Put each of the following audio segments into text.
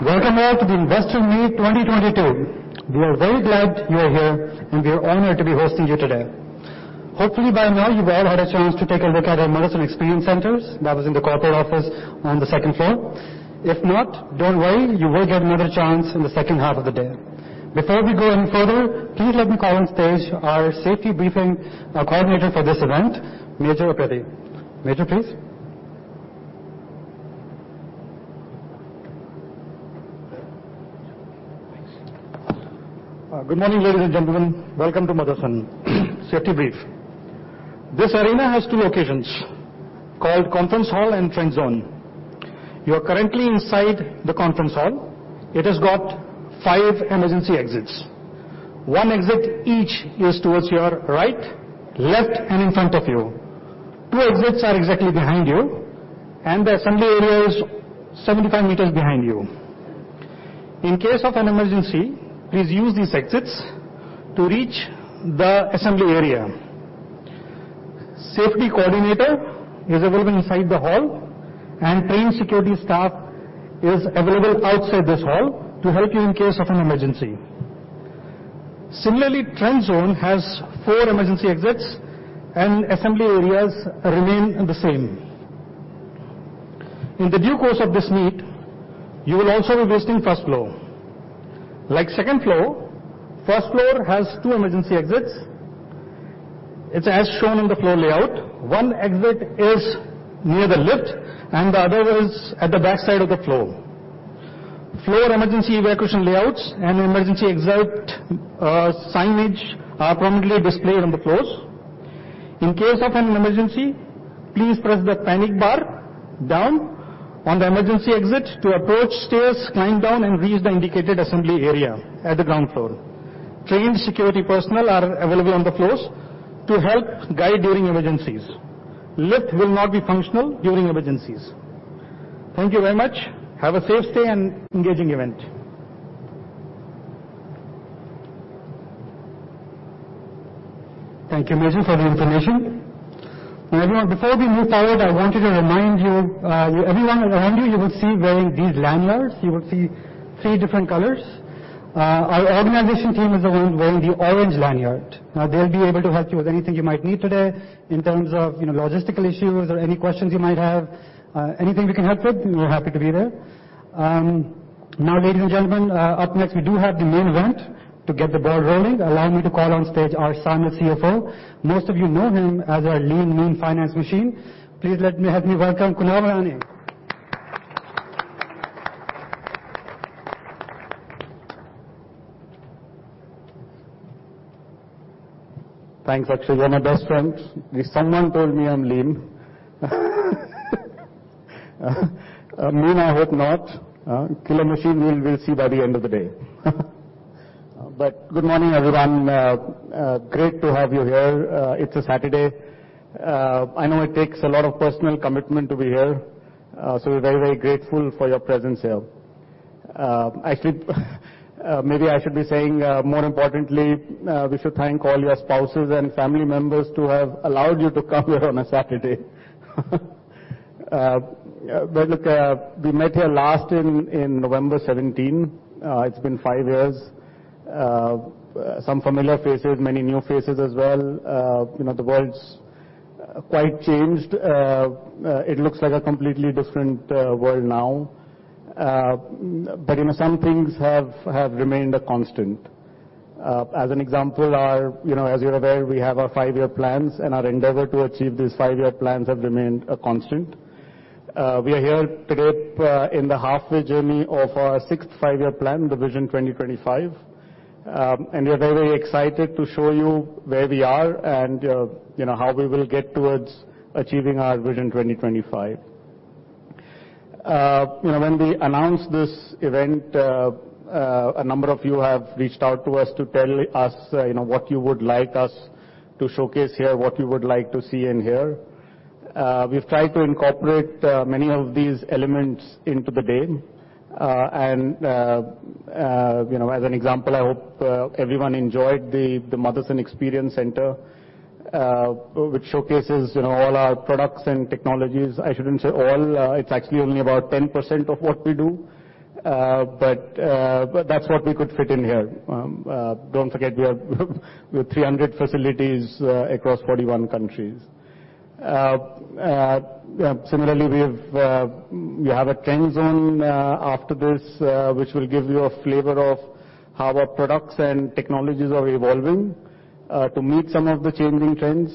Welcome all to the Investor Meet 2022. We are very glad you are here, and we are honored to be hosting you today. Hopefully by now you've all had a chance to take a look at our Motherson Experience Centers. That was in the corporate office on the second floor. If not, don't worry, you will get another chance in the H2 of the day. Before we go any further, please let me call on stage our safety briefing coordinator for this event, Major Appetti. Major, please. Good morning, ladies and gentlemen. Welcome to Motherson. Safety brief. This arena has two locations called Conference Hall and Trend Zone. You are currently inside the Conference Hall. It has got five emergency exits. one exit each is towards your right, left, and in front of you. two exits are exactly behind you, and the assembly area is 75 meters behind you. In case of an emergency, please use these exits to reach the assembly area. Safety coordinator is available inside the hall, and trained security staff is available outside this hall to help you in case of an emergency. Similarly, Trend Zone has four emergency exits, and assembly areas remain the same. In the due course of this meet, you will also be visiting first floor. Like second floor, first floor has four emergency exits. It's as shown in the floor layout. One exit is near the lift and the other is at the back side of the floor. Floor emergency evacuation layouts and emergency exit signage are prominently displayed on the floors. In case of an emergency, please press the panic bar down on the emergency exit to approach stairs, climb down and reach the indicated assembly area at the ground floor. Trained security personnel are available on the floors to help guide during emergencies. Lift will not be functional during emergencies. Thank you very much. Have a safe stay and engaging event. Thank you, Major, for the information. Everyone, before we move forward, I wanted to remind you, everyone around you will see wearing these lanyards. You will see three different colors. Our organization team is the one wearing the orange lanyard. They'll be able to help you with anything you might need today in terms of, you know, logistical issues or any questions you might have. Anything we can help with, we're happy to be there. Ladies and gentlemen, up next, we do have the main event to get the ball rolling. Allow me to call on stage our silent CFO. Most of you know him as our lean, mean finance machine. Help me welcome Kunal Kothari. Thanks, Akshay. You're my best friend. If someone told me I'm lean, mean, I hope not. Killer machine, we'll see by the end of the day. Good morning, everyone. Great to have you here. It's a Saturday. I know it takes a lot of personal commitment to be here, so we're very, very grateful for your presence here. Actually, maybe I should be saying, more importantly, we should thank all your spouses and family members to have allowed you to come here on a Saturday. Look, we met here last in November 17. It's been five years. Some familiar faces, many new faces as well. You know, the world's quite changed. It looks like a completely different world now. You know, some things have remained a constant. As an example, you know, as you're aware, we have our five-year plans, and our endeavor to achieve these five-year plans have remained a constant. We are here today, in the halfway journey of our sixth five-year plan, the Vision 2025. We are very excited to show you where we are and, you know, how we will get towards achieving our Vision 2025. You know, when we announced this event, a number of you have reached out to us to tell us, you know, what you would like us to showcase here, what you would like to see and hear. We've tried to incorporate many of these elements into the day. You know, as an example, I hope everyone enjoyed the Motherson Experience Center, which showcases, you know, all our products and technologies. I shouldn't say all. It's actually only about 10% of what we do. That's what we could fit in here. Don't forget we have 300 facilities across 41 countries. Similarly, we've we have a Trend Zone after this, which will give you a flavor of how our products and technologies are evolving to meet some of the changing trends.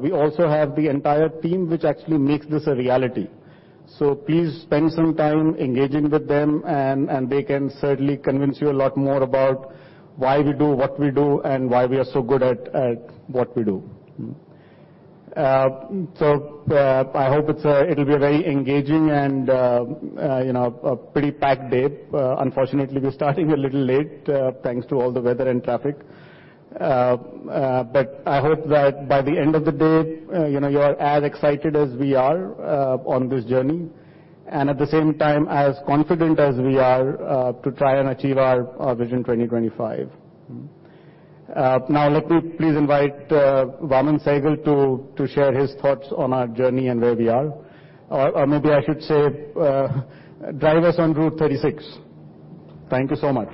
We also have the entire team which actually makes this a reality. Please spend some time engaging with them and they can certainly convince you a lot more about why we do what we do and why we are so good at what we do. I hope it'll be a very engaging and, you know, a pretty packed day. Unfortunately, we're starting a little late, thanks to all the weather and traffic. I hope that by the end of the day, you know, you are as excited as we are on this journey and at the same time, as confident as we are to try and achieve our Vision 2025. Let me please invite Vaaman Sehgal to share his thoughts on our journey and where we are. Maybe I should say, drive us on Route 36. Thank you so much.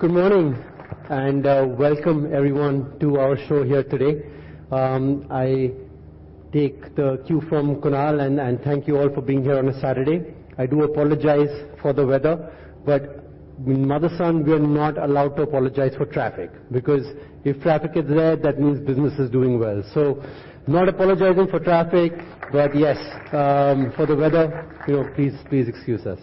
Good morning, welcome everyone to our show here today. I take the cue from Kunal and thank you all for being here on a Saturday. I do apologize for the weather, but in Motherson, we are not allowed to apologize for traffic, because if traffic is there, that means business is doing well. Not apologizing for traffic, but yes, for the weather, you know, please excuse us.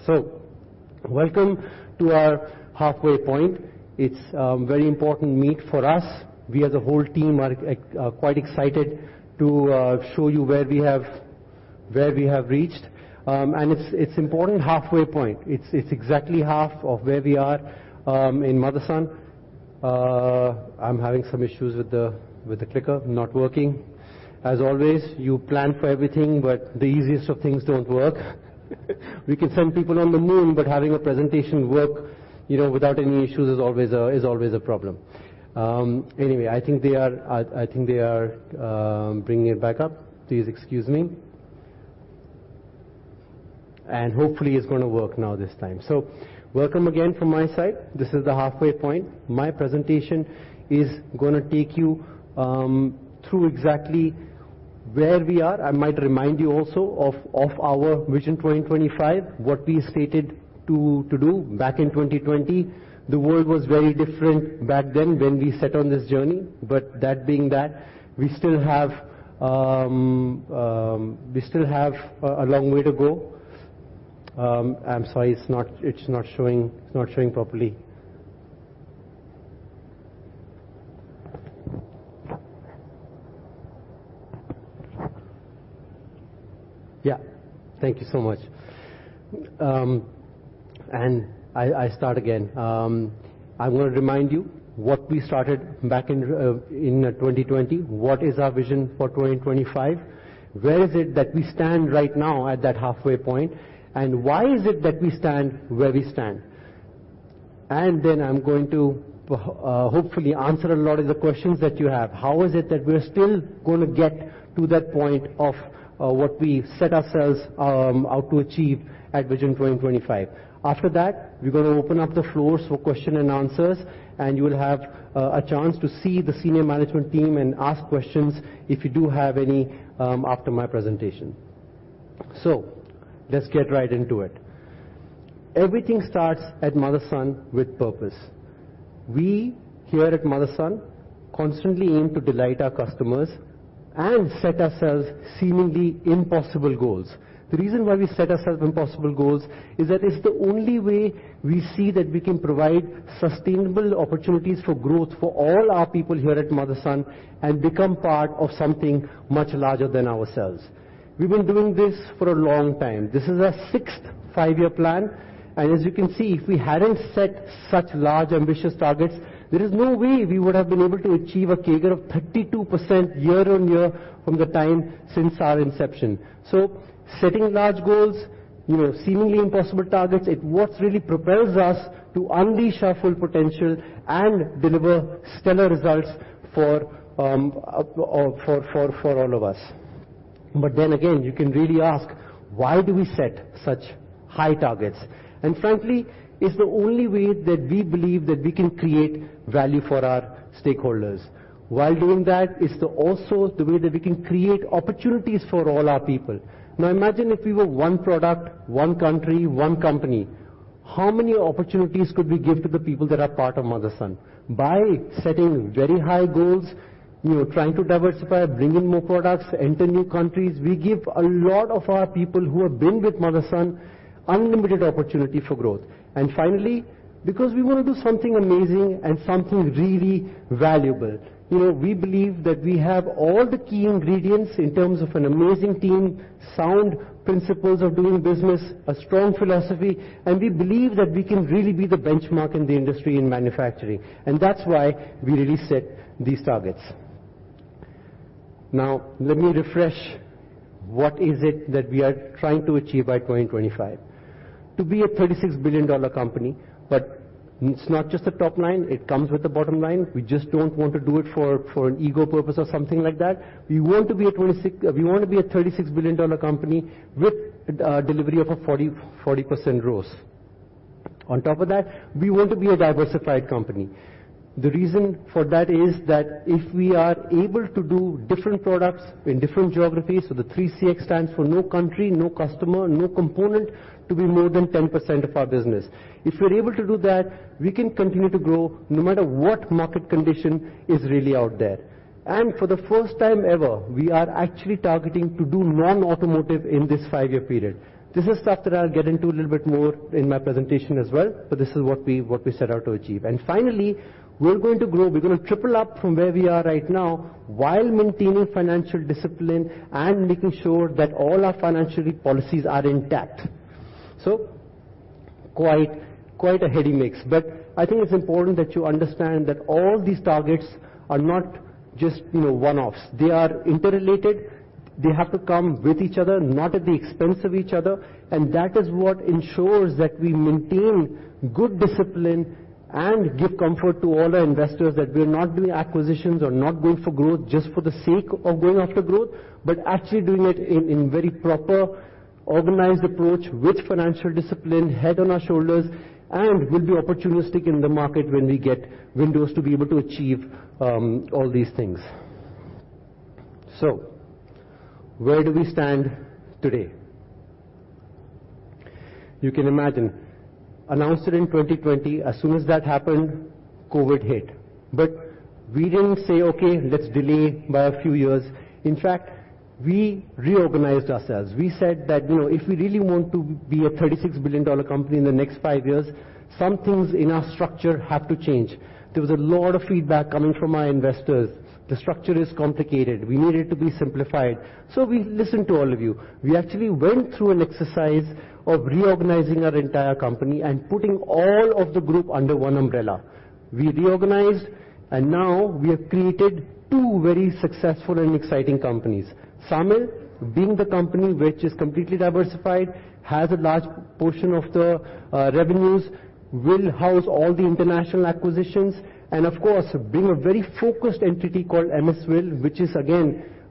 Welcome to our halfway point. It's a very important meet for us. We as a whole team are quite excited to show you where we have reached. It's important halfway point. It's exactly half of where we are in Motherson. I'm having some issues with the clicker, not working. As always, you plan for everything, but the easiest of things don't work. We can send people on the moon, but having a presentation work, you know, without any issues is always a problem. Anyway, I think they are bringing it back up. Please excuse me. Hopefully, it's gonna work now this time. Welcome again from my side. This is the halfway point. My presentation is gonna take you through exactly where we are. I might remind you also of our Vision 2025, what we stated to do back in 2020. The world was very different back then when we set on this journey, but that being that, we still have a long way to go. I'm sorry, it's not showing properly. Yeah. Thank you so much. I start again. I want to remind you what we started back in 2020. What is our Vision for 2025? Where is it that we stand right now at that halfway point? Why is it that we stand where we stand? I'm going to hopefully answer a lot of the questions that you have. How is it that we're still gonna get to that point of what we've set ourselves out to achieve at Vision 2025. After that, we're gonna open up the floors for question and answers, and you will have a chance to see the senior management team and ask questions if you do have any after my presentation. Let's get right into it. Everything starts at Motherson with purpose. We here at Motherson constantly aim to delight our customers and set ourselves seemingly impossible goals. The reason why we set ourselves impossible goals is that it's the only way we see that we can provide sustainable opportunities for growth for all our people here at Motherson and become part of something much larger than ourselves. We've been doing this for a long time. This is our sixth five-year plan. As you can see, if we hadn't set such large, ambitious targets, there is no way we would have been able to achieve a CAGR of 32% year-on-year from the time since our inception. Setting large goals, you know, seemingly impossible targets, what's really propels us to unleash our full potential and deliver stellar results for all of us. Again, you can really ask, why do we set such high targets? Frankly, it's the only way that we believe that we can create value for our stakeholders. While doing that, it's the also the way that we can create opportunities for all our people. Imagine if we were one product, one country, one company. How many opportunities could we give to the people that are part of Motherson? By setting very high goals, you know, trying to diversify, bring in more products, enter new countries, we give a lot of our people who have been with Motherson unlimited opportunity for growth. Finally, because we wanna do something amazing and something really valuable. You know, we believe that we have all the key ingredients in terms of an amazing team, sound principles of doing business, a strong philosophy, and we believe that we can really be the benchmark in the industry in manufacturing. That's why we really set these targets. Now, let me refresh what is it that we are trying to achieve by 2025. To be a $36 billion company, but it's not just the top line, it comes with the bottom line. We just don't want to do it for an ego purpose or something like that. We wanna be a $36 billion company with delivery of a 40% growth. On top of that, we want to be a diversified company. The reason for that is that if we are able to do different products in different geographies, so the 3CX stands for no country, no customer, no component to be more than 10% of our business. If we're able to do that, we can continue to grow no matter what market condition is really out there. For the first time ever, we are actually targeting to do non-automotive in this five-year period. This is stuff that I'll get into a little bit more in my presentation as well. This is what we set out to achieve. Finally, we're gonna triple up from where we are right now while maintaining financial discipline and making sure that all our financial policies are intact. Quite a heady mix. I think it's important that you understand that all these targets are not just, you know, one-offs. They are interrelated. They have to come with each other, not at the expense of each other. That is what ensures that we maintain good discipline and give comfort to all our investors that we're not doing acquisitions or not going for growth just for the sake of going after growth, but actually doing it in very proper, organized approach with financial discipline, head on our shoulders, and we'll be opportunistic in the market when we get windows to be able to achieve all these things. Where do we stand today? You can imagine. Announced it in 2020. As soon as that happened, COVID hit. We didn't say, "Okay, let's delay by a few years." In fact, we reorganized ourselves. We said that, you know, if we really want to be a $36 billion company in the next five years, some things in our structure have to change. There was a lot of feedback coming from our investors. The structure is complicated. We need it to be simplified. We listened to all of you. We actually went through an exercise of reorganizing our entire company and putting all of the group under one umbrella. We reorganized, now we have created two very successful and exciting companies. SAMIL, being the company which is completely diversified, has a large portion of the revenues, will house all the international acquisitions, of course, being a very focused entity called MSWIL, which is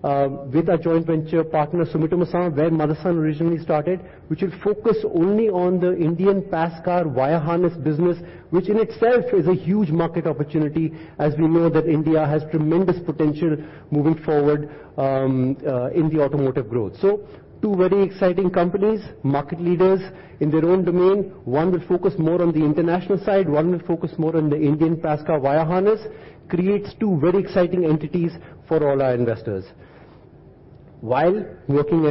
again, with our joint venture partner, Sumitomo San, where Motherson originally started, which is focused only on the Indian PAS car wire harness business, which in itself is a huge market opportunity, as we know that India has tremendous potential moving forward, in the automotive growth. Two very exciting companies, market leaders in their own domain. One will focus more on the international side, one will focus more on the Indian PAS car wire harness, creates two very exciting entities for all our investors while working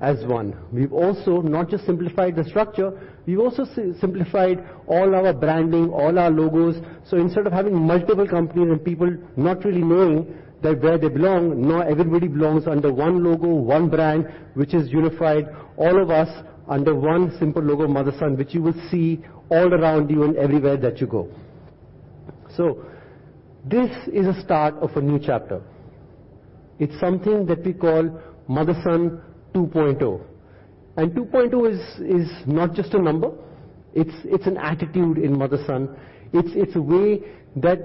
as one. We've also not just simplified the structure, we've also simplified all our branding, all our logos. Instead of having multiple companies and people not really knowing that where they belong, now everybody belongs under one logo, one brand, which has unified all of us under one simple logo, Motherson, which you will see all around you and everywhere that you go. This is a start of a new chapter. It's something that we call Motherson 2.0. 2.0 is not just a number. It's an attitude in Motherson. It's a way that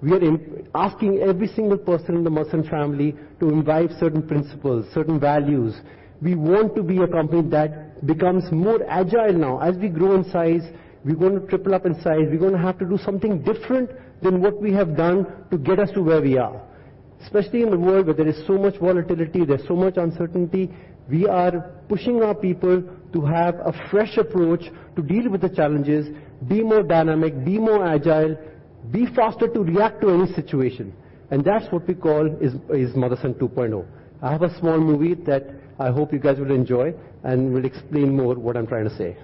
we are in... asking every single person in the Motherson family to imbibe certain principles, certain values. We want to be a company that becomes more agile now. As we grow in size, we're gonna triple up in size, we're gonna have to do something different than what we have done to get us to where we are. Especially in a world where there is so much volatility, there's so much uncertainty, we are pushing our people to have a fresh approach to deal with the challenges, be more dynamic, be more agile, be faster to react to any situation, and that's what we call is Motherson 2.0. I have a small movie that I hope you guys will enjoy and will explain more what I'm trying to say.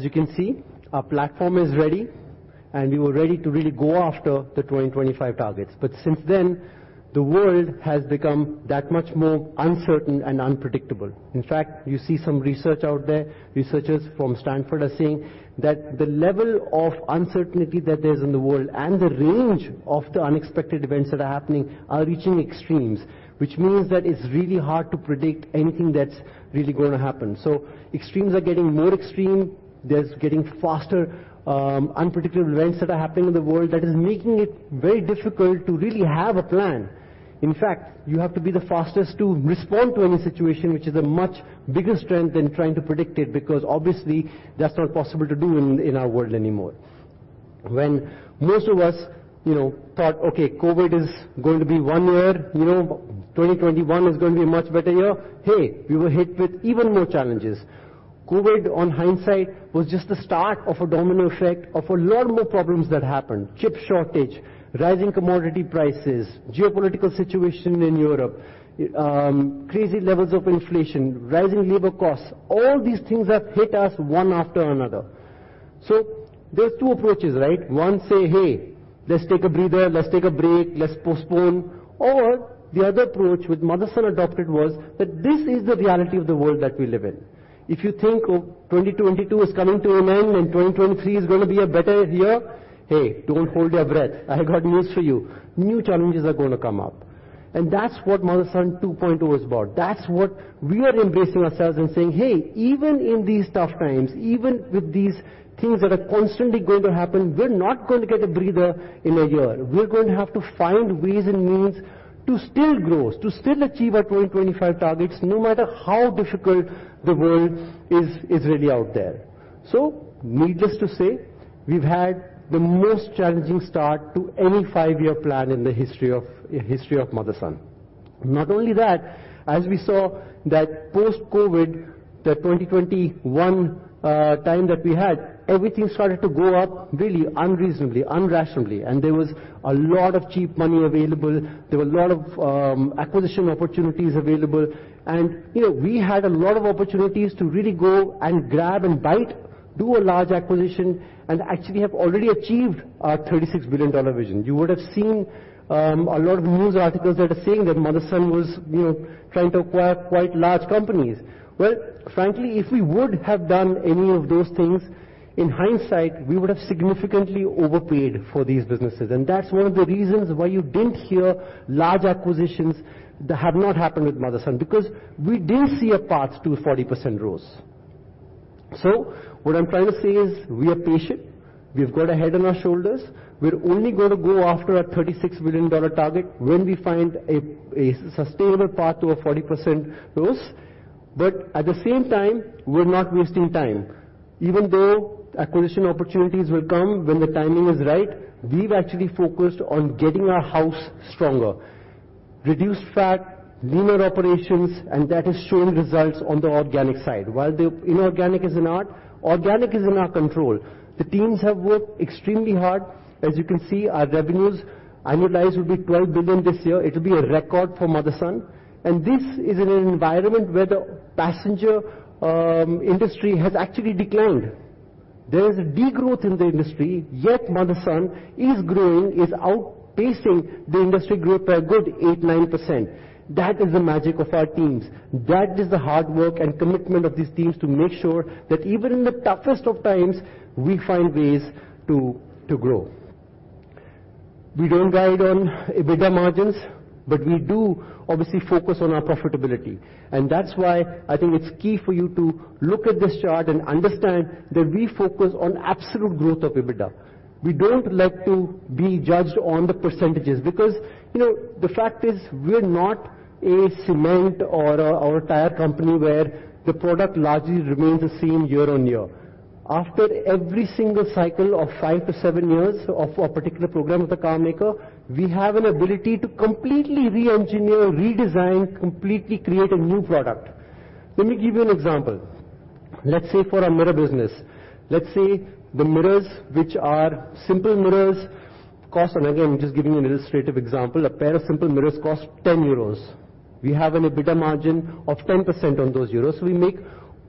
As you can see, our platform is ready, and we were ready to really go after the 2025 targets. Since then, the world has become that much more uncertain and unpredictable. You see some research out there. Researchers from Stanford are saying that the level of uncertainty that there is in the world and the range of the unexpected events that are happening are reaching extremes, which means that it's really hard to predict anything that's really gonna happen. Extremes are getting more extreme. There's getting faster, unpredictable events that are happening in the world that is making it very difficult to really have a plan. You have to be the fastest to respond to any situation, which is a much bigger strength than trying to predict it, because obviously, that's not possible to do in our world anymore. When most of us, you know, thought, "Okay, COVID is going to be one year. You know, 2021 is going to be a much better year," hey, we were hit with even more challenges. COVID on hindsight was just the start of a domino effect of a lot more problems that happened. Chip shortage, rising commodity prices, geopolitical situation in Europe, crazy levels of inflation, rising labor costs, all these things have hit us one after another. There's two approaches, right? One say, "Hey, let's take a breather. Let's take a break. Let's postpone." The other approach, which Motherson adopted was that this is the reality of the world that we live in. If you think 2022 is coming to an end and 2023 is gonna be a better year, hey, don't hold your breath. I have got news for you. New challenges are gonna come up, and that's what Motherson 2.0 is about. That's what we are embracing ourselves and saying, "Hey, even in these tough times, even with these things that are constantly going to happen, we're not going to get a breather in a year. We're going to have to find ways and means to still grow, to still achieve our 2025 targets, no matter how difficult the world is really out there." Needless to say, we've had the most challenging start to any 5-year plan in the history of Motherson. Not only that, as we saw that post-COVID, the 2021 time that we had, everything started to go up, really unreasonably, irrationally, and there was a lot of cheap money available. There were a lot of acquisition opportunities available, and, you know, we had a lot of opportunities to really go and grab and bite, do a large acquisition, and actually have already achieved our $36 billion vision. You would have seen a lot of news articles that are saying that Motherson was, you know, trying to acquire quite large companies. Frankly, if we would have done any of those things, in hindsight, we would have significantly overpaid for these businesses. That's one of the reasons why you didn't hear large acquisitions that have not happened with Motherson because we did see a path to 40% growth. What I'm trying to say is we are patient. We've got a head on our shoulders. We're only gonna go after our $36 billion target when we find a sustainable path to a 40% growth. At the same time, we're not wasting time. Even though acquisition opportunities will come when the timing is right, we've actually focused on getting our house stronger. Reduce fat, leaner operations, and that has shown results on the organic side. Organic is in our control. The teams have worked extremely hard. As you can see, our revenues annualized will be $12 billion this year. It'll be a record for Motherson. This is in an environment where the passenger industry has actually declined. There is a degrowth in the industry, yet Motherson is growing, is outpacing the industry growth a good 8%, 9%. That is the magic of our teams. That is the hard work and commitment of these teams to make sure that even in the toughest of times we find ways to grow. We don't guide on EBITDA margins, but we do obviously focus on our profitability. That's why I think it's key for you to look at this chart and understand that we focus on absolute growth of EBITDA. We don't like to be judged on the percentages because, you know, the fact is we're not a cement or a tire company where the product largely remains the same year-on-year. After every single cycle of five to seven years of a particular program with a carmaker, we have an ability to completely re-engineer, redesign, completely create a new product. Let me give you an example. Let's say for our mirror business. Let's say the mirrors which are simple mirrors cost, and again, just giving you an illustrative example, a pair of simple mirrors cost 10 euros. We have an EBITDA margin of 10% on those EUR. We make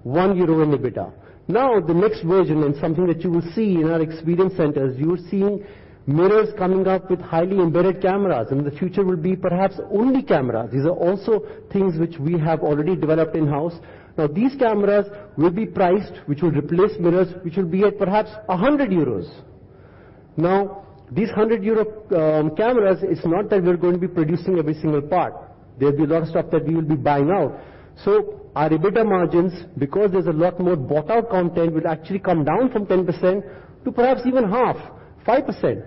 1 euro in EBITDA. The next version and something that you will see in our Experience Centers, you're seeing mirrors coming up with highly embedded cameras, and the future will be perhaps only camera. These are also things which we have already developed in-house. These cameras will be priced, which will replace mirrors, which will be at perhaps 100 euros. These 100 euro cameras, it's not that we're going to be producing every single part. There'll be a lot of stuff that we will be buying out. Our EBITDA margins, because there's a lot more bought out content, will actually come down from 10% to perhaps even half, 5%.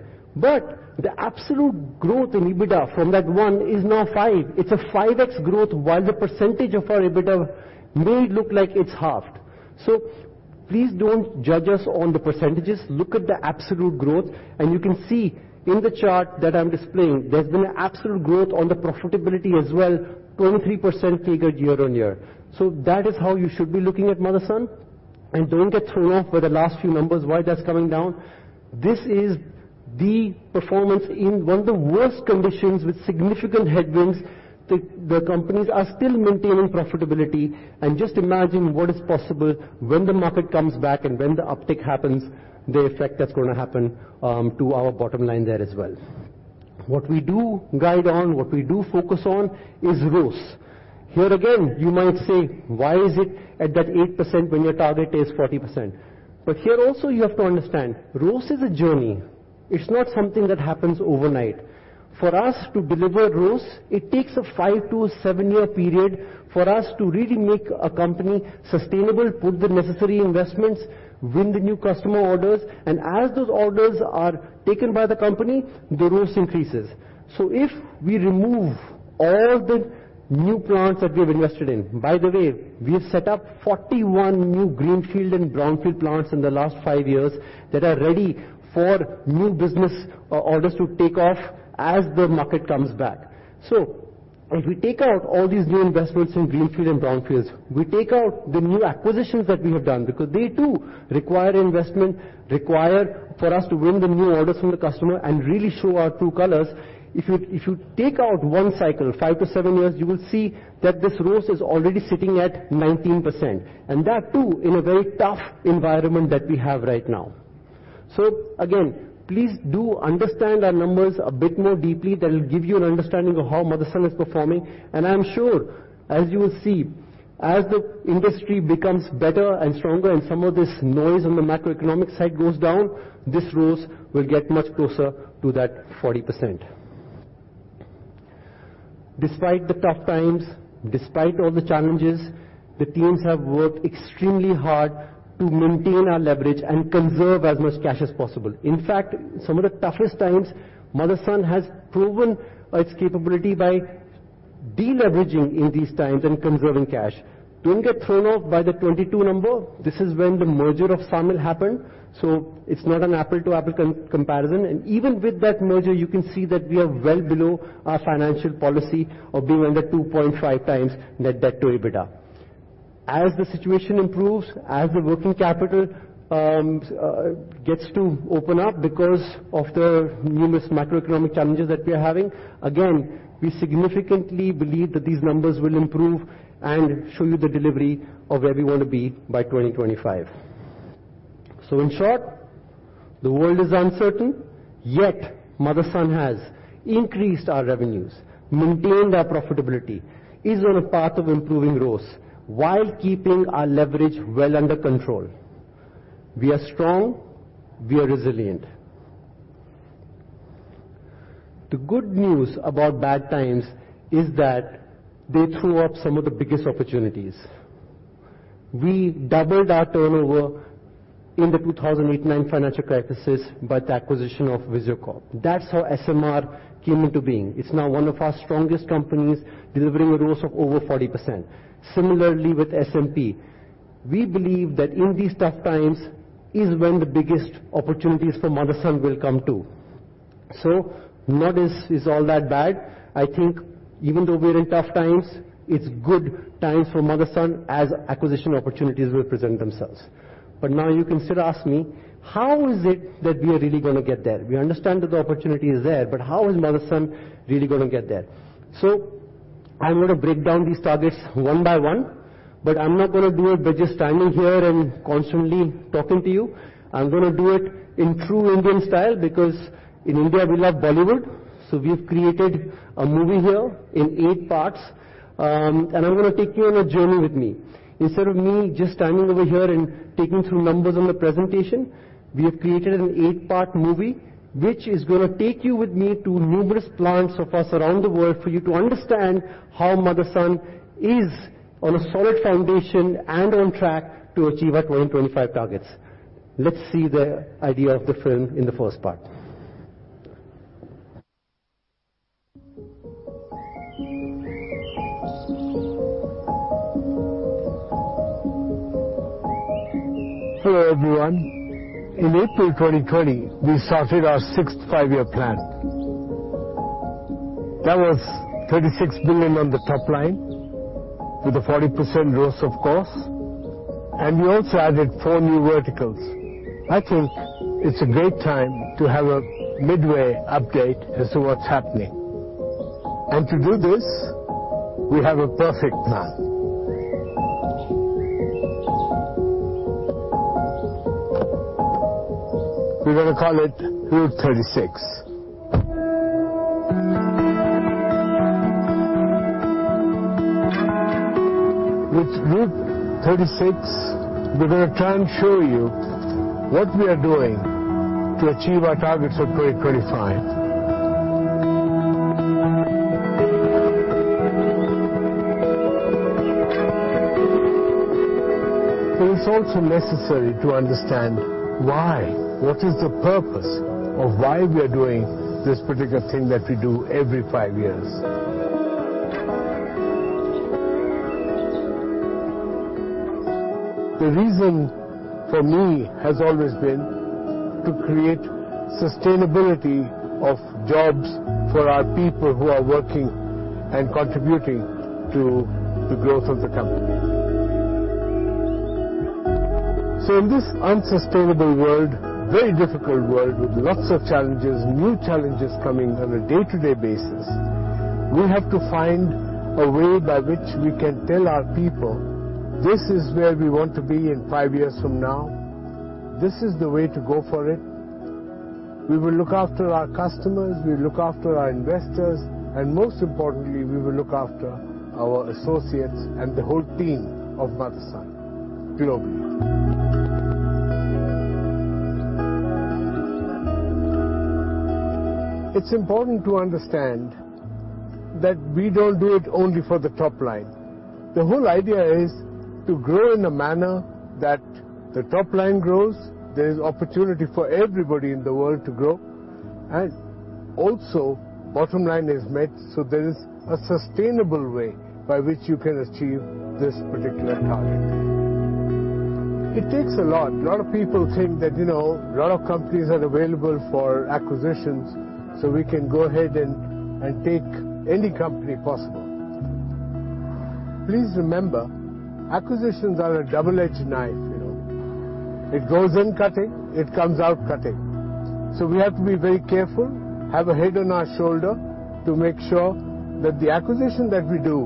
The absolute growth in EBITDA from that 1x is now 5x. It's a 5x growth while the percentage of our EBITDA may look like it's halved. Please don't judge us on the percentages. Look at the absolute growth, and you can see in the chart that I'm displaying, there's been absolute growth on the profitability as well, 23% CAGR year-on-year. That is how you should be looking at Motherson, and don't get thrown off by the last few numbers why that's coming down. This is the performance in one of the worst conditions with significant headwinds. The companies are still maintaining profitability and just imagine what is possible when the market comes back and when the uptick happens, the effect that's gonna happen to our bottom line there as well. What we do guide on, what we do focus on is ROAS. Here again, you might say, "Why is it at that 8% when your target is 40%?" Here also you have to understand, ROAS is a journey. It's not something that happens overnight. For us to deliver ROAS, it takes a five to seven-year period for us to really make a company sustainable, put the necessary investments, win the new customer orders, and as those orders are taken by the company, the ROAS increases. If we remove all the new plants that we've invested in... By the way, we've set up 41 new greenfield and brownfield plants in the last five years that are ready for new business orders to take off as the market comes back. As we take out all these new investments in greenfield and brownfields, we take out the new acquisitions that we have done, because they, too, require investment, require for us to win the new orders from the customer and really show our true colors. If you take out one cycle, five to seven years, you will see that this growth is already sitting at 19%, and that too in a very tough environment that we have right now. Again, please do understand our numbers a bit more deeply. That will give you an understanding of how Motherson is performing. I am sure, as you will see, as the industry becomes better and stronger and some of this noise on the macroeconomic side goes down, this growth will get much closer to that 40%. Despite the tough times, despite all the challenges, the teams have worked extremely hard to maintain our leverage and conserve as much cash as possible. In fact, some of the toughest times Motherson has proven its capability by de-leveraging in these times and conserving cash. Don't get thrown off by the 22 number. This is when the merger of SAMIL happened, so it's not an apple to apple comparison. Even with that merger, you can see that we are well below our financial policy of being under 2.5 times net debt to EBITDA. As the situation improves, as the working capital gets to open up because of the numerous macroeconomic challenges that we are having, again, we significantly believe that these numbers will improve and show you the delivery of where we wanna be by 2025. In short, the world is uncertain. Yet Motherson has increased our revenues, maintained our profitability, is on a path of improving growth while keeping our leverage well under control. We are strong. We are resilient. The good news about bad times is that they throw up some of the biggest opportunities. We doubled our turnover in the 2008-2009 financial crisis by the acquisition of Visiocorp. That's how SMR came into being. It's now one of our strongest companies, delivering a growth of over 40%. Similarly, with SMP, we believe that in these tough times is when the biggest opportunities for Motherson will come too. Not as is all that bad. I think even though we're in tough times, it's good times for Motherson as acquisition opportunities will present themselves. You can still ask me, "How is it that we are really gonna get there? We understand that the opportunity is there, but how is Motherson really gonna get there?" I'm gonna break down these targets one by one, but I'm not gonna do it by just standing here and constantly talking to you. I'm gonna do it in true Indian style, because in India we love Bollywood. We have created a movie here in eight parts, and I'm gonna take you on a journey with me. Instead of me just standing over here and taking through numbers on the presentation, we have created an 8-part movie, which is gonna take you with me to numerous plants of us around the world for you to understand how Motherson is on a solid foundation and on track to achieve our 2025 targets. Let's see the idea of the film in the first part. Hello, everyone. In April 2020, we started our sixth five-year plan. That was $36 billion on the top line with a 40% growth, of course, and we also added four new verticals. I think it's a great time to have a midway update as to what's happening. To do this, we have a perfect plan. We're gonna call it Route 36. With Route 36, we're gonna try and show you what we are doing to achieve our targets for 2025. It's also necessary to understand why. What is the purpose of why we are doing this particular thing that we do every five years? The reason for me has always been to create sustainability of jobs for our people who are working and contributing to the growth of the company. In this unsustainable world, very difficult world, with lots of challenges, new challenges coming on a day-to-day basis, we have to find a way by which we can tell our people, "This is where we want to be in five years from now. This is the way to go for it. We will look after our customers, we'll look after our investors, and most importantly, we will look after our associates and the whole team of Motherson globally." It's important to understand that we don't do it only for the top line. The whole idea is to grow in a manner that the top line grows, there is opportunity for everybody in the world to grow, and also bottom line is met, so there is a sustainable way by which you can achieve this particular target. It takes a lot. A lot of people think that, you know, a lot of companies are available for acquisitions, so we can go ahead and take any company possible. Please remember, acquisitions are a double-edged knife, you know. It goes in cutting, it comes out cutting. We have to be very careful, have a head on our shoulder to make sure that the acquisition that we do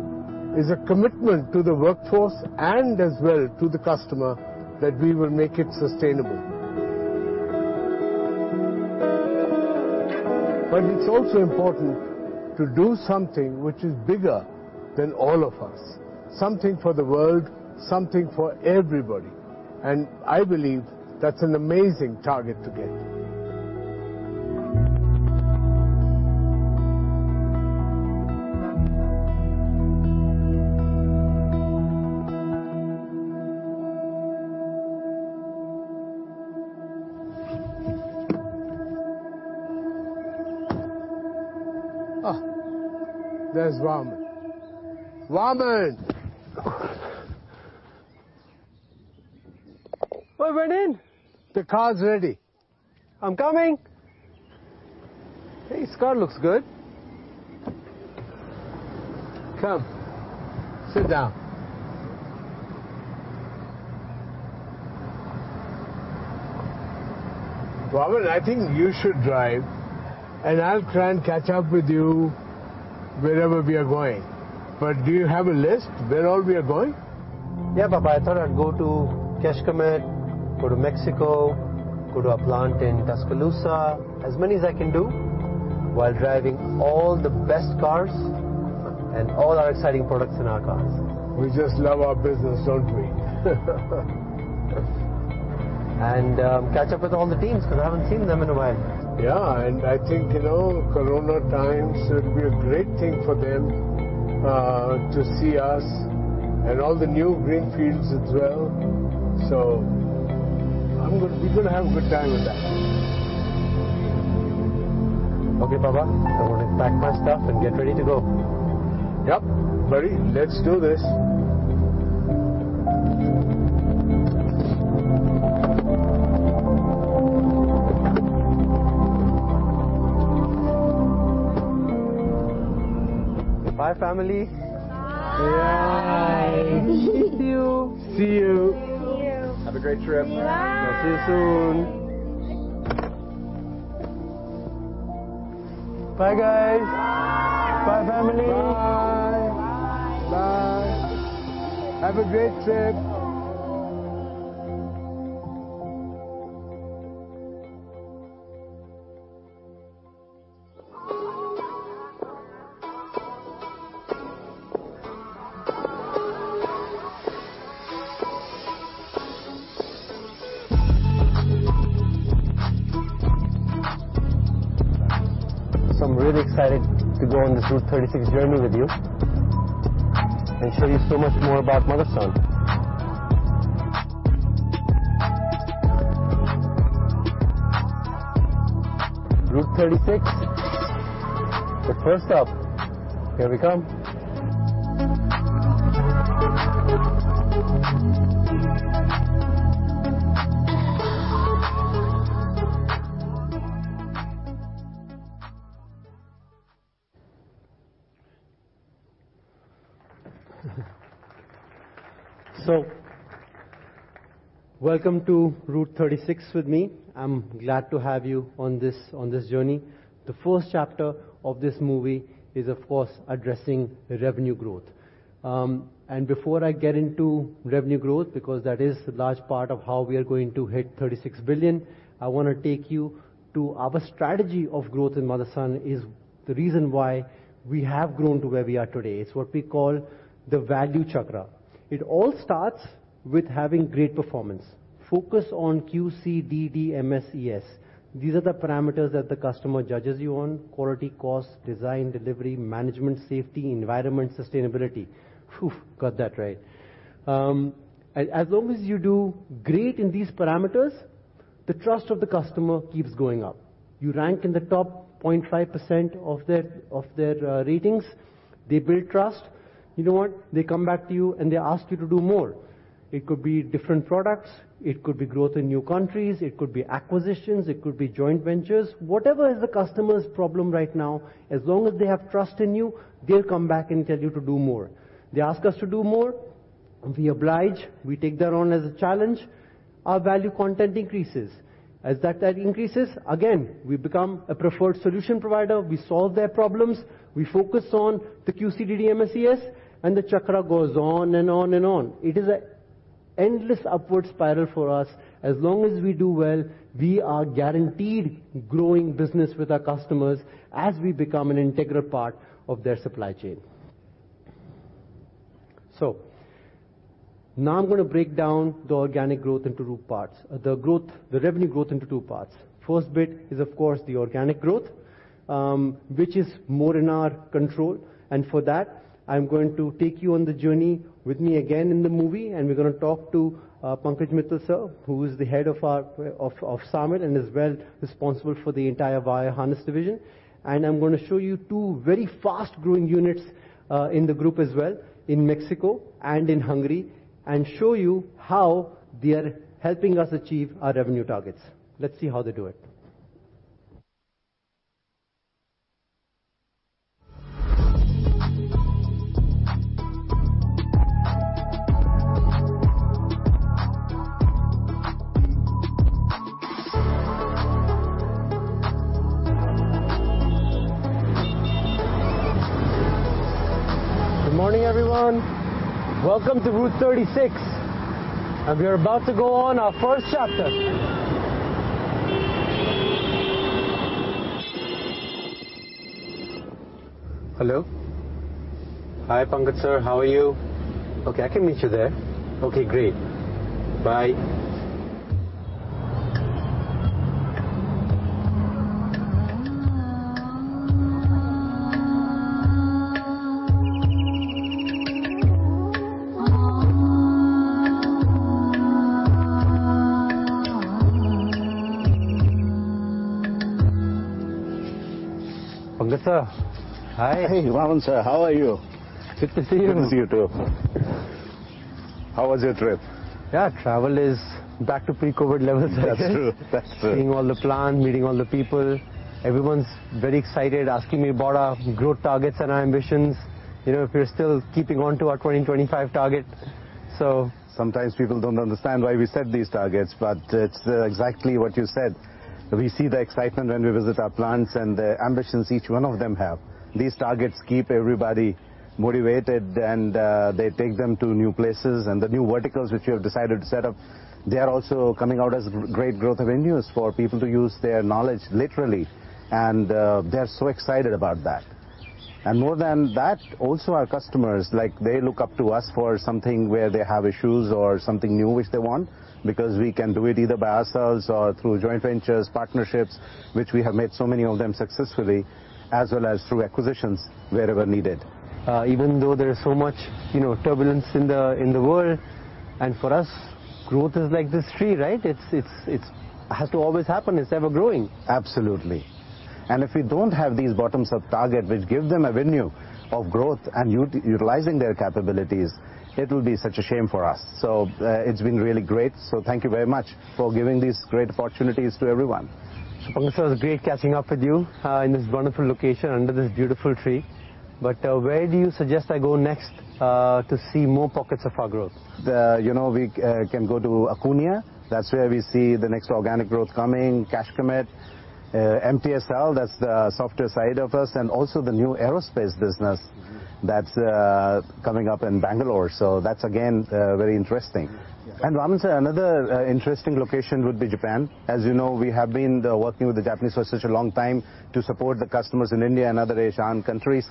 is a commitment to the workforce and as well to the customer that we will make it sustainable. It's also important to do something which is bigger than all of us. Something for the world, something for everybody. I believe that's an amazing target to get. There's Raman. Raman! Oi, Rinin. The car's ready. I'm coming. Hey, this car looks good. Come, sit down. Raman, I think you should drive, and I'll try and catch up with you wherever we are going. Do you have a list where all we are going? Yeah, Papa. I thought I'd go to Kecskemét, go to Mexico, go to our plant in Tuscaloosa. As many as I can do while driving all the best cars and all our exciting products in our cars. We just love our business, don't we? Catch up with all the teams 'cause I haven't seen them in a while. Yeah. I think, you know, corona times, it'll be a great thing for them to see us and all the new greenfields as well. We're gonna have a good time with that. Okay, Papa. I'm gonna pack my stuff and get ready to go. Yep. Ready. Let's do this. Bye, family. Bye. See you. See you. See you. Have a great trip. Bye. We'll see you soon. Bye, guys. Bye. Bye, family. Bye. Bye. Bye. Have a great trip. Bye. I'm really excited to go on this Route 36 journey with you and show you so much more about Motherson. Route 36. The first stop. Here we come. Welcome to Route 36 with me. I'm glad to have you on this journey. The first chapter of this movie is, of course, addressing revenue growth. Before I get into revenue growth, because that is a large part of how we are going to hit $36 billion, I want to take you to our strategy of growth in Motherson is the reason why we have grown to where we are today. It's what we call the value chakra. It all starts with having great performance. Focus on QCDDMSES. These are the parameters that the customer judges you on: quality, cost, design, delivery, management, safety, environment, sustainability. Phew, got that right. As long as you do great in these parameters, the trust of the customer keeps going up. You rank in the top 0.5% of their ratings. They build trust. You know what? They come back to you, and they ask you to do more. It could be different products. It could be growth in new countries. It could be acquisitions. It could be joint ventures. Whatever is the customer's problem right now, as long as they have trust in you, they'll come back and tell you to do more. They ask us to do more, we oblige. We take that on as a challenge. Our value content increases. As that increases, again, we become a preferred solution provider. We solve their problems. We focus on the QCDDMSES, and the chakra goes on and on and on. It is an endless upward spiral for us. As long as we do well, we are guaranteed growing business with our customers as we become an integral part of their supply chain. Now I'm gonna break down the organic growth into two parts. The revenue growth into two parts. First bit is, of course, the organic growth, which is more in our control. For that, I'm gonna take you on the journey with me again in the movie, and we're gonna talk to Pankaj Mital, sir, who is the head of our SAMIL and is well responsible for the entire wire harness division. I'm gonna show you two very fast-growing units in the group as well, in Mexico and in Hungary, and show you how they are helping us achieve our revenue targets. Let's see how they do it. Good morning, everyone. Welcome to Route 36. We are about to go on our first chapter. Hello. Hi, Pankaj Mital sir. How are you? Okay, I can meet you there. Okay, great. Bye. Pankaj Mital sir, hi. Hey, Raman sir. How are you? Good to see you. Good to see you too. How was your trip? Yeah, travel is back to pre-COVID levels. That's true. That's true. Seeing all the plant, meeting all the people. Everyone's very excited, asking me about our growth targets and our ambitions. You know, if we're still keeping on to our 2025 target. Sometimes people don't understand why we set these targets, but it's exactly what you said. We see the excitement when we visit our plants and the ambitions each one of them have. These targets keep everybody motivated, they take them to new places. The new verticals which you have decided to set up, they are also coming out as great growth avenues for people to use their knowledge literally, they're so excited about that. More than that, also our customers, like, they look up to us for something where they have issues or something new which they want, because we can do it either by ourselves or through joint ventures, partnerships, which we have made so many of them successfully, as well as through acquisitions wherever needed. Even though there is so much, you know, turbulence in the world, for us, growth is like this tree, right? It's has to always happen. It's ever growing. Absolutely. If we don't have these bottoms up target, which give them avenue of growth and utilizing their capabilities, it will be such a shame for us. It's been really great, so thank you very much for giving these great opportunities to everyone. Pankaj sir, it was great catching up with you, in this wonderful location under this beautiful tree. Where do you suggest I go next, to see more pockets of our growth? The, you know, we can go to Acuña. That's where we see the next organic growth coming. Kecskemét. MTSL, that's the software side of us, and also the new aerospace business. Mm-hmm. That's coming up in Bangalore, that's again very interesting. Yeah. Raman sir, another interesting location would be Japan. As you know, we have been working with the Japanese for such a long time to support the customers in India and other Asian countries.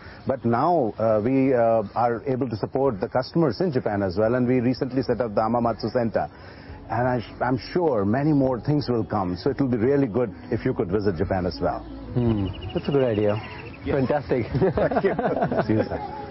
Now, we are able to support the customers in Japan as well, and we recently set up the Hamamatsu Center. I'm sure many more things will come, so it will be really good if you could visit Japan as well. That's a good idea. Yes. Fantastic. Thank you.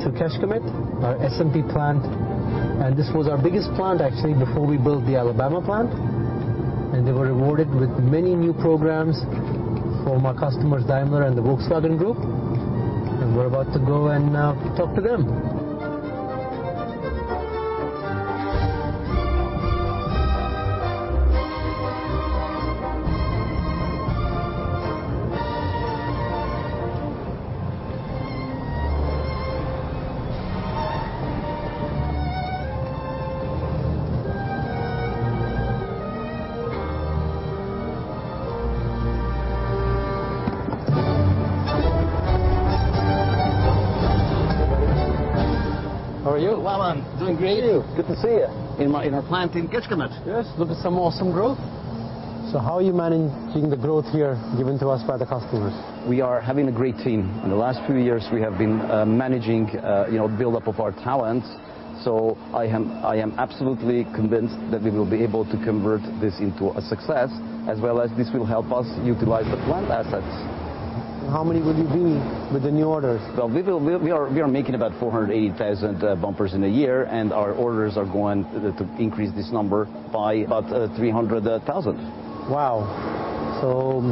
See you sir. Now we're on our way to Kecskemét, our SMP plant, and this was our biggest plant actually before we built the Alabama plant. They were awarded with many new programs from our customers, Daimler and the Volkswagen Group, and we're about to go and talk to them. How are you? Raman. Doing great. You? Good to see you. In our plant in Kecskemét. Yes. Look at some awesome growth. How are you managing the growth here given to us by the customers? We are having a great team. In the last few years, we have been managing, you know, build-up of our talents. I am absolutely convinced that we will be able to convert this into a success, as well as this will help us utilize the plant assets. How many will you be with the new orders? Well, we are making about 480,000 bumpers in a year, and our orders are going to increase this number by about 300,000. Wow.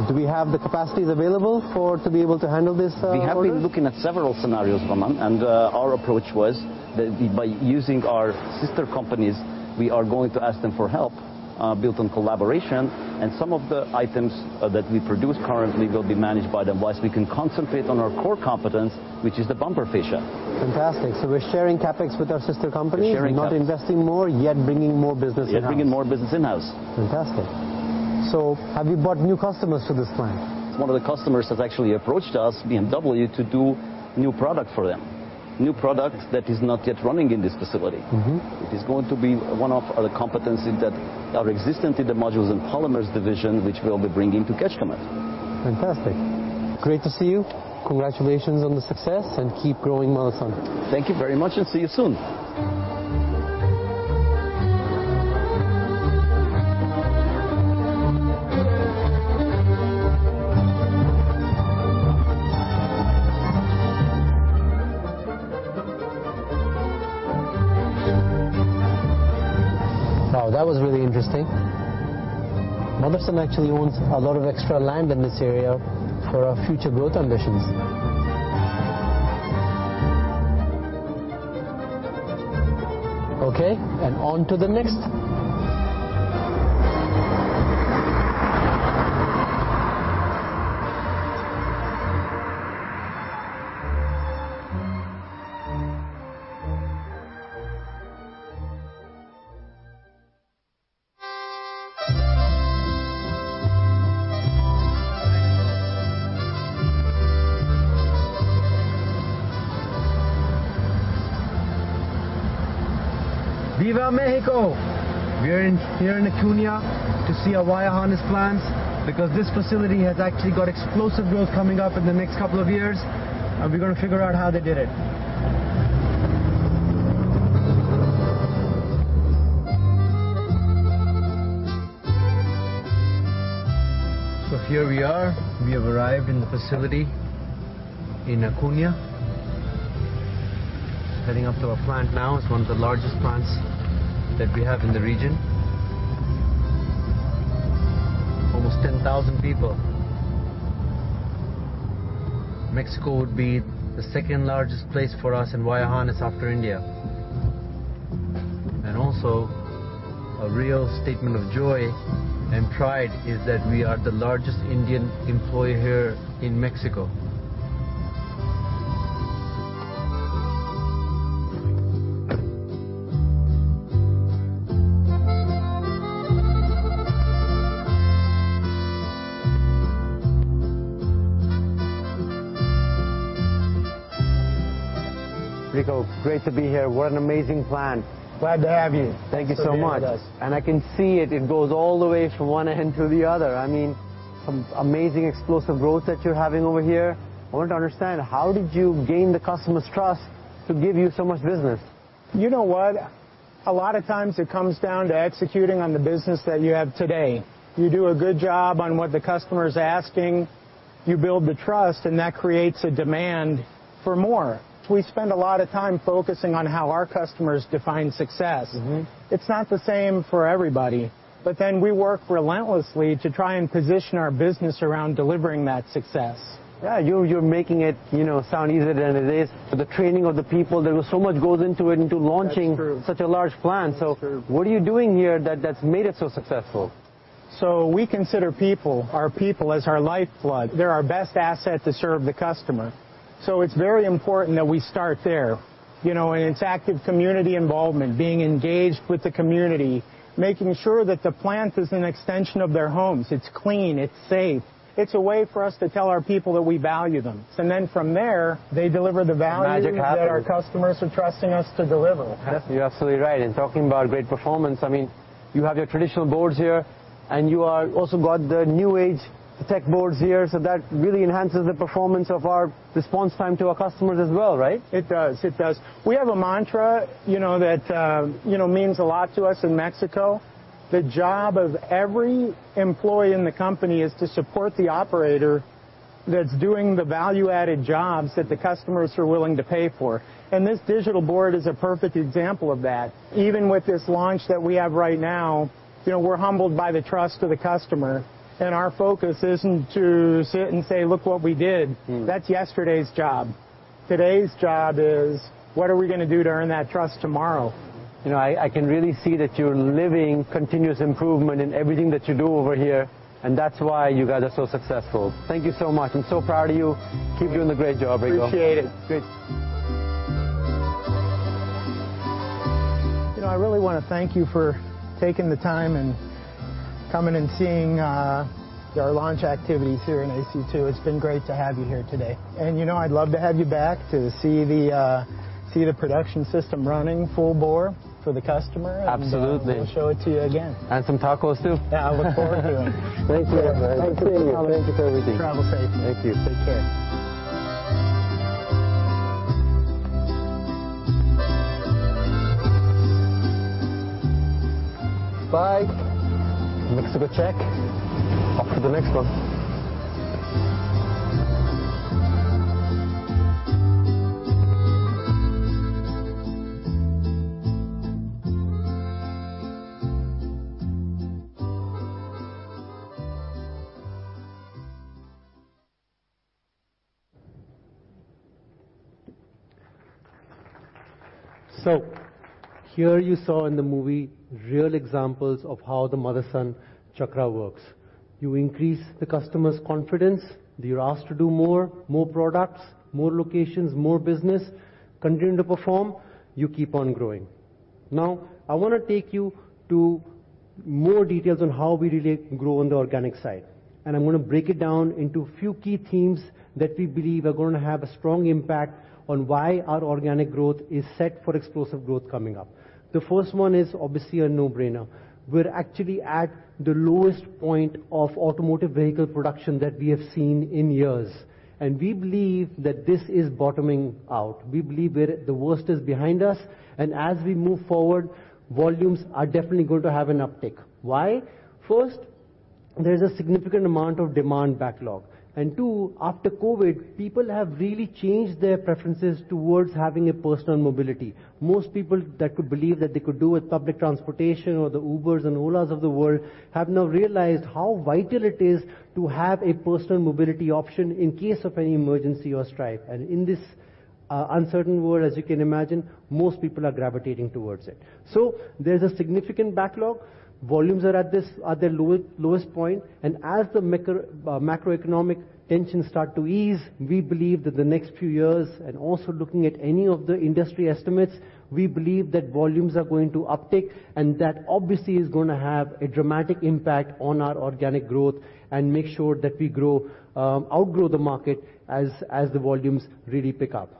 Do we have the capacities available for... to be able to handle this order? We have been looking at several scenarios, Raman, and our approach was that by using our sister companies, we are going to ask them for help, built on collaboration, and some of the items that we produce currently will be managed by them, while we can concentrate on our core competence, which is the bumper fascia. Fantastic. we're sharing CapEx with our sister companies... We're sharing CapEx. not investing more, yet bringing more business in-house. Bringing more business in-house. Fantastic. Have you brought new customers to this plant? One of the customers has actually approached us, BMW, to do new product for them. New product that is not yet running in this facility. Mm-hmm. It is going to be one of the competencies that are existent in the Modules and Polymers Division, which we'll be bringing to Kecskemét. Fantastic. Great to see you. Congratulations on the success and keep growing MAHLE Sanden. Thank you very much and see you soon. Wow, that was really interesting. Motherson actually owns a lot of extra land in this area for our future growth ambitions. On to the next. Viva Mexico. We're here in Acuña to see our wire harness plants, because this facility has actually got explosive growth coming up in the next couple of years, we're gonna figure out how they did it. Here we are. We have arrived in the facility in Acuña. Heading up to our plant now. It's one of the largest plants that we have in the region. Almost 10,000 people. Mexico would be the second-largest place for us in wire harness after India. Also, a real statement of joy and pride is that we are the largest Indian employer here in Mexico. Rico, it's great to be here. What an amazing plant. Glad to have you. Thank you so much. To be here with us. I can see it. It goes all the way from one end to the other. I mean, some amazing explosive growth that you're having over here. I want to understand, how did you gain the customers' trust to give you so much business? You know what? A lot of times it comes down to executing on the business that you have today. You do a good job on what the customer's asking, you build the trust, that creates a demand for more. We spend a lot of time focusing on how our customers define success. Mm-hmm. It's not the same for everybody, but then we work relentlessly to try and position our business around delivering that success. Yeah, you're making it, you know, sound easier than it is. The training of the people, there was so much goes into it. That's true. such a large plant. That's true. What are you doing here that's made it so successful? We consider people, our people as our lifeblood. They're our best asset to serve the customer. It's very important that we start there. You know, it's active community involvement, being engaged with the community, making sure that the plant is an extension of their homes. It's clean, it's safe. It's a way for us to tell our people that we value them. From there, they deliver the value… Magic happens. that our customers are trusting us to deliver. Yes, you're absolutely right. Talking about great performance, I mean, you have your traditional boards here, you also got the new age tech boards here. That really enhances the performance of our response time to our customers as well, right? It does. It does. We have a mantra, you know, that, you know, means a lot to us in Mexico. The job of every employee in the company is to support the operator that's doing the value-added jobs that the customers are willing to pay for. This digital board is a perfect example of that. Even with this launch that we have right now, you know, we're humbled by the trust of the customer, our focus isn't to sit and say, "Look what we did. Mm. That's yesterday's job. Today's job is what are we gonna do to earn that trust tomorrow? You know, I can really see that you're living continuous improvement in everything that you do over here, and that's why you guys are so successful. Thank you so much. I'm so proud of you. Keep doing the great job, Rico. Appreciate it. Good. You know, I really wanna thank you for taking the time and coming and seeing, our launch activities here in Acuña 2. It's been great to have you here today. You know, I'd love to have you back to see the, see the production system running full bore for the customer. Absolutely. We'll show it to you again. Some tacos too. Yeah, I look forward to 'em. Thank you very much. Thank you. Thank you for everything. Travel safe. Thank you. Take care. Bye. Mexico check. Off to the next one. Here you saw in the movie real examples of how the Motherson Chakra works. You increase the customer's confidence, you're asked to do more, more products, more locations, more business, continue to perform, you keep on growing. Now, I wanna take you to more details on how we really grow on the organic side, and I'm gonna break it down into few key themes that we believe are gonna have a strong impact on why our organic growth is set for explosive growth coming up. The first one is obviously a no-brainer. We're actually at the lowest point of automotive vehicle production that we have seen in years, and we believe that this is bottoming out. We believe the worst is behind us, and as we move forward, volumes are definitely going to have an uptick. Why? There's a significant amount of demand backlog. two, after COVID, people have really changed their preferences towards having a personal mobility. Most people that could believe that they could do with public transportation or the Ubers and Olas of the world have now realized how vital it is to have a personal mobility option in case of any emergency or strife. In this uncertain world, as you can imagine, most people are gravitating towards it. There's a significant backlog. Volumes are at their lowest point. As the macroeconomic tensions start to ease, we believe that the next few years, and also looking at any of the industry estimates, we believe that volumes are going to uptick, and that obviously is gonna have a dramatic impact on our organic growth and make sure that we grow, outgrow the market as the volumes really pick up.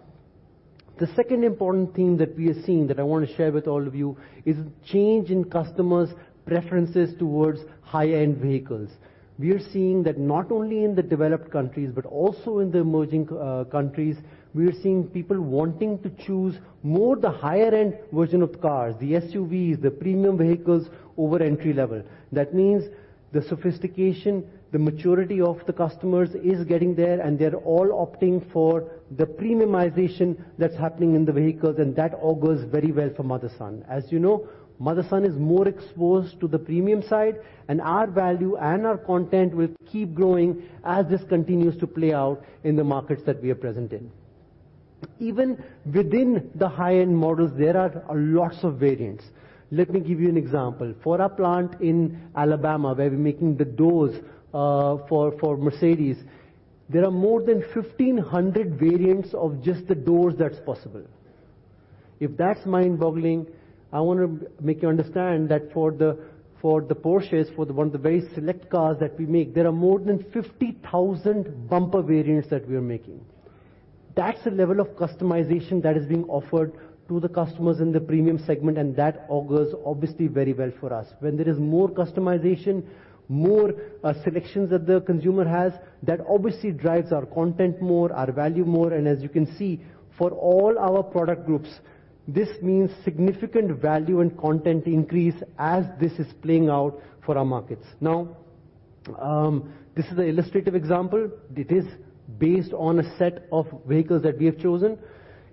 The second important theme that we are seeing that I wanna share with all of you is change in customers' preferences towards high-end vehicles. We are seeing that not only in the developed countries, but also in the emerging countries, we are seeing people wanting to choose more the higher end version of cars, the SUVs, the premium vehicles over entry level. That means the sophistication, the maturity of the customers is getting there, and they're all opting for the premiumization that's happening in the vehicles, and that augurs very well for Motherson. As you know, Motherson is more exposed to the premium side, and our value and our content will keep growing as this continues to play out in the markets that we are present in. Even within the high-end models, there are a lots of variants. Let me give you an example. For our plant in Alabama, where we're making the doors, for Mercedes, there are more than 1,500 variants of just the doors that's possible. If that's mind-boggling, I wanna make you understand that for the, for the Porsches, the very select cars that we make, there are more than 50,000 bumper variants that we are making. That's the level of customization that is being offered to the customers in the premium segment, and that augurs obviously very well for us. When there is more customization, more selections that the consumer has, that obviously drives our content more, our value more. As you can see, for all our product groups, this means significant value and content increase as this is playing out for our markets. Now, this is an illustrative example. It is based on a set of vehicles that we have chosen.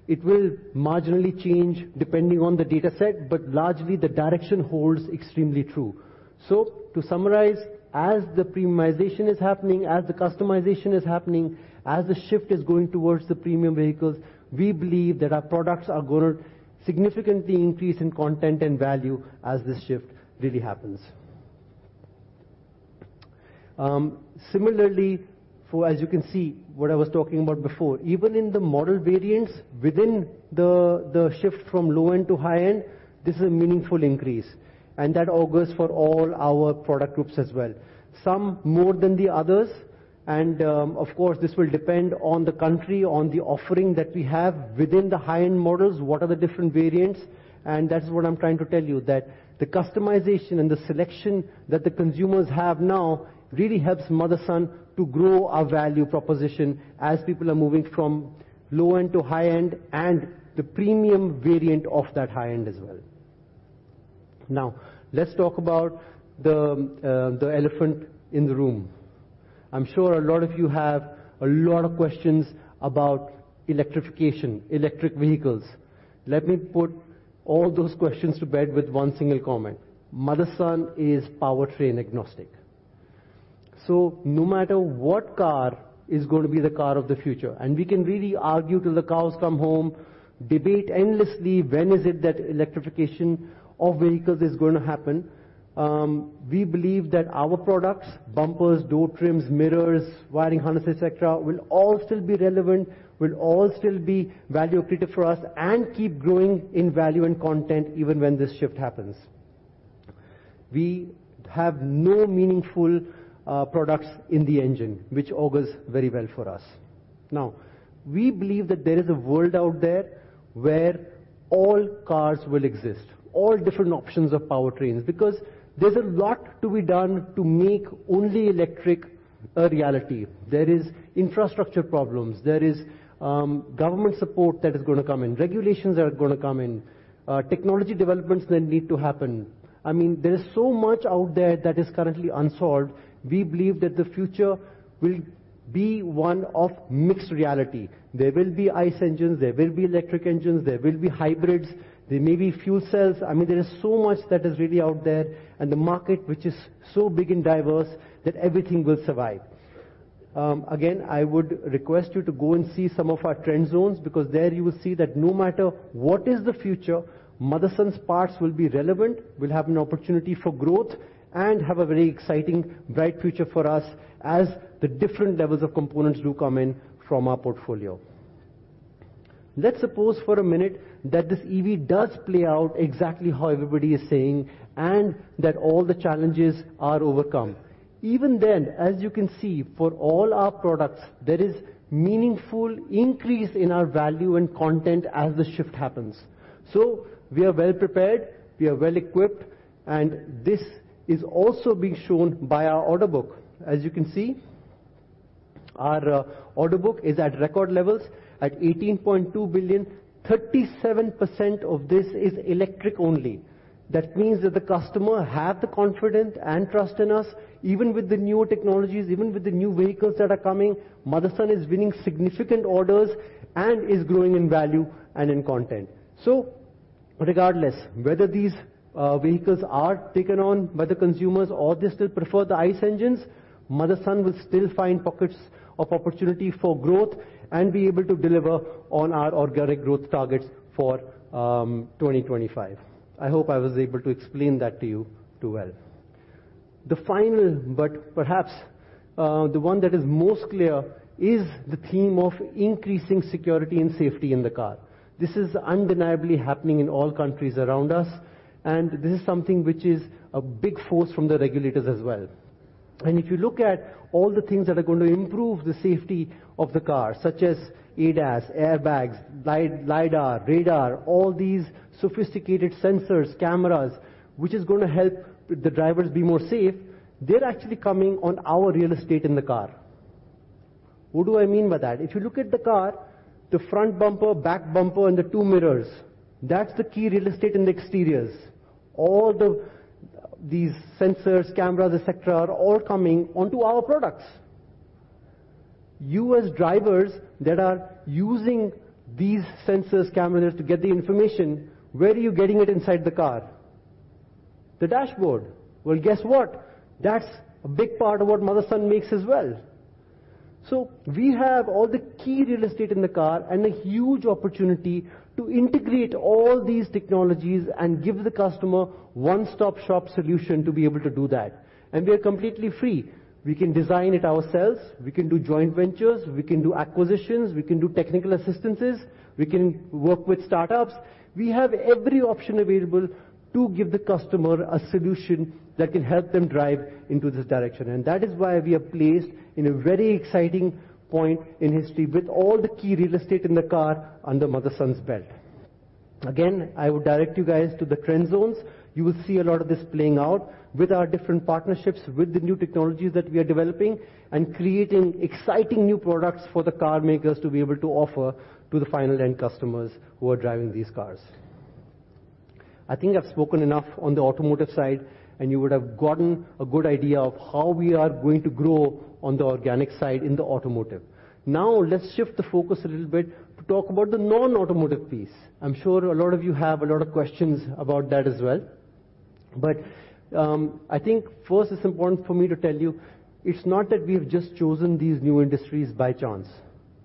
It will marginally change depending on the dataset, but largely the direction holds extremely true. To summarize, as the premiumization is happening, as the customization is happening, as the shift is going towards the premium vehicles, we believe that our products are gonna significantly increase in content and value as this shift really happens. Similarly, for as you can see, what I was talking about before, even in the model variants within the shift from low-end to high-end, this is a meaningful increase, and that augurs for all our product groups as well, some more than the others. Of course, this will depend on the country, on the offering that we have within the high-end models, what are the different variants. That's what I'm trying to tell you, that the customization and the selection that the consumers have now really helps Motherson to grow our value proposition as people are moving from low-end to high-end and the premium variant of that high-end as well. Let's talk about the elephant in the room. I'm sure a lot of you have a lot of questions about electrification, electric vehicles. Let me put all those questions to bed with one single comment. Motherson is powertrain agnostic. No matter what car is gonna be the car of the future, and we can really argue till the cows come home, debate endlessly when is it that electrification of vehicles is gonna happen, we believe that our products, bumpers, door trims, mirrors, wiring harnesses, et cetera, will all still be relevant, will all still be value accretive for us, and keep growing in value and content even when this shift happens. We have no meaningful products in the engine, which augurs very well for us. Now, we believe that there is a world out there where all cars will exist, all different options of powertrains, because there's a lot to be done to make only electric a reality. There is infrastructure problems. There is government support that is gonna come in. Regulations that are gonna come in. Technology developments that need to happen. I mean, there is so much out there that is currently unsolved. We believe that the future will be one of mixed reality. There will be ICE engines, there will be electric engines, there will be hybrids, there may be fuel cells. I mean, there is so much that is really out there and the market which is so big and diverse that everything will survive. Again, I would request you to go and see some of our trend zones because there you will see that no matter what is the future, Motherson's parts will be relevant, will have an opportunity for growth, and have a very exciting, bright future for us as the different levels of components do come in from our portfolio. Let's suppose for a minute that this EV does play out exactly how everybody is saying and that all the challenges are overcome. Even then, as you can see, for all our products, there is meaningful increase in our value and content as the shift happens. We are well prepared, we are well equipped, and this is also being shown by our order book. As you can see, our order book is at record levels at $18.2 billion. 37% of this is electric only. That means that the customer have the confidence and trust in us, even with the newer technologies, even with the new vehicles that are coming, Motherson is winning significant orders and is growing in value and in content. Regardless whether these vehicles are taken on by the consumers or they still prefer the ICE engines, Motherson will still find pockets of opportunity for growth and be able to deliver on our organic growth targets for 2025. I hope I was able to explain that to you too well. The final, but perhaps, the one that is most clear is the theme of increasing security and safety in the car. This is undeniably happening in all countries around us, and this is something which is a big force from the regulators as well. If you look at all the things that are going to improve the safety of the car, such as ADAS, airbags, lidar, radar, all these sophisticated sensors, cameras, which is gonna help the drivers be more safe, they're actually coming on our real estate in the car. What do I mean by that? If you look at the car, the front bumper, back bumper, and the two mirrors, that's the key real estate in the exteriors. All these sensors, cameras, et cetera, are all coming onto our products. You as drivers that are using these sensors, cameras to get the information, where are you getting it inside the car? The dashboard. Well, guess what? That's a big part of what Motherson makes as well. We have all the key real estate in the car and a huge opportunity to integrate all these technologies and give the customer one-stop-shop solution to be able to do that. We are completely free. We can design it ourselves, we can do joint ventures, we can do acquisitions, we can do technical assistances, we can work with startups. We have every option available to give the customer a solution that can help them drive into this direction. That is why we are placed in a very exciting point in history with all the key real estate in the car under Motherson's belt. Again, I would direct you guys to the trend zones. You will see a lot of this playing out with our different partnerships, with the new technologies that we are developing, and creating exciting new products for the car makers to be able to offer to the final end customers who are driving these cars. I think I've spoken enough on the automotive side, and you would have gotten a good idea of how we are going to grow on the organic side in the automotive. Now, let's shift the focus a little bit to talk about the non-automotive piece. I'm sure a lot of you have a lot of questions about that as well. I think first it's important for me to tell you, it's not that we've just chosen these new industries by chance.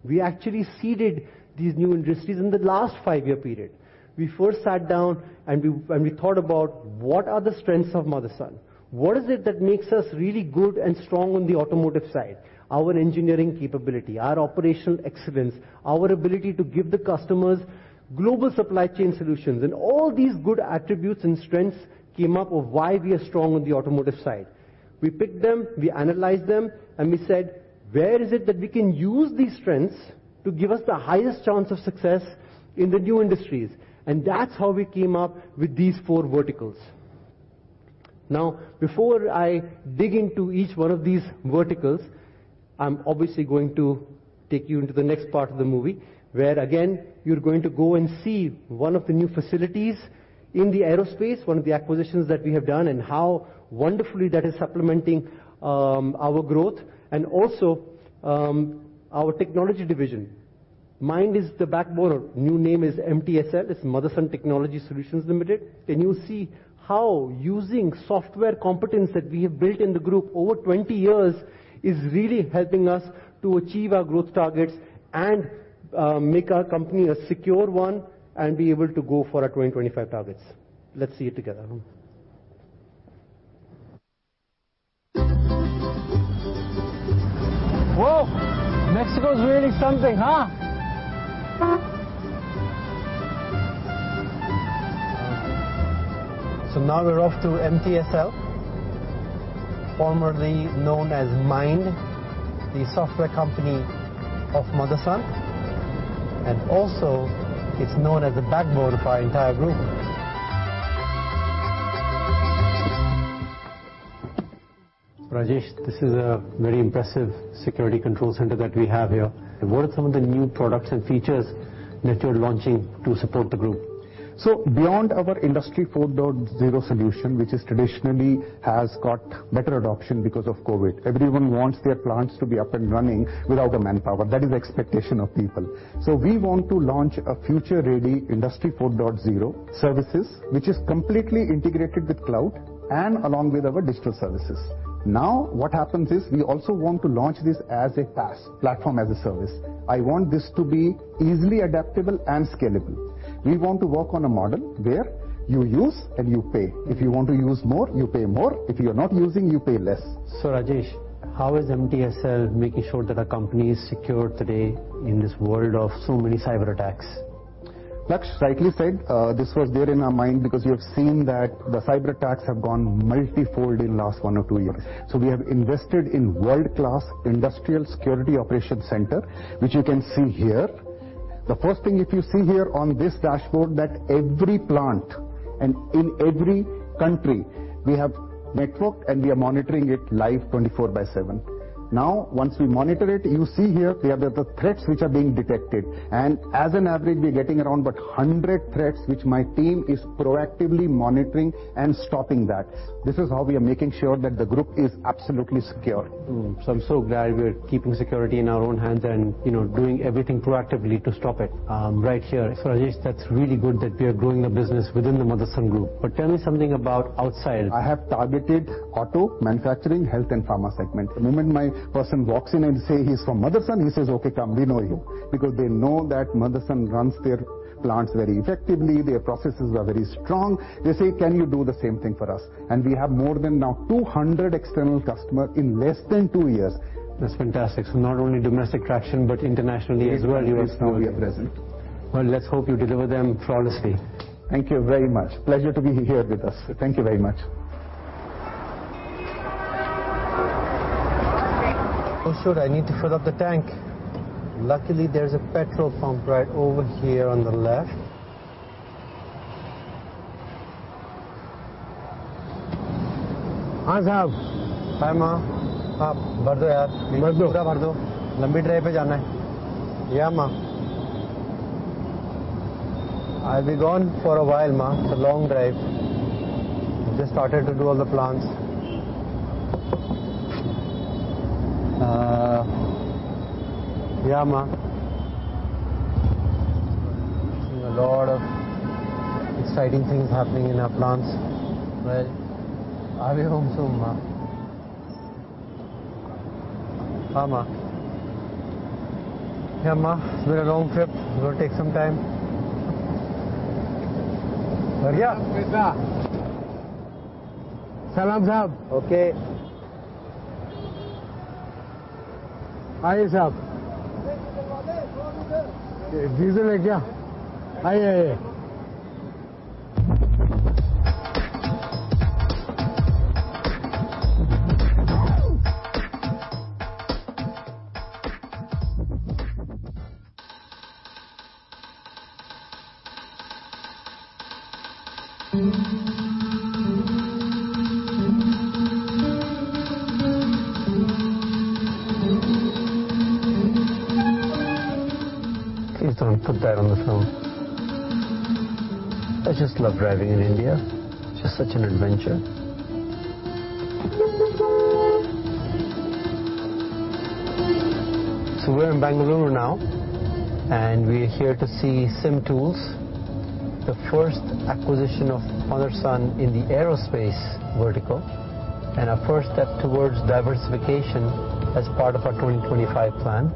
We actually seeded these new industries in the last five-year period. We first sat down and we thought about what are the strengths of Motherson? What is it that makes us really good and strong on the automotive side? Our engineering capability, our operational excellence, our ability to give the customers global supply chain solutions. All these good attributes and strengths came up of why we are strong on the automotive side. We picked them, we analyzed them, and we said, "Where is it that we can use these strengths to give us the highest chance of success in the new industries?" That's how we came up with these four verticals. Now, before I dig into each one of these verticals, I'm obviously going to take you into the next part of the movie, where again, you're going to go and see one of the new facilities in the aerospace, one of the acquisitions that we have done and how wonderfully that is supplementing our growth and also our technology division. MIND is the backbone. New name is MTSL. It's Motherson Technology Services Limited. You'll see how using software competence that we have built in the group over 20 years is really helping us to achieve our growth targets and make our company a secure one and be able to go for our 2025 targets. Let's see it together. Whoa! Mexico is really something, huh? Now we're off to MTSL, formerly known as MIND, the software company of Motherson, and also it's known as the backbone of our entire group. Rajesh, this is a very impressive security control center that we have here. What are some of the new products and features that you're launching to support the group? Beyond our Industry 4.0 solution, which is traditionally has got better adoption because of COVID. Everyone wants their plants to be up and running without the manpower. That is the expectation of people. We want to launch a future-ready Industry 4.0 services, which is completely integrated with cloud and along with our digital services. What happens is we also want to launch this as a PaaS, Platform as a Service. I want this to be easily adaptable and scalable. We want to work on a model where you use and you pay. If you want to use more, you pay more. If you're not using, you pay less. Rajesh, how is MTSL making sure that our company is secure today in this world of so many cyberattacks? Laksh, rightly said, this was there in our mind because we have seen that the cyberattacks have gone multifold in last one or two years. We have invested in world-class industrial security operations center, which you can see here. The first thing, if you see here on this dashboard, that every plant and in every country, we have networked and we are monitoring it live 24/7. Once we monitor it, you see here we have the threats which are being detected. As an average, we are getting around about 100 threats, which my team is proactively monitoring and stopping that. This is how we are making sure that the group is absolutely secure. I'm so glad we're keeping security in our own hands and, you know, doing everything proactively to stop it right here. Rajesh, that's really good that we are growing the business within the Motherson group. Tell me something about outside. I have targeted auto manufacturing, health, and pharma segment. The moment my person walks in and says he's from Motherson, he says, "Okay, come. We know you." They know that Motherson runs their plants very effectively. Their processes are very strong. They say, "Can you do the same thing for us?" We have more than now 200 external customers in less than two years. That's fantastic. Not only domestic traction, but internationally as well you are expanding. Yes, yes, now we are present. Well, let's hope you deliver them flawlessly. Thank you very much. Pleasure to be here with us. Thank you very much. Oh, shoot. I need to fill up the tank. Luckily, there's a petrol pump right over here on the left. Hi, Ma. Yeah, Ma. I'll be gone for a while, Ma. It's a long drive. Just started to do all the plants. Yeah, Ma. Seeing a lot of exciting things happening in our plants. Well, I'll be home soon, Ma. Ha, Ma. Yeah, Ma, it's been a long trip. It will take some time. Please don't put that on the film. I just love driving in India. Just such an adventure. We're in Bengaluru now, and we're here to see CIM Tools, the first acquisition of Motherson in the aerospace vertical, and our first step towards diversification as part of our 2025 plan.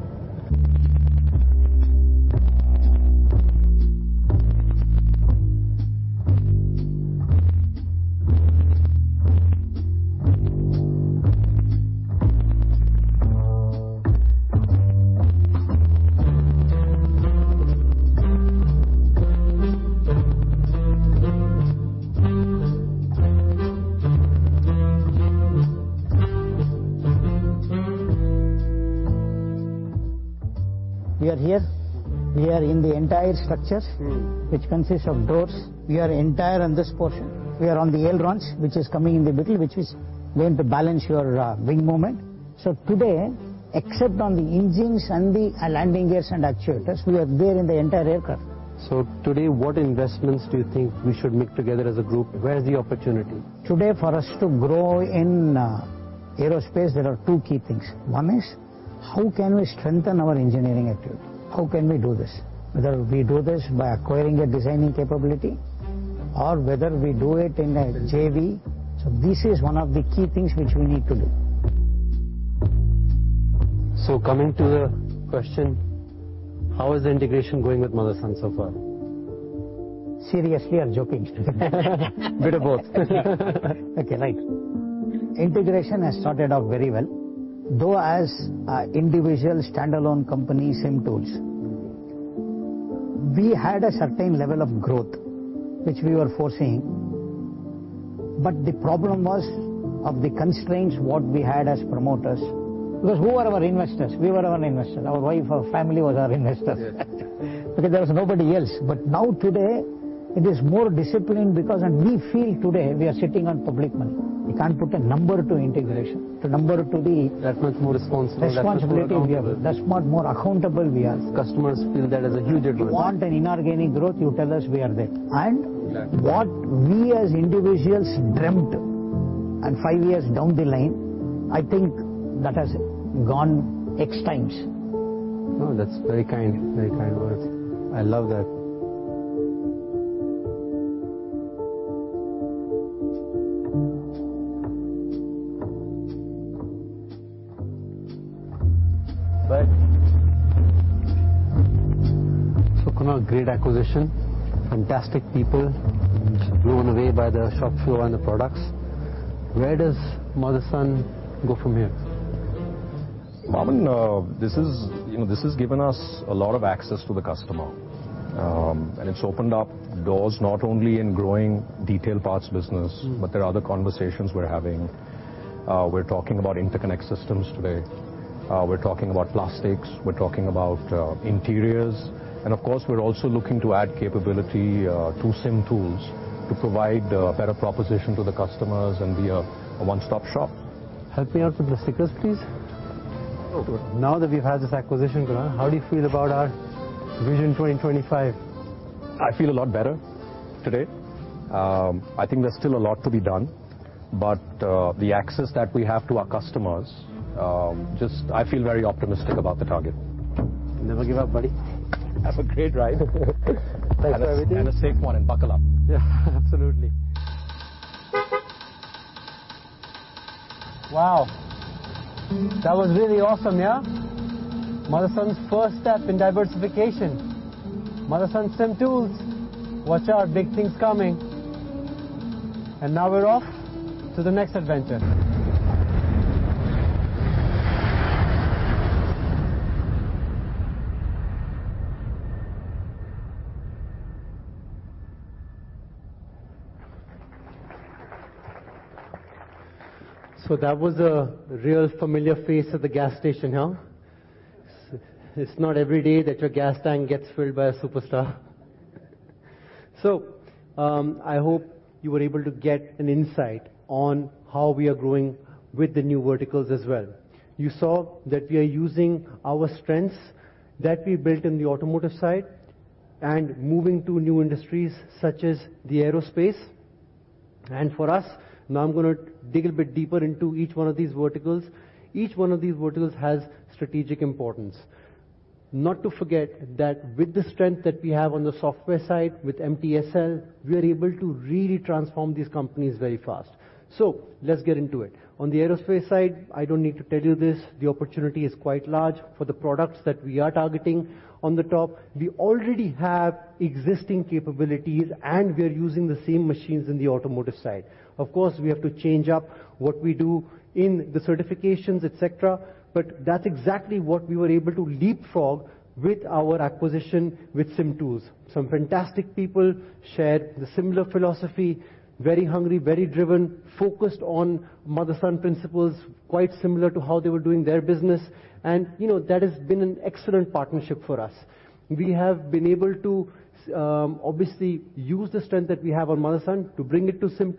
We are here. We are in the entire structure- Mm. which consists of doors. We are entire on this portion. We are on the ailerons, which is coming in the middle, which is going to balance your, wing movement. Today, except on the engines and the, landing gears and actuators, we are there in the entire aircraft. Today, what investments do you think we should make together as a group? Where is the opportunity? Today, for us to grow in aerospace, there are two key things. one is, how can we strengthen our engineering activity? How can we do this? Whether we do this by acquiring a designing capability or whether we do it in a JV. This is 1 of the key things which we need to do. Coming to the question, how is the integration going with Motherson so far? Seriously or joking? Bit of both. Okay, right. Integration has started off very well. Though as a individual standalone company, CIM Tools. Mm. We had a certain level of growth which we were foreseeing. The problem was of the constraints, what we had as promoters. Who are our investors? We were our investors. Our wife, our family was our investors. Yes. There was nobody else. Now today, it is more disciplined because, and we feel today we are sitting on public money. We can't put a number to integration. That much more responsible. responsibility we have. That much more accountable. That's much more accountable we are. Customers feel that is a huge advantage. You want an inorganic growth, you tell us, we are there. Yeah. What we as individuals dreamt, and five years down the line, I think that has gone X times. No, that's very kind. Very kind words. I love that. Kunal, great acquisition, fantastic people. Just blown away by the shop floor and the products. Where does Motherson go from here? Marvin, this is, you know, this has given us a lot of access to the customer, it's opened up doors not only in growing detailed parts business. Mm-hmm. There are other conversations we're having. We're talking about interconnect systems today. We're talking about plastics, we're talking about interiors, and of course, we're also looking to add capability to CIM Tools to provide better proposition to the customers and be a one-stop shop. Help me out with the stickers, please. Sure. Now that we've had this acquisition, Guna, how do you feel about our Vision 2025? I feel a lot better today. I think there's still a lot to be done, but the access that we have to our customers, just I feel very optimistic about the target. Never give up, buddy. Have a great drive. Thanks for everything. A safe one, and buckle up. Yeah. Absolutely. Wow. That was really awesome, yeah? Motherson's first step in diversification. Motherson CIM Tools, watch out. Big things coming. Now we're off to the next adventure. That was a real familiar face at the gas station, huh? It's not every day that your gas tank gets filled by a superstar. I hope you were able to get an insight on how we are growing with the new verticals as well. You saw that we are using our strengths that we built in the automotive side and moving to new industries such as the aerospace. For us, now I'm gonna dig a bit deeper into each one of these verticals. Each one of these verticals has strategic importance. Not to forget that with the strength that we have on the software side with MTSL, we are able to really transform these companies very fast. Let's get into it. On the aerospace side, I don't need to tell you this, the opportunity is quite large for the products that we are targeting on the top. We already have existing capabilities, and we are using the same machines in the automotive side. Of course, we have to change up what we do in the certifications, et cetera, but that's exactly what we were able to leapfrog with our acquisition with CIM Tools. Some fantastic people shared the similar philosophy, very hungry, very driven, focused on Motherson principles, quite similar to how they were doing their business. You know, that has been an excellent partnership for us. We have been able to obviously use the strength that we have on Motherson to bring it to CIM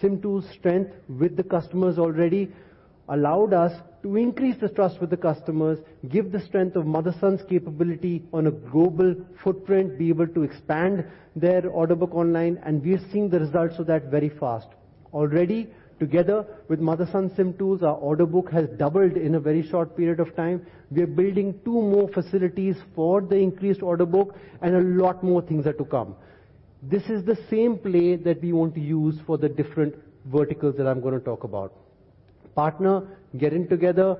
Tools. CIM Tools' strength with the customers already allowed us to increase the trust with the customers, give the strength of Motherson's capability on a global footprint, be able to expand their order book online, we have seen the results of that very fast. Already, together with Motherson CIM Tools, our order book has doubled in a very short period of time. We are building two more facilities for the increased order book, a lot more things are to come. This is the same play that we want to use for the different verticals that I'm gonna talk about. Partner, get in together,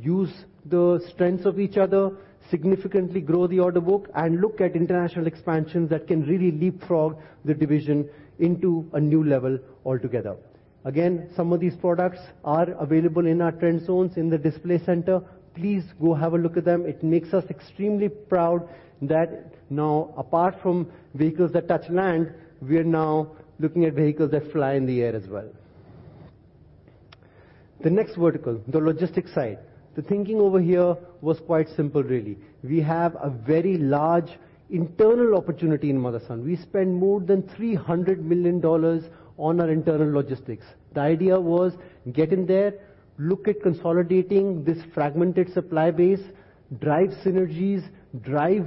use the strengths of each other, significantly grow the order book, and look at international expansions that can really leapfrog the division into a new level altogether. Some of these products are available in our trend zones in the display center. Please go have a look at them. It makes us extremely proud that now, apart from vehicles that touch land, we are now looking at vehicles that fly in the air as well. The next vertical, the logistics side. The thinking over here was quite simple really. We have a very large internal opportunity in Motherson. We spend more than $300 million on our internal logistics. The idea was get in there, look at consolidating this fragmented supply base, drive synergies, drive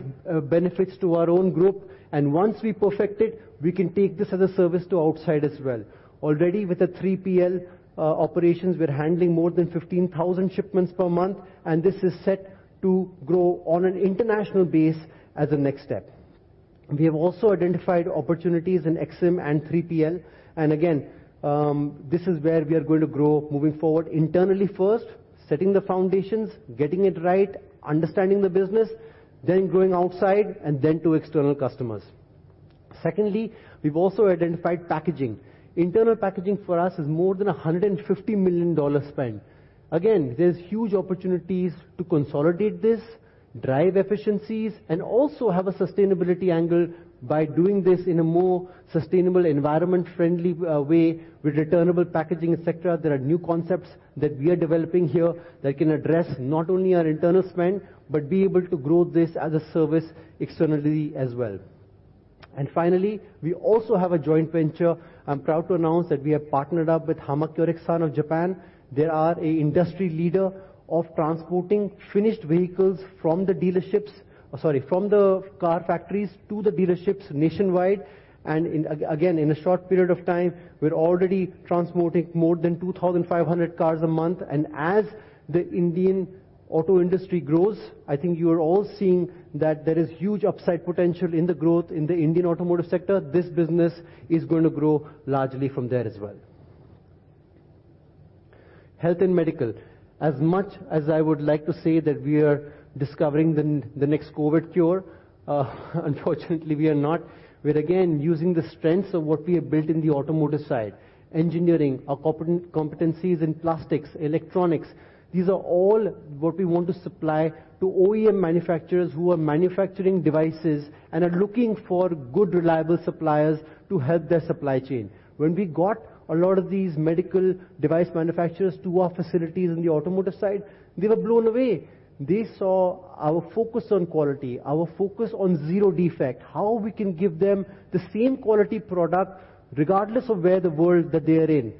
benefits to our own group. Once we perfect it, we can take this as a service to outside as well. Already with the 3PL operations, we're handling more than 15,000 shipments per month. This is set to grow on an international base as a next step. We have also identified opportunities in XM and 3PL. Again, this is where we are going to grow moving forward internally first, setting the foundations, getting it right, understanding the business, then going outside, and then to external customers. Secondly, we've also identified packaging. Internal packaging for us is more than a $150 million spend. There's huge opportunities to consolidate this, drive efficiencies, and also have a sustainability angle by doing this in a more sustainable, environment-friendly way with returnable packaging, et cetera. There are new concepts that we are developing here that can address not only our internal spend, but be able to grow this as a service externally as well. Finally, we also have a joint venture. I'm proud to announce that we have partnered up with Hamakyorex Co. Ltd. of Japan. They are a industry leader of transporting finished vehicles from the dealerships... Sorry, from the car factories to the dealerships nationwide. In again, in a short period of time, we're already transporting more than 2,500 cars a month. As the Indian auto industry grows, I think you are all seeing that there is huge upside potential in the growth in the Indian automotive sector. This business is going to grow largely from there as well. Health and medical. As much as I would like to say that we are discovering the next COVID cure, unfortunately we are not. We're again using the strengths of what we have built in the automotive side, engineering, our competencies in plastics, electronics. These are all what we want to supply to OEM manufacturers who are manufacturing devices and are looking for good, reliable suppliers to help their supply chain. When we got a lot of these medical device manufacturers to our facilities on the automotive side, they were blown away. They saw our focus on quality, our focus on zero defect, how we can give them the same quality product regardless of where the world that they are in.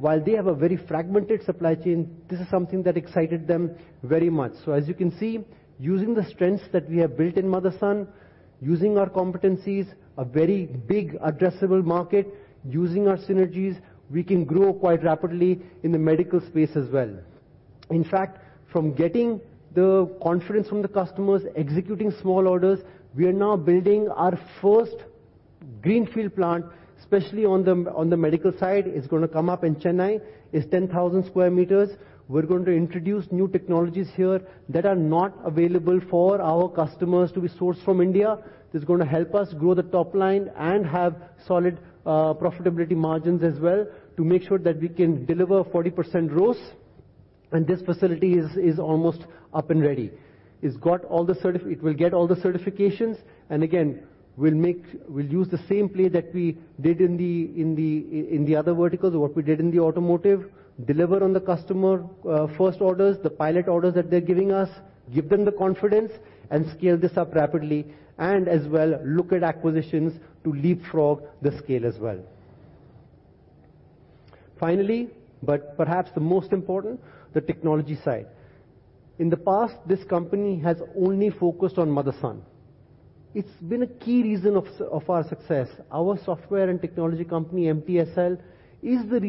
While they have a very fragmented supply chain, this is something that excited them very much. As you can see, using the strengths that we have built in Motherson, using our competencies, a very big addressable market, using our synergies, we can grow quite rapidly in the medical space as well. In fact, from getting the confidence from the customers, executing small orders, we are now building our first greenfield plant, especially on the medical side. It's gonna come up in Chennai. It's 10,000 square meters. We're going to introduce new technologies here that are not available for our customers to be sourced from India. This is gonna help us grow the top line and have solid profitability margins as well to make sure that we can deliver 40% growth. This facility is almost up and ready. It will get all the certifications, and again, we'll make. We'll use the same play that we did in the other verticals, what we did in the automotive. Deliver on the customer, first orders, the pilot orders that they're giving us, give them the confidence, and scale this up rapidly, and as well, look at acquisitions to leapfrog the scale as well. Finally, perhaps the most important, the technology side. In the past, this company has only focused on Motherson. It's been a key reason of our success. Our software and technology company, MTSL, is the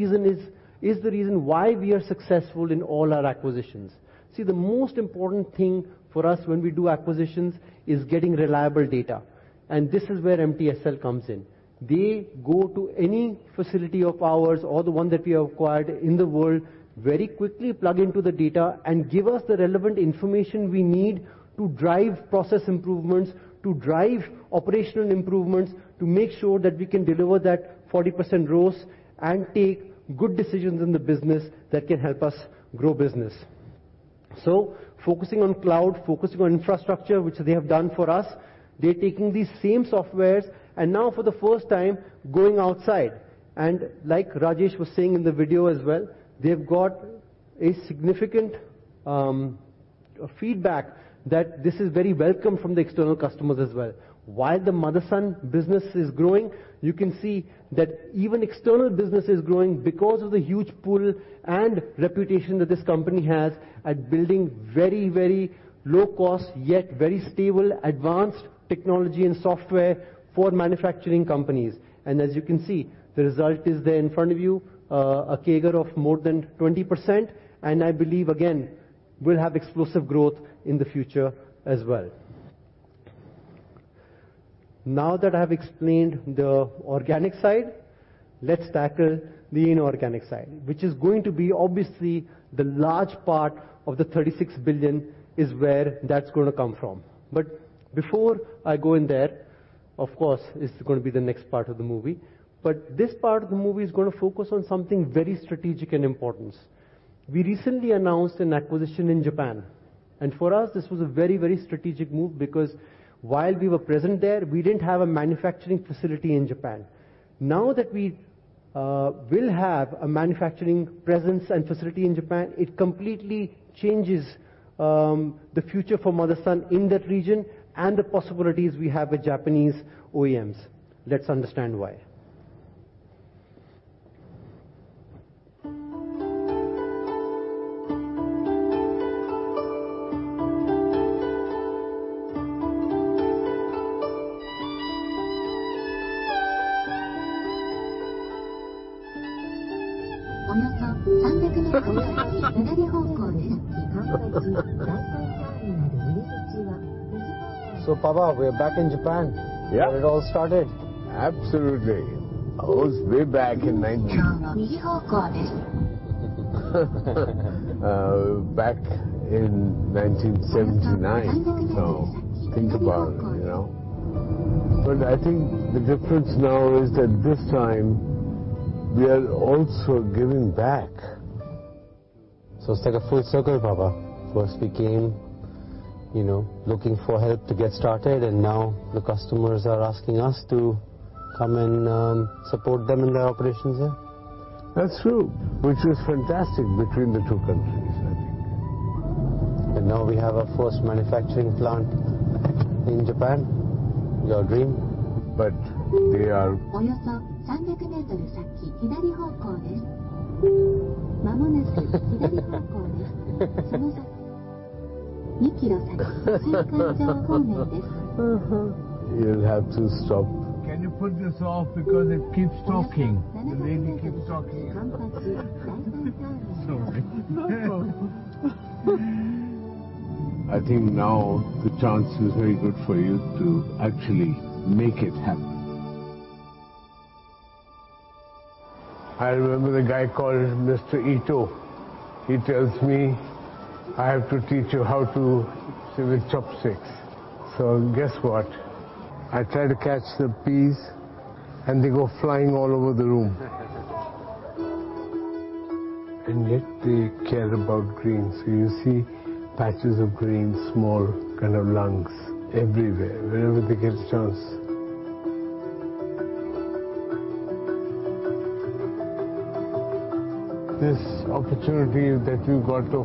reason why we are successful in all our acquisitions. The most important thing for us when we do acquisitions is getting reliable data, and this is where MTSL comes in. They go to any facility of ours or the one that we have acquired in the world, very quickly plug into the data, give us the relevant information we need to drive process improvements, to drive operational improvements, to make sure that we can deliver that 40% growth and take good decisions in the business that can help us grow business. Focusing on cloud, focusing on infrastructure, which they have done for us, they're taking these same softwares and now for the first time going outside. Like Rajesh was saying in the video as well, they've got a significant feedback that this is very welcome from the external customers as well. While the Motherson business is growing, you can see that even external business is growing because of the huge pool and reputation that this company has at building very, very low cost, yet very stable, advanced technology and software for manufacturing companies. As you can see, the result is there in front of you, a CAGR of more than 20%, and I believe again, we'll have explosive growth in the future as well. Now that I've explained the organic side, let's tackle the inorganic side, which is going to be obviously the large part of the $36 billion is where that's gonna come from. Before I go in there, of course it's gonna be the next part of the movie, but this part of the movie is gonna focus on something very strategic and importance. We recently announced an acquisition in Japan. For us, this was a very, very strategic move because while we were present there, we didn't have a manufacturing facility in Japan. Now that we will have a manufacturing presence and facility in Japan, it completely changes the future for Motherson in that region and the possibilities we have with Japanese OEMs. Let's understand why. Papa, we're back in Japan. Yeah. where it all started. Absolutely. It was way back in 1979. Think about it, you know. I think the difference now is that this time we are also giving back. It's like a full circle, Papa. First we came, you know, looking for help to get started and now the customers are asking us to come and support them in their operations here. That's true, which is fantastic between the two countries, I think. Now we have our first manufacturing plant in Japan. Your dream. You'll have to stop. Can you put this off? Because it keeps talking. The lady keeps talking. Sorry. No problem. I think now the chance is very good for you to actually make it happen. I remember the guy called Mr. Ito, he tells me, "I have to teach you how to use chopsticks." Guess what? I try to catch the peas, and they go flying all over the room. Yet they care about greens. You see patches of green, small kind of lungs everywhere, wherever they get a chance. This opportunity that you got of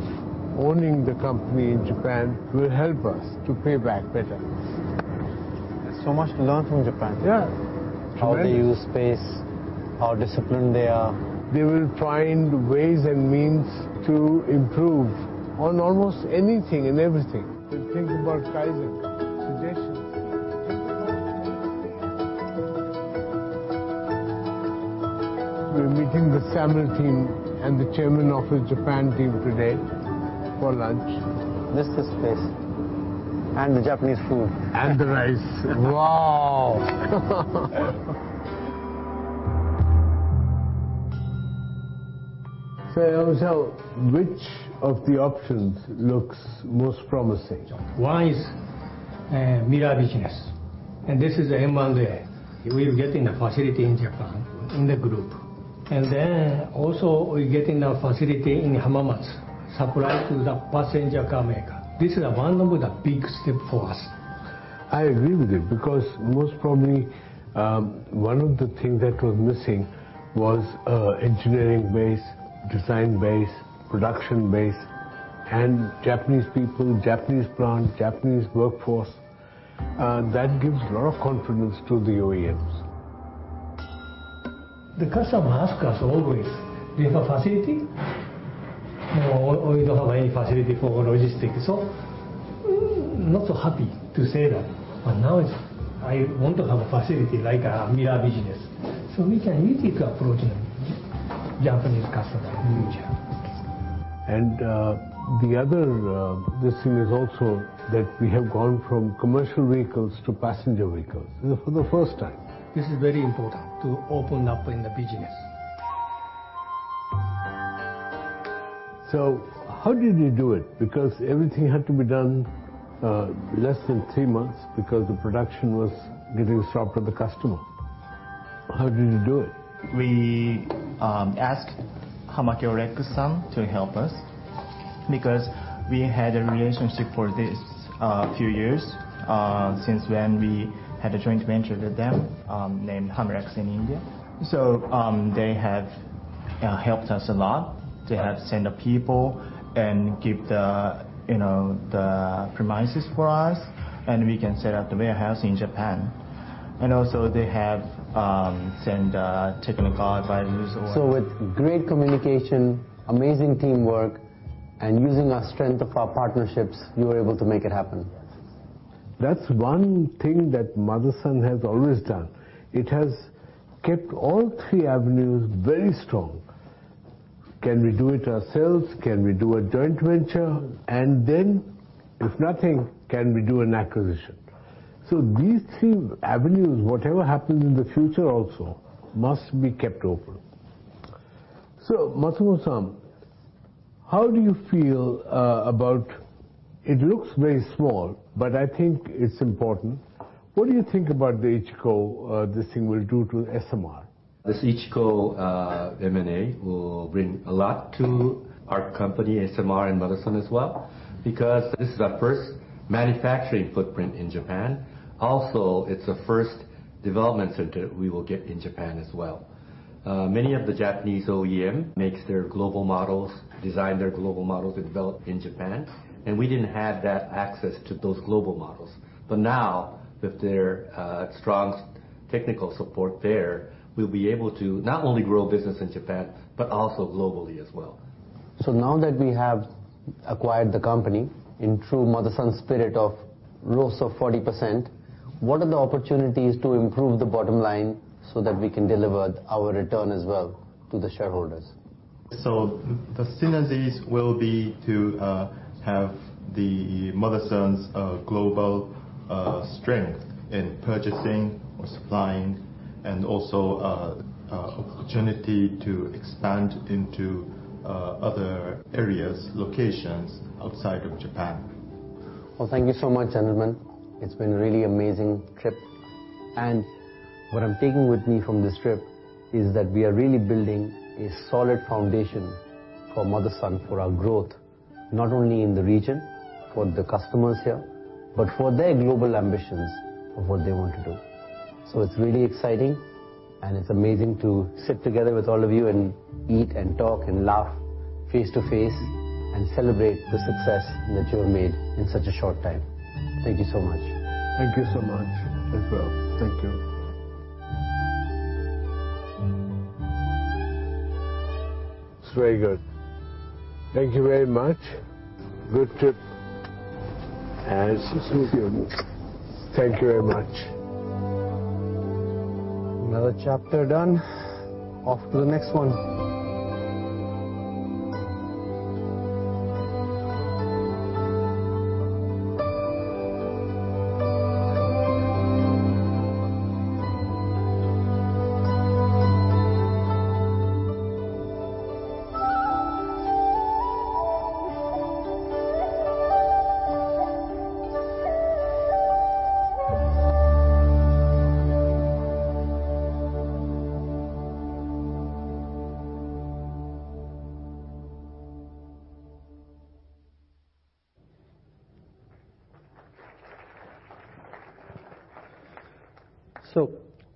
owning the company in Japan will help us to pay back better. There's so much to learn from Japan. Yeah. Tremendous. How they use space, how disciplined they are. They will find ways and means to improve on almost anything and everything. They think about Kaizen, suggestions. Think about all those things. We're meeting the SAMIL team and the chairman of the Japan team today for lunch. Just the space and the Japanese food. The rice. Wow. Yamashita, which of the options looks most promising? One is, mirror business. This is the M&A. We're getting the facility in Japan in the group. Also we're getting a facility in Hamamatsu, supply to the passenger car maker. This is one of the big step for us. I agree with you because most probably, one of the thing that was missing was, engineering base, design base, production base, and Japanese people, Japanese plant, Japanese workforce, that gives a lot of confidence to the OEMs. The customer ask us always, "Do you have a facility?" No, we don't have any facility for logistics. Not so happy to say that, but now it's... I want to have a facility like our mirror business, so we can easily approach the Japanese customer in the future. Yes. The other, this thing is also that we have gone from commercial vehicles to passenger vehicles for the first time. This is very important to open up in the business. How did you do it? Everything had to be done, less than three months because the production was getting stopped with the customer. How did you do it? We asked Hamakyorex Co. Ltd. to help us because we had a relationship for this few years since when we had a joint venture with them named Hamax in India. They have helped us a lot. Yeah. They have sent the people and give the, you know, the premises for us, and we can set up the warehouse in Japan. Also they have sent technical advisors. With great communication, amazing teamwork, and using our strength of our partnerships, you were able to make it happen. Yes. That's one thing that Motherson has always done. It has kept all three avenues very strong. Can we do it ourselves? Can we do a joint venture? Then if nothing, can we do an acquisition? These three avenues, whatever happens in the future also must be kept open. Matsumo-san. Yes. How do you feel about... It looks very small, but I think it's important. What do you think about the HCO, this thing will do to SMR? This HCO M&A will bring a lot to our company, SMR and Motherson as well, because this is our first manufacturing footprint in Japan. Also, it's the first development center we will get in Japan as well. Many of the Japanese OEM makes their global models, design their global models and develop in Japan, and we didn't have that access to those global models. Now with their strong technical support there, we'll be able to not only grow business in Japan, but also globally as well. Now that we have acquired the company in true Motherson spirit of ROAS of 40%, what are the opportunities to improve the bottom line so that we can deliver our return as well to the shareholders? The synergies will be to have the Motherson's global strength in purchasing or supplying and also opportunity to expand into other areas, locations outside of Japan. Well, thank you so much, gentlemen. It's been really amazing trip. What I'm taking with me from this trip is that we are really building a solid foundation for Motherson, for our growth, not only in the region for the customers here, but for their global ambitions of what they want to do. It's really exciting, and it's amazing to sit together with all of you and eat and talk and laugh face to face and celebrate the success that you have made in such a short time. Thank you so much. Thank you so much as well. Thank you. It's very good. Thank you very much. Good trip. It's really good. Thank you very much. Another chapter done. Off to the next one.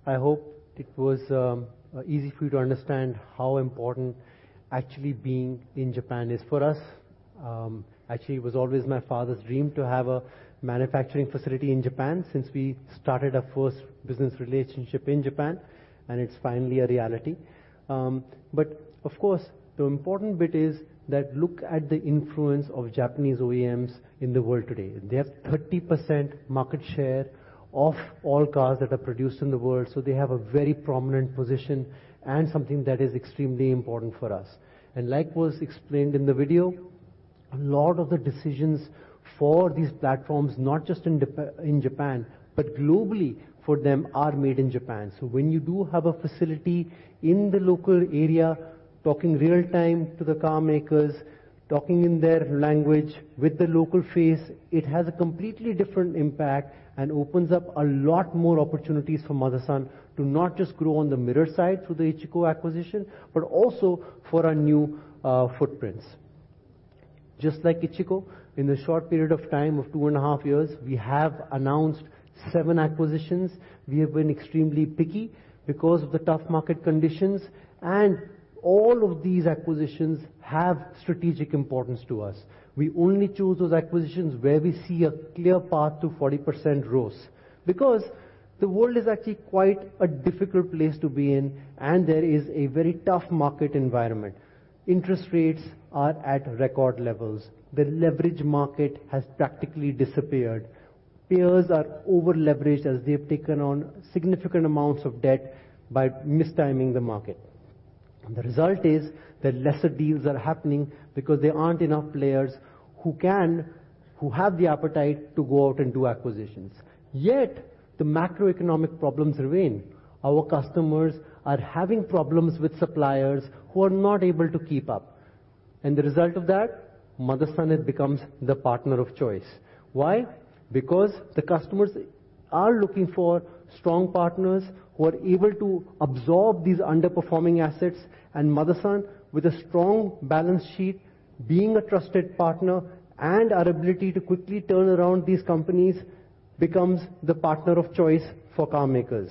I hope it was easy for you to understand how important actually being in Japan is for us. Actually, it was always my father's dream to have a manufacturing facility in Japan since we started our first business relationship in Japan, and it's finally a reality. Of course, the important bit is that look at the influence of Japanese OEMs in the world today. They have 30% market share of all cars that are produced in the world, they have a very prominent position and something that is extremely important for us. Like was explained in the video, a lot of the decisions for these platforms, not just in Japan, but globally for them, are made in Japan. When you do have a facility in the local area, talking real time to the carmakers, talking in their language with the local face, it has a completely different impact and opens up a lot more opportunities for Motherson to not just grow on the mirror side through the Ichiko acquisition, but also for our new footprints. Just like Ichiko, in the short period of time of two and half years, we have announced seven acquisitions. We have been extremely picky because of the tough market conditions, and all of these acquisitions have strategic importance to us. We only choose those acquisitions where we see a clear path to 40% growth. Because the world is actually quite a difficult place to be in, and there is a very tough market environment. Interest rates are at record levels. The leverage market has practically disappeared. Players are over-leveraged as they have taken on significant amounts of debt by mistiming the market. The result is that lesser deals are happening because there aren't enough players who have the appetite to go out and do acquisitions. Yet the macroeconomic problems remain. Our customers are having problems with suppliers who are not able to keep up. The result of that, Motherson becomes the partner of choice. Why? Because the customers are looking for strong partners who are able to absorb these underperforming assets. Motherson, with a strong balance sheet, being a trusted partner, and our ability to quickly turn around these companies becomes the partner of choice for car makers.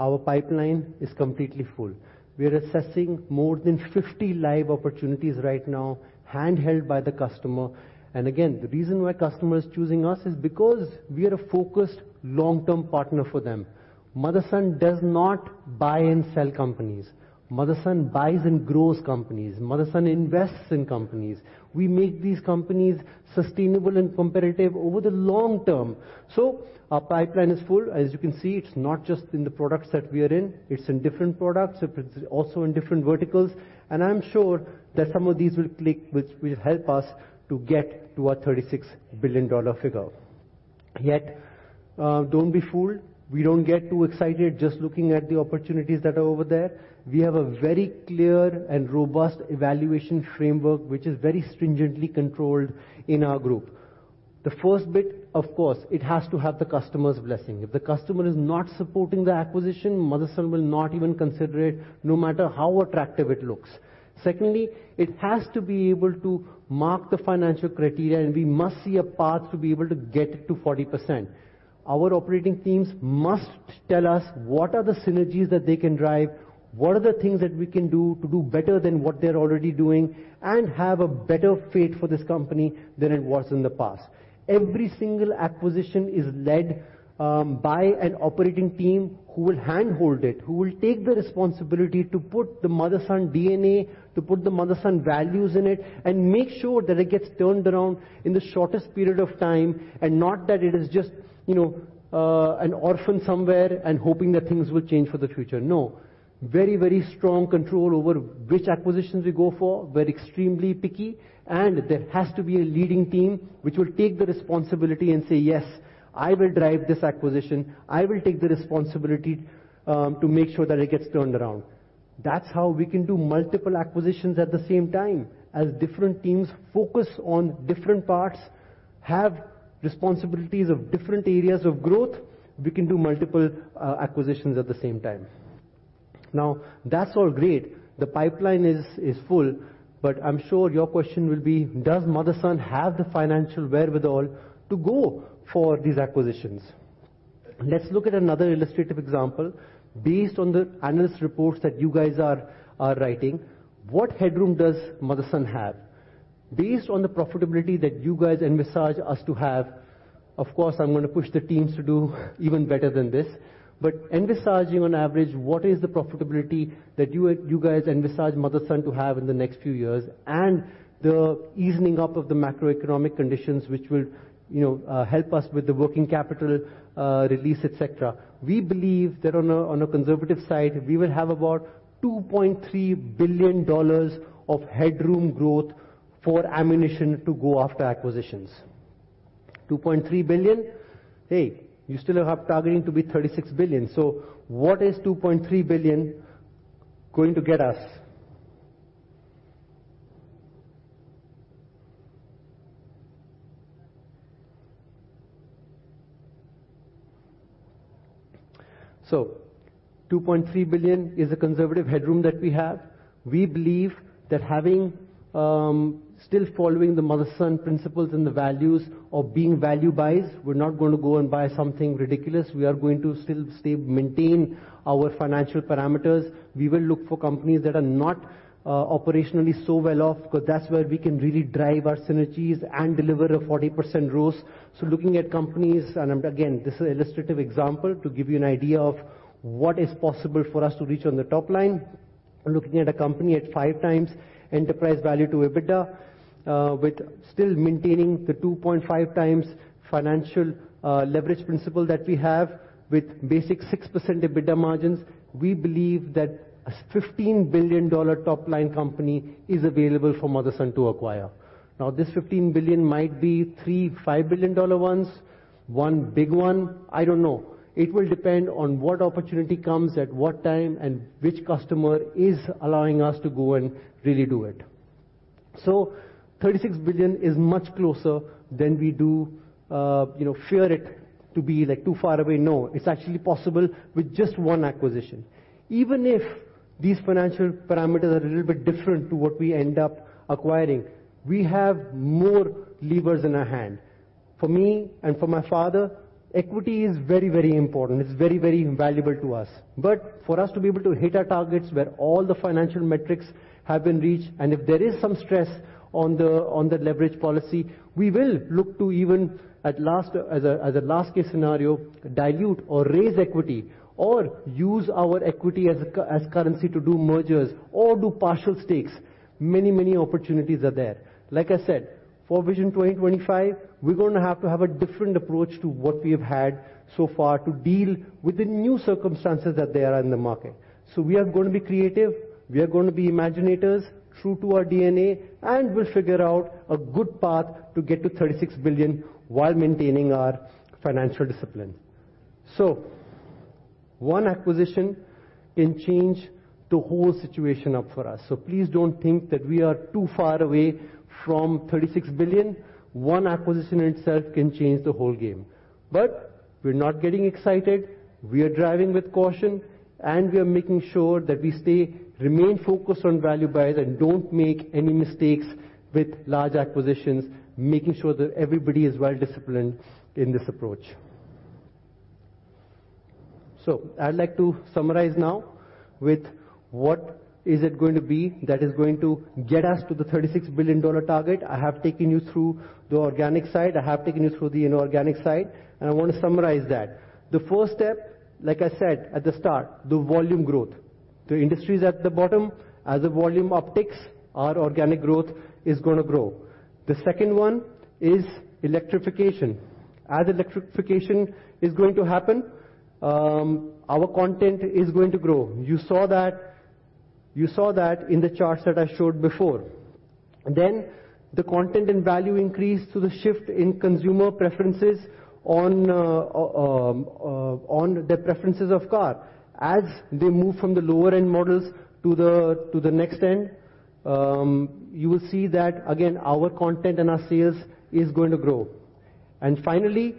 Our pipeline is completely full. We are assessing more than 50 live opportunities right now, handheld by the customer. Again, the reason why customer is choosing us is because we are a focused long-term partner for them. Motherson does not buy and sell companies. Motherson buys and grows companies. Motherson invests in companies. We make these companies sustainable and competitive over the long term. Our pipeline is full. As you can see, it's not just in the products that we are in. It's in different products. It's also in different verticals. I'm sure that some of these will click, which will help us to get to our $36 billion figure. Don't be fooled. We don't get too excited just looking at the opportunities that are over there. We have a very clear and robust evaluation framework, which is very stringently controlled in our group. The first bit, of course, it has to have the customer's blessing. If the customer is not supporting the acquisition, Motherson will not even consider it, no matter how attractive it looks. It has to be able to mark the financial criteria, and we must see a path to be able to get it to 40%. Our operating teams must tell us what are the synergies that they can drive, what are the things that we can do to do better than what they're already doing, and have a better fate for this company than it was in the past. Every single acquisition is led by an operating team who will handhold it, who will take the responsibility to put the Motherson DNA, to put the Motherson values in it and make sure that it gets turned around in the shortest period of time, and not that it is just, you know, an orphan somewhere and hoping that things will change for the future. No. Very, very strong control over which acquisitions we go for. We're extremely picky. There has to be a leading team which will take the responsibility and say, "Yes, I will drive this acquisition. I will take the responsibility to make sure that it gets turned around." That's how we can do multiple acquisitions at the same time. Different teams focus on different parts, have responsibilities of different areas of growth, we can do multiple acquisitions at the same time. That's all great. The pipeline is full, I'm sure your question will be: Does Motherson have the financial wherewithal to go for these acquisitions? Let's look at another illustrative example. Based on the analyst reports that you guys are writing, what headroom does Motherson have? Based on the profitability that you guys envisage us to have, of course, I'm gonna push the teams to do even better than this. Envisaging on average, what is the profitability that you guys envisage Motherson to have in the next few years, and the evening up of the macroeconomic conditions which will, you know, help us with the working capital release, et cetera. We believe that on a conservative side, we will have about $2.3 billion of headroom growth for ammunition to go after acquisitions. $2.3 billion. You still have targeting to be $36 billion. What is $2.3 billion going to get us? $2.3 billion is a conservative headroom that we have. We believe that having still following the Motherson principles and the values of being value buys, we're not gonna go and buy something ridiculous. We are going to still stay, maintain our financial parameters. We will look for companies that are not operationally so well off, 'cause that's where we can really drive our synergies and deliver a 40% growth. Looking at companies and again, this is an illustrative example to give you an idea of what is possible for us to reach on the top line. Looking at a company at 5x enterprise value to EBITDA, with still maintaining the 2.5x financial leverage principle that we have with basic 6% EBITDA margins. We believe that a $15 billion top-line company is available for Motherson to acquire. This $15 billion might be three $5 billion ones, one big one, I don't know. It will depend on what opportunity comes at what time and which customer is allowing us to go and really do it. $36 billion is much closer than we do, you know, fear it to be like too far away. No, it's actually possible with just one acquisition. Even if these financial parameters are a little bit different to what we end up acquiring, we have more levers in our hand. For me and for my father, equity is very, very important. It's very, very valuable to us. For us to be able to hit our targets where all the financial metrics have been reached, and if there is some stress on the leverage policy, we will look to even at last, as a last case scenario, dilute or raise equity or use our equity as currency to do mergers or do partial stakes. Many opportunities are there. Like I said, for Vision 2025, we're going to have to have a different approach to what we have had so far to deal with the new circumstances that there are in the market. We are going to be creative, we are going to be imaginators true to our DNA, and we'll figure out a good path to get to $36 billion while maintaining our financial discipline. One acquisition can change the whole situation up for us. Please don't think that we are too far away from $36 billion. One acquisition in itself can change the whole game. We're not getting excited. We are driving with caution, and we are making sure that we stay, remain focused on value buys and don't make any mistakes with large acquisitions, making sure that everybody is well disciplined in this approach. I'd like to summarize now with what is it going to be that is going to get us to the $36 billion target. I have taken you through the organic side, I have taken you through the inorganic side. I wanna summarize that. The first step, like I said at the start, the volume growth. The industry is at the bottom. As the volume upticks, our organic growth is gonna grow. The second one is electrification. As electrification is going to happen, our content is going to grow. You saw that in the charts that I showed before. The content and value increase to the shift in consumer preferences on the preferences of car. As they move from the lower-end models to the next end, you will see that again our content and our sales is going to grow. Finally,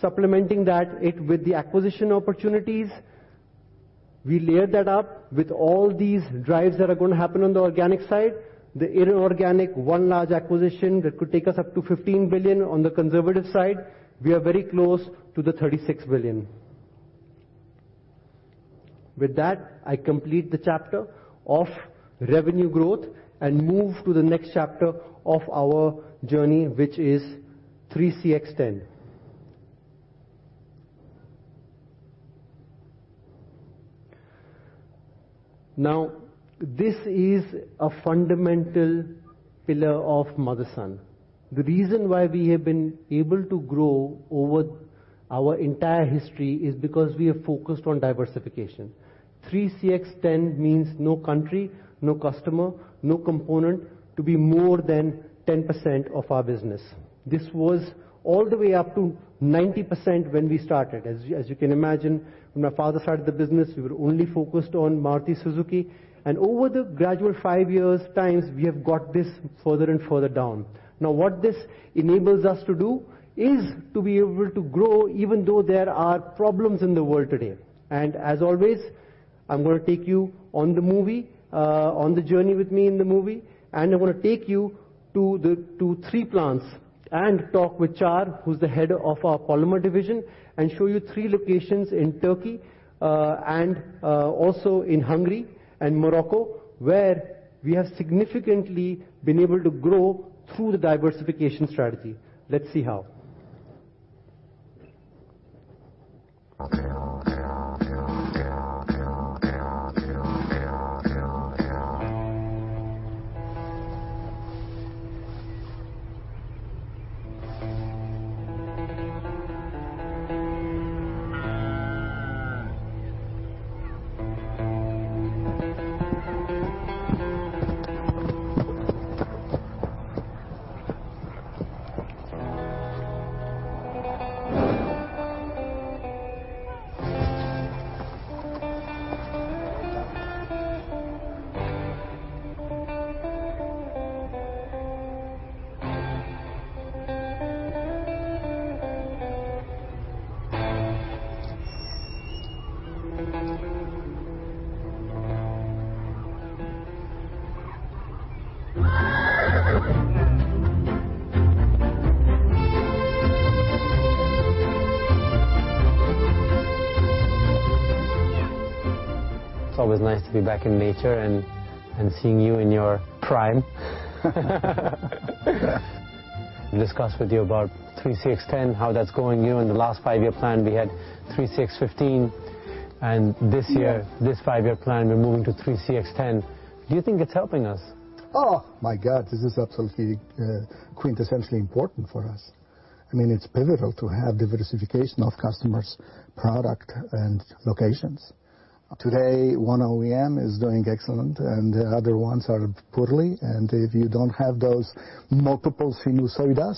supplementing that it with the acquisition opportunities, we layer that up with all these drives that are gonna happen on the organic side. The inorganic one large acquisition that could take us up to $15 billion on the conservative side. We are very close to the $36 billion. With that, I complete the chapter of revenue growth and move to the next chapter of our journey, which is 3CX10. This is a fundamental pillar of Motherson. The reason why we have been able to grow over our entire history is because we are focused on diversification. 3CX10 means no country, no customer, no component to be more than 10% of our business. This was all the way up to 90% when we started. As you can imagine, when my father started the business, we were only focused on Maruti Suzuki. Over the gradual five years times, we have got this further and further down. What this enables us to do is to be able to grow even though there are problems in the world today. As always, I'm gonna take you on the movie, on the journey with me in the movie, I'm gonna take you to three plants and talk with Char, who's the head of our polymer division, and show you three locations in Turkey, also in Hungary and Morocco, where we have significantly been able to grow through the diversification strategy. Let's see how. It's always nice to be back in nature and seeing you in your prime. We discussed with you about 3CX10, how that's going. You know, in the last five-year plan we had 3CX15. Yes. This 5-year plan we're moving to 3CX10. Do you think it's helping us? Oh, my God, this is absolutely quintessentially important for us. I mean, it's pivotal to have diversification of customers, product, and locations. Today one OEM is doing excellent, and the other ones are poorly, and if you don't have those multiples who use Soidas,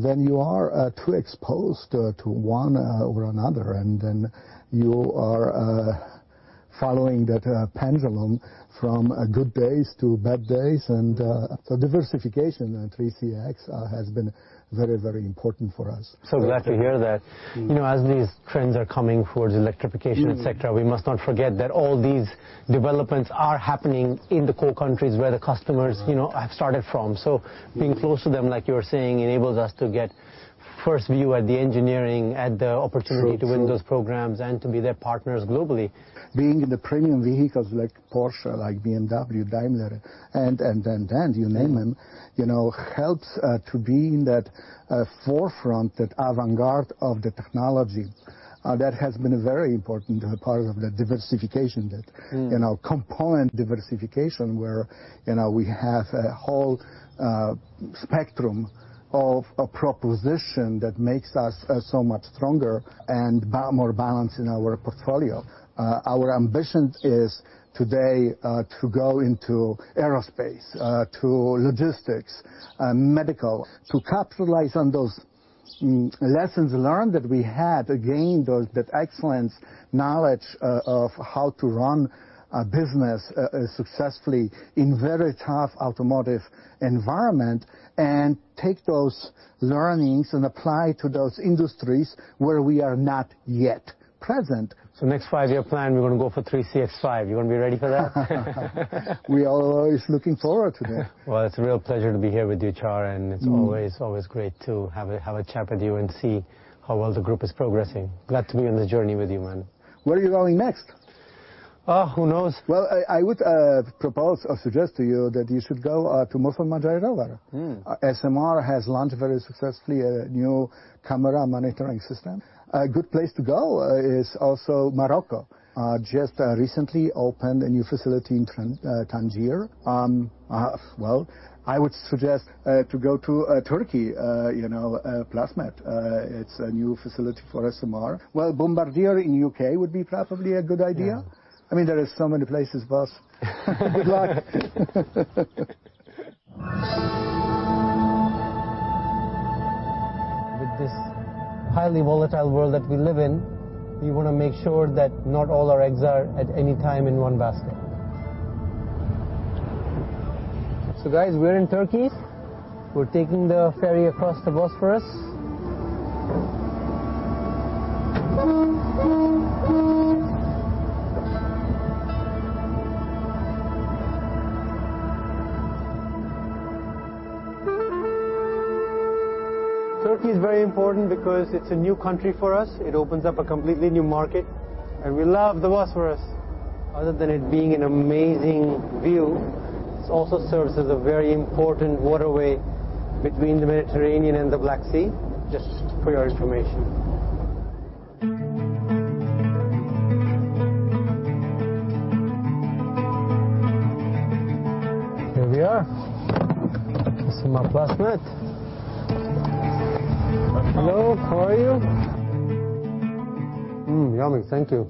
then you are too exposed to one or another, and then you are following that pendulum from good days to bad days. So diversification in 3CX has been very, very important for us. Glad to hear that. You know, as these trends are coming towards electrification... Mm. et cetera, we must not forget that all these developments are happening in the core countries where the customers- Uh-huh. you know, have started from. Mm-hmm. Being close to them, like you were saying, enables us to get first view at the engineering, at the opportunity. True, true. To win those programs and to be their partners globally. Being in the premium vehicles like Porsche, like BMW, Daimler, and, and you name them, you know, helps to be in that forefront, that avant-garde of the technology. That has been a very important part of the diversification. Mm. you know, component diversification where, you know, we have a whole, spectrum of a proposition that makes us, so much stronger and more balanced in our portfolio. Our ambition is today, to go into aerospace, to logistics, medical, to capitalize on those lessons learned that we had, again, that excellence knowledge of how to run a business, successfully in very tough automotive environment and take those learnings and apply to those industries where we are not yet present. Next five-year plan we're gonna go for 3CX5. You wanna be ready for that? We are always looking forward to that. Well, it's a real pleasure to be here with you, Char. Mm-hmm. always great to have a chat with you and see how well the group is progressing. Glad to be on the journey with you, man. Where are you going next? Oh, who knows? Well, I would propose or suggest to you that you should go to Morfoma Drive Over. Mm. SMR has launched very successfully a new camera monitoring system. A good place to go is also Morocco. Just recently opened a new facility in Tangier. Well, I would suggest to go to Turkey, you know, Plast-Met. It's a new facility for SMR. Well, Bombardier in UK would be probably a good idea. Yeah. I mean, there is so many places, boss. Good luck. With this highly volatile world that we live in, we want to make sure that not all our eggs are at any time in one basket. Guys, we're in Turkey. We're taking the ferry across the Bosphorus. Turkey is very important because it's a new country for us. It opens up a completely new market, and we love the Bosphorus. Other than it being an amazing view, this also serves as a very important waterway between the Mediterranean and the Black Sea. Just for your information. Here we are. This is Maplasmat. Maplasmat. Hello, how are you? Yummy. Thank you.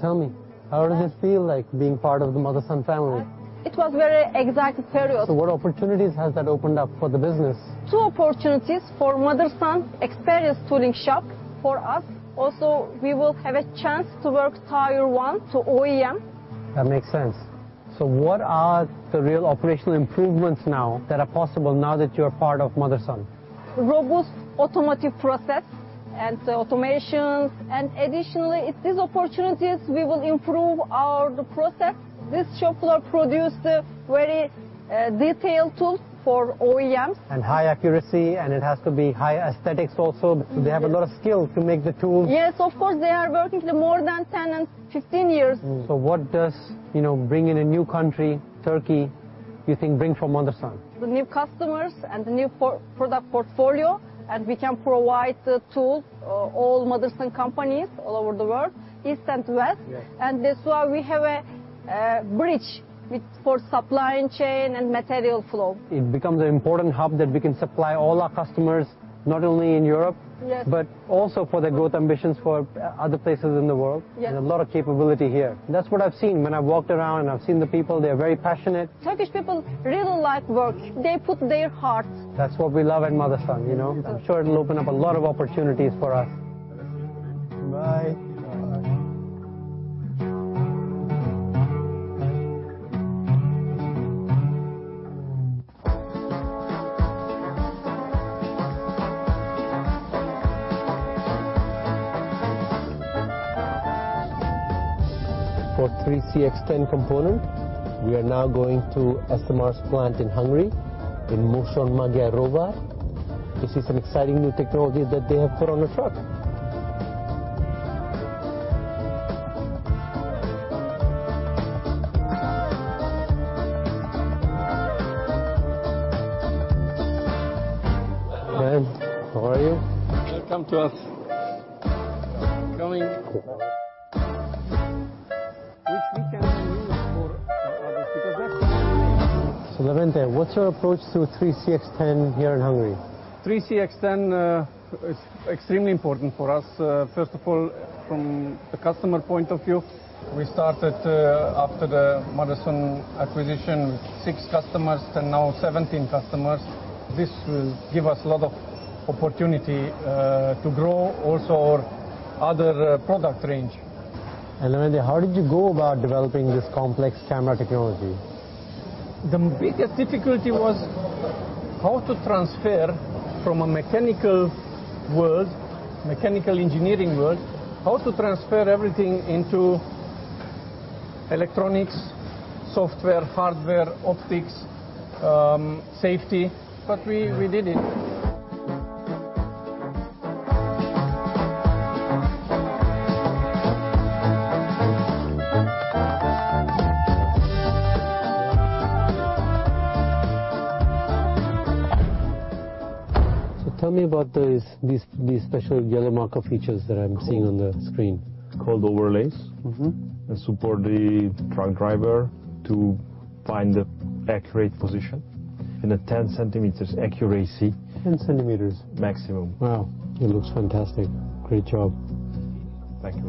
Tell me, how does it feel like being part of the Motherson family? It was very exciting period. What opportunities has that opened up for the business? Two opportunities for Motherson experienced tooling shop. For us also, we will have a chance to work Tier 1 to OEM. That makes sense. What are the real operational improvements now that are possible now that you're part of Motherson? Robust automotive process and the automations. Additionally, with these opportunities, we will improve our process. This shop floor produce the very detailed tools for OEMs. High accuracy, and it has to be high aesthetics also. Mm-hmm. They have a lot of skill to make the tools. Yes, of course. They are working more than 10 and 15 years. What does, you know, bringing a new country, Turkey, you think bring for Motherson? The new customers and the new product portfolio, and we can provide the tools, all Motherson companies all over the world, east and west. Yes. That's why we have a bridge for supply chain and material flow. It becomes an important hub that we can supply all our customers, not only in Europe... Yes. Also for the growth ambitions for other places in the world. Yes. A lot of capability here. That's what I've seen when I've walked around, and I've seen the people. They're very passionate. Turkish people really like work. They put their hearts. That's what we love at Motherson, you know? Yes. I'm sure it'll open up a lot of opportunities for us. Bye. Bye. For 3CX10 component, we are now going to SMR's plant in Hungary in Mosonmagyaróvár. This is an exciting new technology that they have put on the truck. Hi. How are you? Welcome to us. Come in. Which we can use for others because that's- Levente, what's your approach to 3CX10 here in Hungary? 3CX10 is extremely important for us. First of all, from the customer point of view. We started after the Motherson acquisition, six customers, and now 17 customers. This will give us a lot of opportunity to grow also our other product range. Levente, how did you go about developing this complex camera technology? The biggest difficulty was how to transfer from a mechanical world, mechanical engineering world, how to transfer everything into electronics, software, hardware, optics, safety, we did it. Tell me about these special yellow marker features that I'm seeing on the screen? It's called overlays. Mm-hmm. They support the truck driver to find the accurate position in a 10 centimeters accuracy. Ten centimeters. Maximum. Wow. It looks fantastic. Great job. Thank you.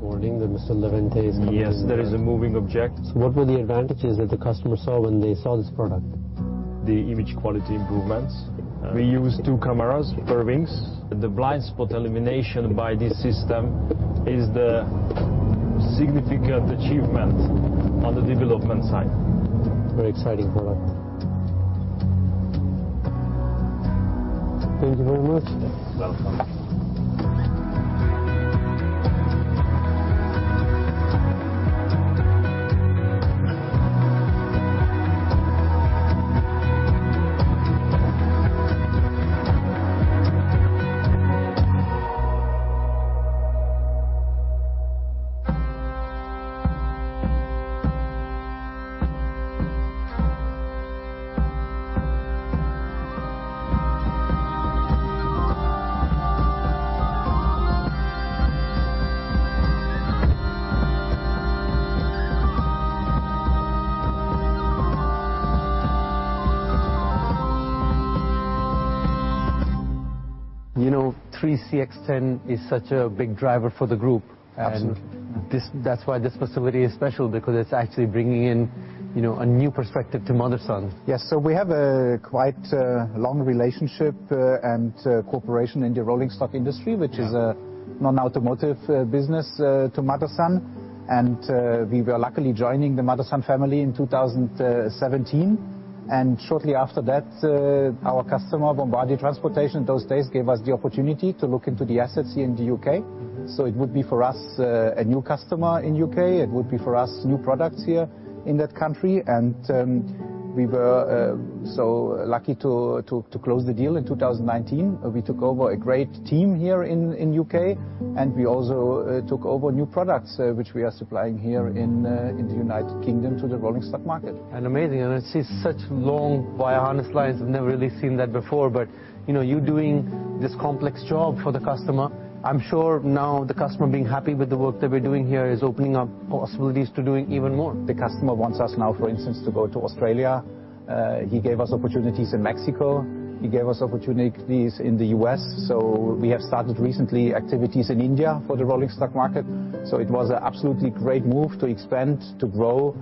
Warning that Mr. Levente is coming. Yes, there is a moving object. What were the advantages that the customer saw when they saw this product? The image quality improvements. We use two cameras per wings. The blind spot elimination by this system is the significant achievement on the development side. Very exciting product. Thank you very much. You're welcome. You know, 3CX10 is such a big driver for the group. Absolutely. That's why this facility is special because it's actually bringing in, you know, a new perspective to Motherson. Yes. We have a quite long relationship and cooperation in the rolling stock industry. Yeah ...which is a non-automotive business to Motherson. We were luckily joining the Motherson family in 2017. Shortly after that, our customer, Bombardier Transportation those days, gave us the opportunity to look into the assets here in the U.K. It would be for us, a new customer in U.K., it would be for us new products here in that country. We were so lucky to close the deal in 2019. We took over a great team here in U.K., and we also took over new products, which we are supplying here in the United Kingdom to the rolling stock market. Amazing. I see such long wire harness lines. I've never really seen that before, but, you know, you doing this complex job for the customer, I'm sure now the customer being happy with the work that we're doing here is opening up possibilities to doing even more. The customer wants us now, for instance, to go to Australia. He gave us opportunities in Mexico. He gave us opportunities in the U.S. We have started recently activities in India for the rolling stock market. It was an absolutely great move to expand, to grow.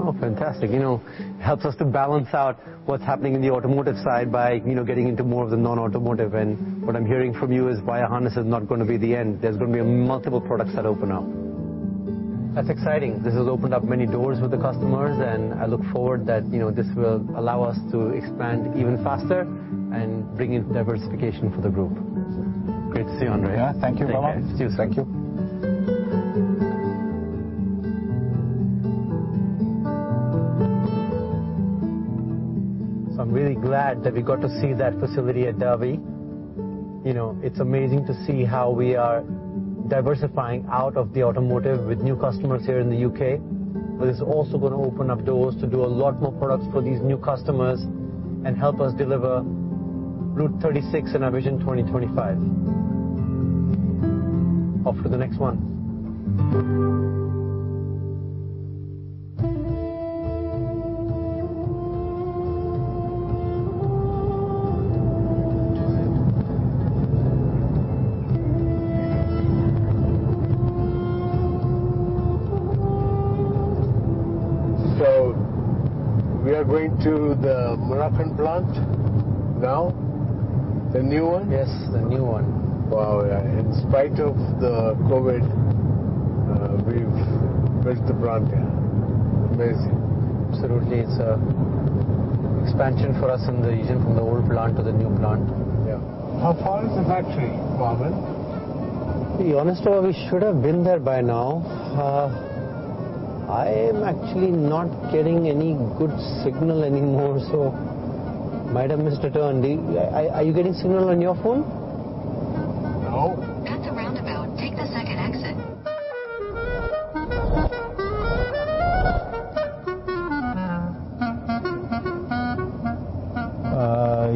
Oh, fantastic. You know, helps us to balance out what's happening in the automotive side by, you know, getting into more of the non-automotive. What I'm hearing from you is wire harness is not gonna be the end. There's gonna be multiple products that open up. That's exciting. This has opened up many doors with the customers, and I look forward that, you know, this will allow us to expand even faster and bring in diversification for the group. Great to see you, Andre. Yeah. Thank you, Vaaman. Take care. Cheers. Thank you. I'm really glad that we got to see that facility at Derby. You know, it's amazing to see how we are diversifying out of the automotive with new customers here in the U.K, but it's also gonna open up doors to do a lot more products for these new customers and help us deliver Route 36 and our Vision 2025. Off to the next one. We are going to the Moroccan plant now? The new one? Yes, the new one. Wow. In spite of the COVID, we've built the plant here. Amazing. Absolutely. It's a expansion for us in the region from the old plant to the new plant. Yeah. How far is the factory, Vaman? To be honest, though, we should have been there by now. I am actually not getting any good signal anymore. Might have missed a turn. Are you getting signal on your phone? No. At the roundabout, take the second exit.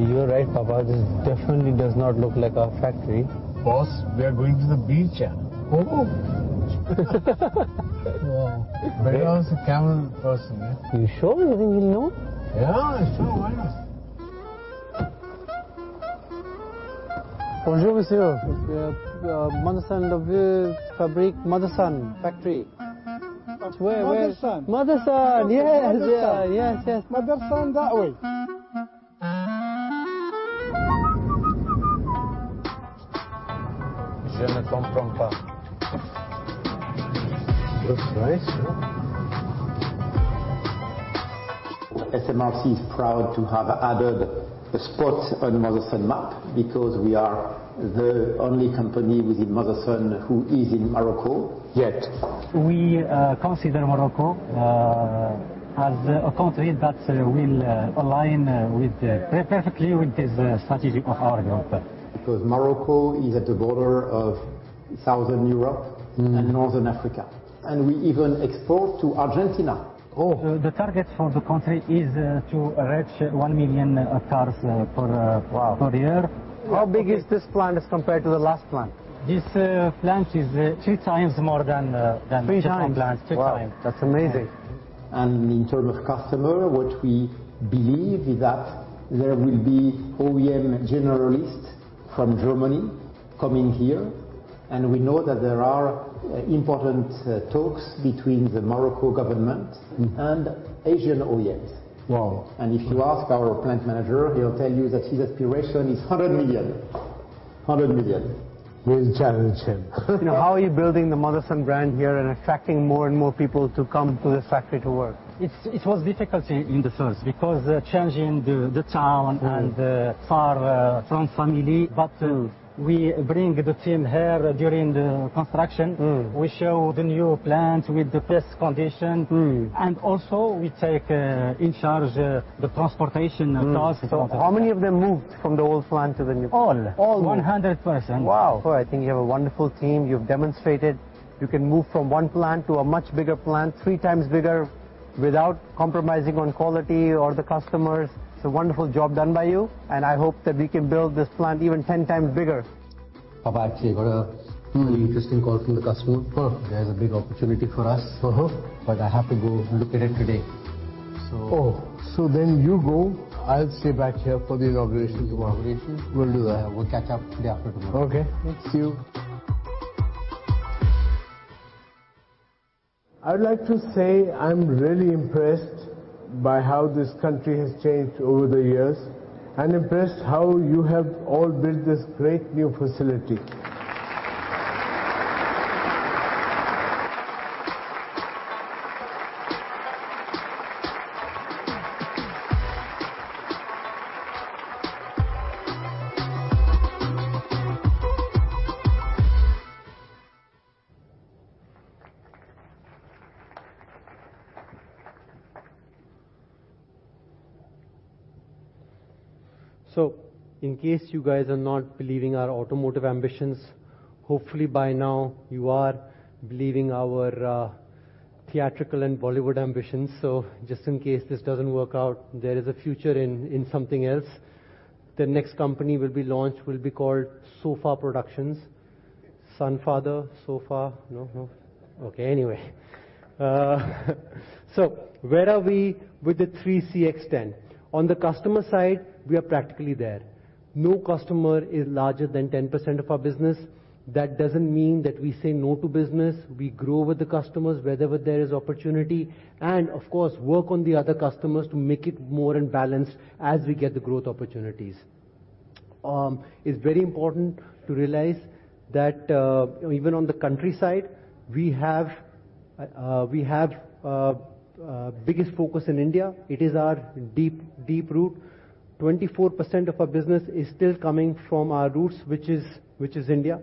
You're right, Papa. This definitely does not look like our factory. Boss, we are going to the beach. Oh. Wow. Better ask a camel person, yeah? You sure? You think he'll know? Yeah, sure. Why not? Bonjour, monsieur. We are, Motherson factory. Motherson. Motherson. Yes. Motherson. Yes. Yes, yes. Motherson that way. Looks nice, no? SMRC is proud to have added a spot on Motherson map, because we are the only company within Motherson who is in Morocco. We consider Morocco as a country that will align perfectly with the strategy of our group. Morocco is at the border of Southern Europe. Mm. Northern Africa, and we even export to Argentina. Oh. The target for the country is to reach 1 million cars. Wow. per year. How big is this plant as compared to the last plant? This plant is 3 times more than. Three times. old plant. Wow. Three times. That's amazing. In terms of customer, what we believe is that there will be OEM generalists from Germany coming here, and we know that there are important talks between the Morocco government. Mm. Asian OEMs. Wow. If you ask our plant manager, he'll tell you that his aspiration is $100 million. $100 million. We'll challenge him. You know, how are you building the Motherson brand here and attracting more and more people to come to this factory to work? It's, it was difficulty in the first, because, changing the town- Mm. far from family. Mm. We bring the team here during the construction. Mm. We show the new plant with the best condition. Mm. We take in charge the transportation costs. How many of them moved from the old plant to the new plant? All. All. 100%. Wow. I think you have a wonderful team. You've demonstrated you can move from one plant to a much bigger plant, three times bigger, without compromising on quality or the customers. It's a wonderful job done by you, and I hope that we can build this plant even 10 times bigger. Papa, I actually got. Mm. Really interesting call from the customer. Oh. There's a big opportunity for us. Uh-huh. I have to go look at it today. You go. I'll stay back here for the inauguration tomorrow. Inauguration. Will do that. We'll catch up today, after tomorrow. Okay. See you. I'd like to say I'm really impressed by how this country has changed over the years and impressed how you have all built this great new facility. In case you guys are not believing our automotive ambitions, hopefully by now you are believing our theatrical and Bollywood ambitions. Just in case this doesn't work out, there is a future in something else. The next company will be launched will be called SOFHA Productions. Son, father, sofa. No? No? Okay. Anyway. Where are we with the 3CX10? On the customer side, we are practically there. No customer is larger than 10% of our business. That doesn't mean that we say no to business. We grow with the customers wherever there is opportunity and of course work on the other customers to make it more in balance as we get the growth opportunities. It's very important to realize that even on the country side, we have biggest focus in India. It is our deep, deep root. 24% of our business is still coming from our roots, which is India.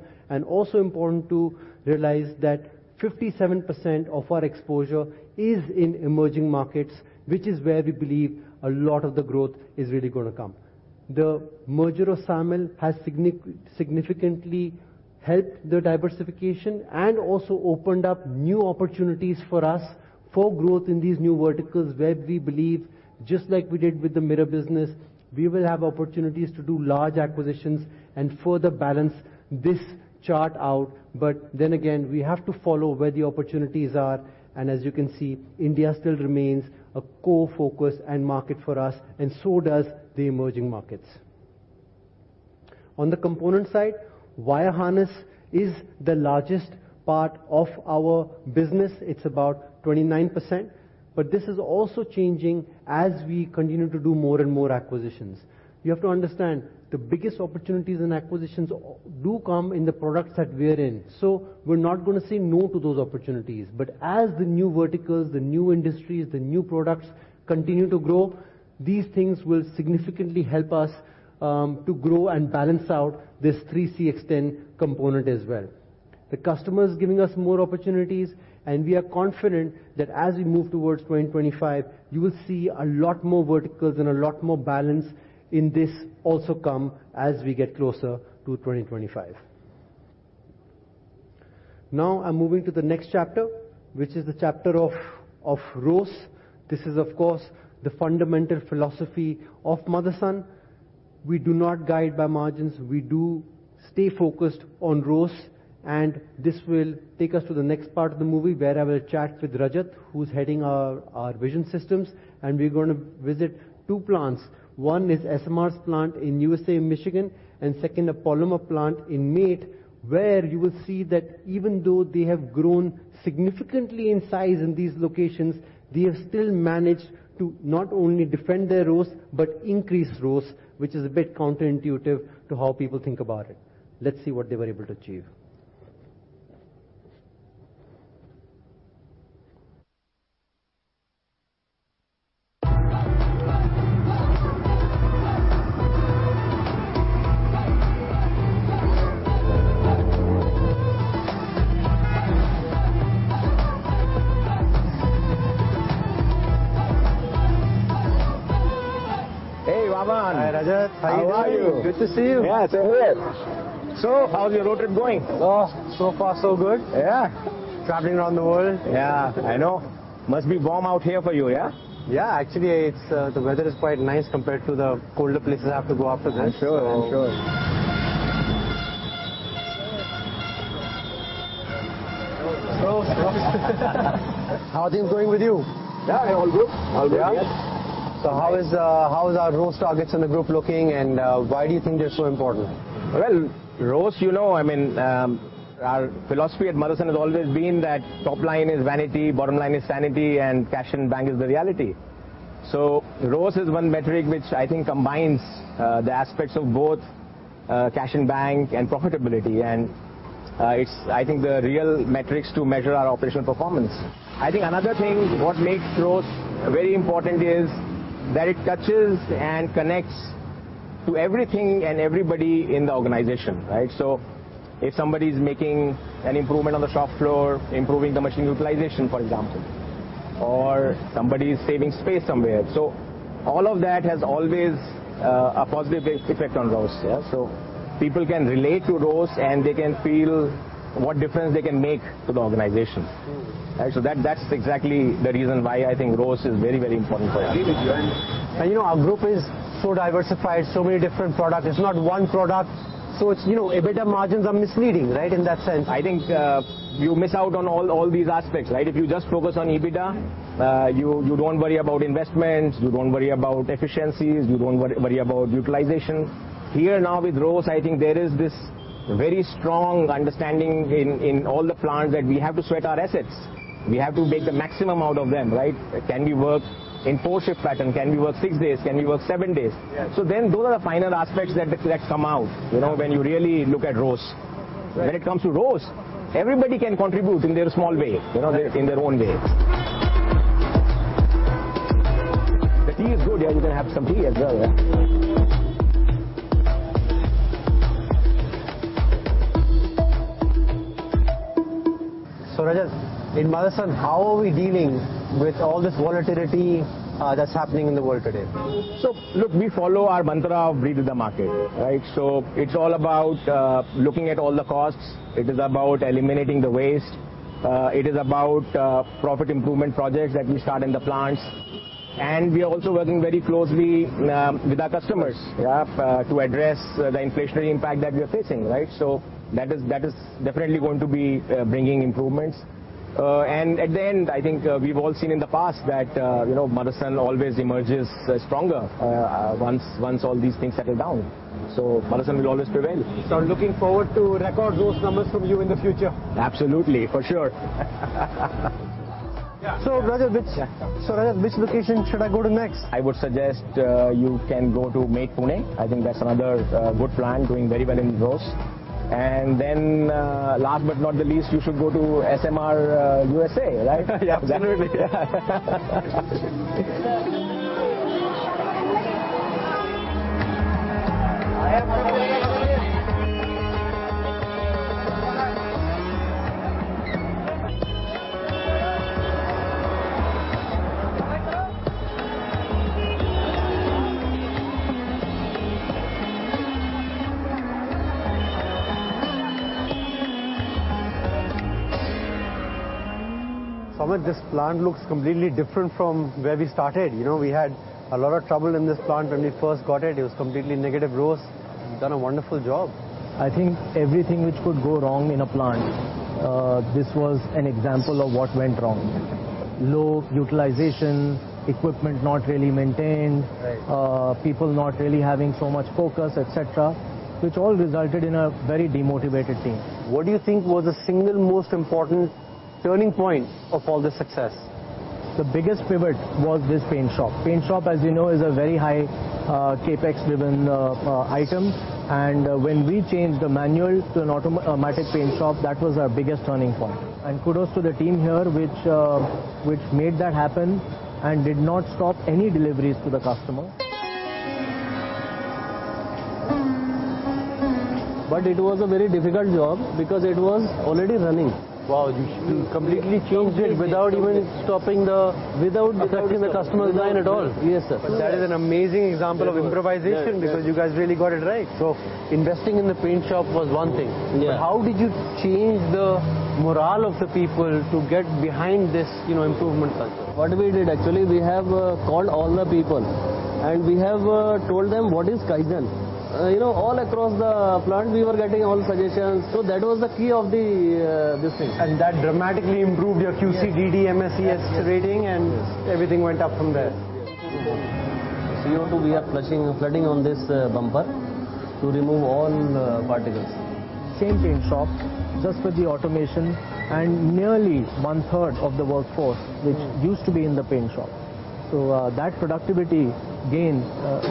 Also important to realize that 57% of our exposure is in emerging markets, which is where we believe a lot of the growth is really gonna come. The merger of SAMIL has significantly helped the diversification and also opened up new opportunities for us for growth in these new verticals where we believe, just like we did with the mirror business, we will have opportunities to do large acquisitions and further balance this chart out. Again, we have to follow where the opportunities are, and as you can see, India still remains a core focus and market for us, and so does the emerging markets. On the component side, wire harness is the largest part of our business. It's about 29%. This is also changing as we continue to do more and more acquisitions. You have to understand, the biggest opportunities and acquisitions do come in the products that we're in, so we're not gonna say no to those opportunities. As the new verticals, the new industries, the new products continue to grow, these things will significantly help us to grow and balance out this 3CX10 component as well. The customer is giving us more opportunities, and we are confident that as we move towards 2025, you will see a lot more verticals and a lot more balance in this also come as we get closer to 2025. Now, I'm moving to the next chapter, which is the chapter of ROAS. This is, of course, the fundamental philosophy of Motherson. We do not guide by margins. We do stay focused on ROAS. This will take us to the next part of the movie where I will chat with Rajat, who's heading our vision systems, and we're going to visit two plants. One is SMR's plant in U.S.A, Michigan, and second, a polymer plant in Meeth, where you will see that even though they have grown significantly in size in these locations, they have still managed to not only defend their ROAS but increase ROAS, which is a bit counterintuitive to how people think about it. Let's see what they were able to achieve. Hey, Vaman. Hi, Rajat. How are you? How are you? Good to see you. Yeah. It's all good. How's your road trip going? Oh, so far, so good. Yeah. Traveling around the world. Yeah, I know. Must be warm out here for you, yeah? Yeah. Actually, it's, the weather is quite nice compared to the colder places I have to go after this. I'm sure. I'm sure. So... How are things going with you? Yeah, all good. All good. Yeah. How is our ROAS targets in the group looking, and why do you think they're so important? Well, ROAS, you know, I mean, our philosophy at Motherson has always been that top line is vanity, bottom line is sanity, and cash in bank is the reality. ROAS is one metric which I think combines the aspects of both cash in bank and profitability, and it's I think the real metrics to measure our operational performance. I think another thing, what makes ROAS very important is that it touches and connects to everything and everybody in the organization, right? If somebody's making an improvement on the shop floor, improving the machine utilization, for example, or somebody is saving space somewhere, all of that has always a positive effect on ROAS. People can relate to ROAS, and they can feel what difference they can make to the organization. Mm. Right? That's exactly the reason why I think ROAS is very, very important for us. You know, our group is so diversified, so many different products. It's not one product, so it's, you know, EBITDA margins are misleading, right? In that sense. I think you miss out on all these aspects, right? If you just focus on EBITDA, you don't worry about investments, you don't worry about efficiencies, you don't worry about utilization. Here now with ROAS, I think there is this very strong understanding in all the plants that we have to sweat our assets. We have to make the maximum out of them, right? Can we work in four shift pattern? Can we work six days? Can we work seven days? Yeah. Those are the finer aspects that come out, you know, when you really look at ROAS. Right. When it comes to ROAS, everybody can contribute in their small way, you know. Right ...in their own way. The tea is good. You can have some tea as well, yeah. Rajat, in Motherson, how are we dealing with all this volatility that's happening in the world today? Look, we follow our mantra of read the market, right? It's all about looking at all the costs. It is about eliminating the waste. It is about profit improvement projects that we start in the plants, we are also working very closely with our customers. Yes ...to address the inflationary impact that we are facing, right? That is definitely going to be bringing improvements. At the end, I think, we've all seen in the past that, you know, Motherson always emerges stronger, once all these things settle down. Motherson will always prevail. I'm looking forward to record those numbers from you in the future. Absolutely. For sure. Rajat Yeah. Rajat, which location should I go to next? I would suggest, you can go to Meeth, Pune. I think that's another good plant doing very well in the ROAS. Then, last but not the least, you should go to SMR, U.S.A, right? Yeah, absolutely. Yeah. Samrat, this plant looks completely different from where we started. You know, we had a lot of trouble in this plant when we first got it. It was completely negative ROAS. You've done a wonderful job. I think everything which could go wrong in a plant, this was an example of what went wrong. Low utilization, equipment not really maintained... Right... people not really having so much focus, et cetera, which all resulted in a very demotivated team. What do you think was the single most important turning point of all this success? The biggest pivot was this paint shop. Paint shop, as you know, is a very high, CapEx-driven, item. When we changed the manual to an auto-automatic paint shop, that was our biggest turning point. Kudos to the team here which made that happen and did not stop any deliveries to the customer. It was a very difficult job because it was already running. Wow, you completely changed it without even stopping. Without- Affecting the customer design at all. Yes, sir. That is an amazing example of improvisation. Yes. Yes... because you guys really got it right. Investing in the paint shop was one thing. Yeah. How did you change the morale of the people to get behind this, you know, improvement culture? What we did, actually, we have called all the people, and we have told them what is Kaizen. You know, all across the plant we were getting all suggestions. That was the key of the this thing. That dramatically improved your QCDDMSES rating. Yes. Yes Everything went up from there. Yes. Yes. CO2, we are flushing, flooding on this bumper to remove all particles. Same paint shop, just with the automation and nearly 1/3 of the workforce, which used to be in the paint shop. That productivity gain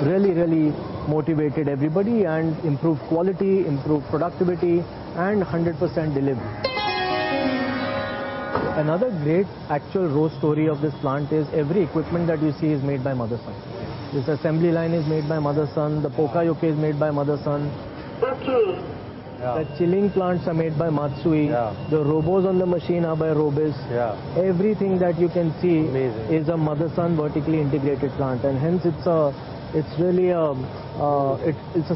really motivated everybody and improved quality, improved productivity, and 100% delivery. Another great actual growth story of this plant is every equipment that you see is made by Motherson. This assembly line is made by Motherson. The Poka-yoke is made by Motherson. Yeah. The chilling plants are made by Matsui. Yeah. The robos on the machine are by Robis. Yeah. Everything that you can see. Amazing is a Motherson vertically integrated plant, and hence it's really a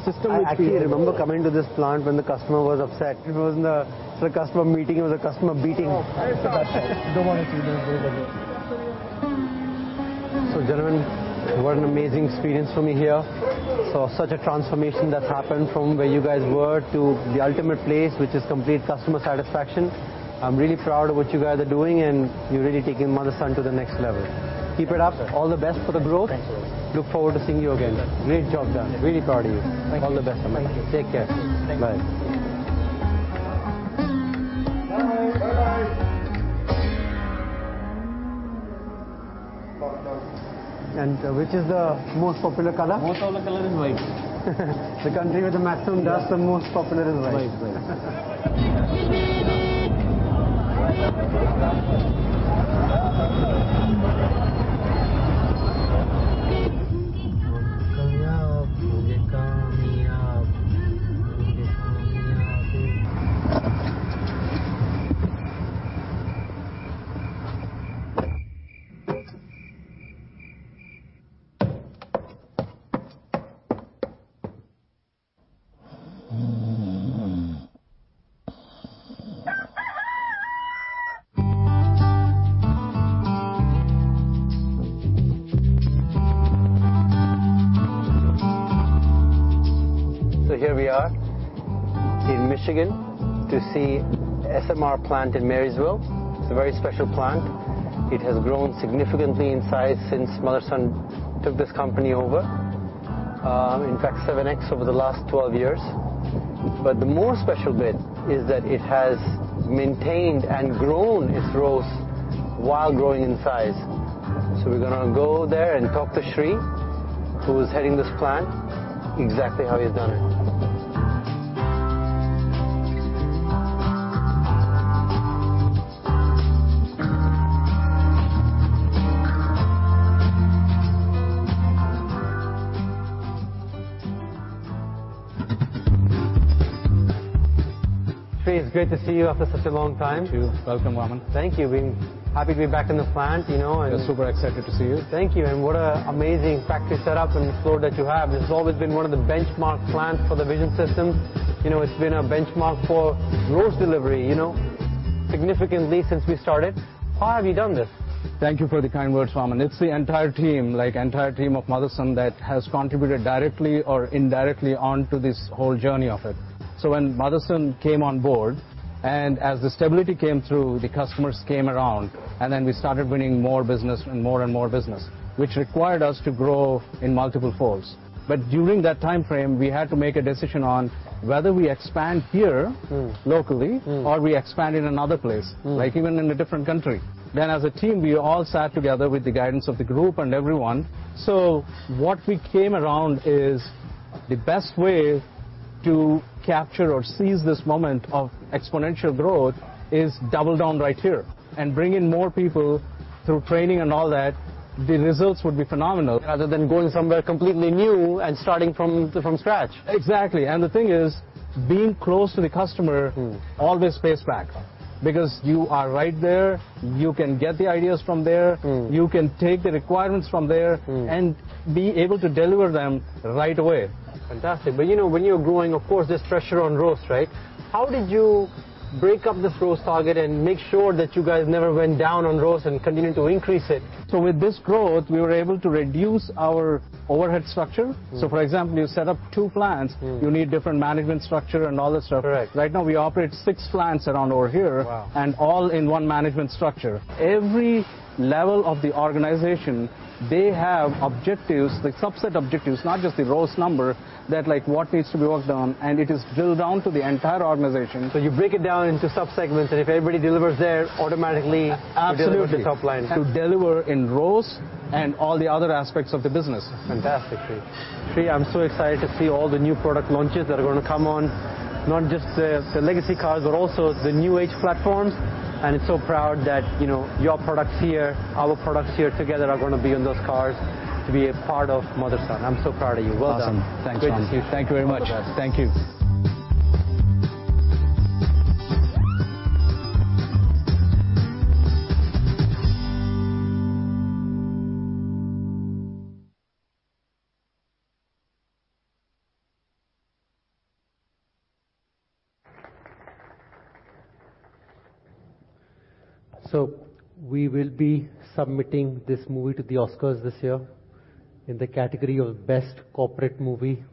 system. I actually remember coming to this plant when the customer was upset. It wasn't a, it was a customer meeting, it was a customer beating. Oh. Don't wanna do that ever. Gentlemen, what an amazing experience for me here. Saw such a transformation that's happened from where you guys were to the ultimate place, which is complete customer satisfaction. I'm really proud of what you guys are doing, and you're really taking Motherson to the next level. Keep it up. Thank you, sir. All the best for the growth. Thank you. Look forward to seeing you again. Thank you, sir. Great job done. Really proud of you. Thank you. All the best, Aman. Thank you. Take care. Thank you. Bye. Bye. Bye-bye. Which is the most popular color? Most all the color is white. The country with the maximum dust- Yeah the most popular is white. White. White. Here we are in Michigan to see SMR plant in Marysville. It's a very special plant. It has grown significantly in size since Motherson took this company over. In fact, 7x over the last 12 years. The more special bit is that it has maintained and grown its growth while growing in size. We're gonna go there and talk to Sri, who is heading this plant, exactly how he's done it. Sri, it's great to see you after such a long time. You too. Welcome, Vaman. Thank you. Been happy to be back in the plant, you know. We're super excited to see you. Thank you, what a amazing factory setup and floor that you have. It's always been one of the benchmark plants for the Visiocorp system. You know, it's been a benchmark for growth delivery, you know, significantly since we started. How have you done this? Thank you for the kind words, Vaman. It's the entire team, like entire team of Motherson that has contributed directly or indirectly onto this whole journey of it. When Motherson came on board, and as the stability came through, the customers came around, and then we started winning more business, and more and more business, which required us to grow in multiple folds. During that timeframe, we had to make a decision on whether we expand here. Mm.... locally- Mm or we expand in another place. Mm. Like even in a different country. As a team, we all sat together with the guidance of the group and everyone. What we came around is the best way to capture or seize this moment of exponential growth is double down right here and bring in more people through training and all that. The results would be phenomenal. Rather than going somewhere completely new and starting from scratch. Exactly. The thing is, being close to the customer- Mm always pays back. You are right there, you can get the ideas from there. Mm. You can take the requirements from there. Mm. Be able to deliver them right away. Fantastic. You know, when you're growing, of course, there's pressure on growth, right? How did you break up this growth target and make sure that you guys never went down on growth and continued to increase it? With this growth, we were able to reduce our overhead structure. Mm. For example, you set up 2 plants. Mm. You need different management structure and all that stuff. Correct. Right now we operate 6 plants around over here. Wow. All in one management structure. Every level of the organization, they have objectives, like subset objectives, not just the growth number, that like what needs to be worked on, and it is drilled down to the entire organization. You break it down into subsegments, and if everybody delivers there, automatically. A-absolutely. you deliver the top line. To deliver in growth and all the other aspects of the business. Fantastic, Sri. Sri, I'm so excited to see all the new product launches that are gonna come on, not just the legacy cars, but also the new age platforms. It's so proud that, you know, your products here, our products here together are gonna be in those cars to be a part of Motherson. I'm so proud of you. Well done. Awesome. Thanks, Ron. Great to see you. Thank you very much. All the best. Thank you. We will be submitting this movie to the Oscars this year in the category of best corporate movie.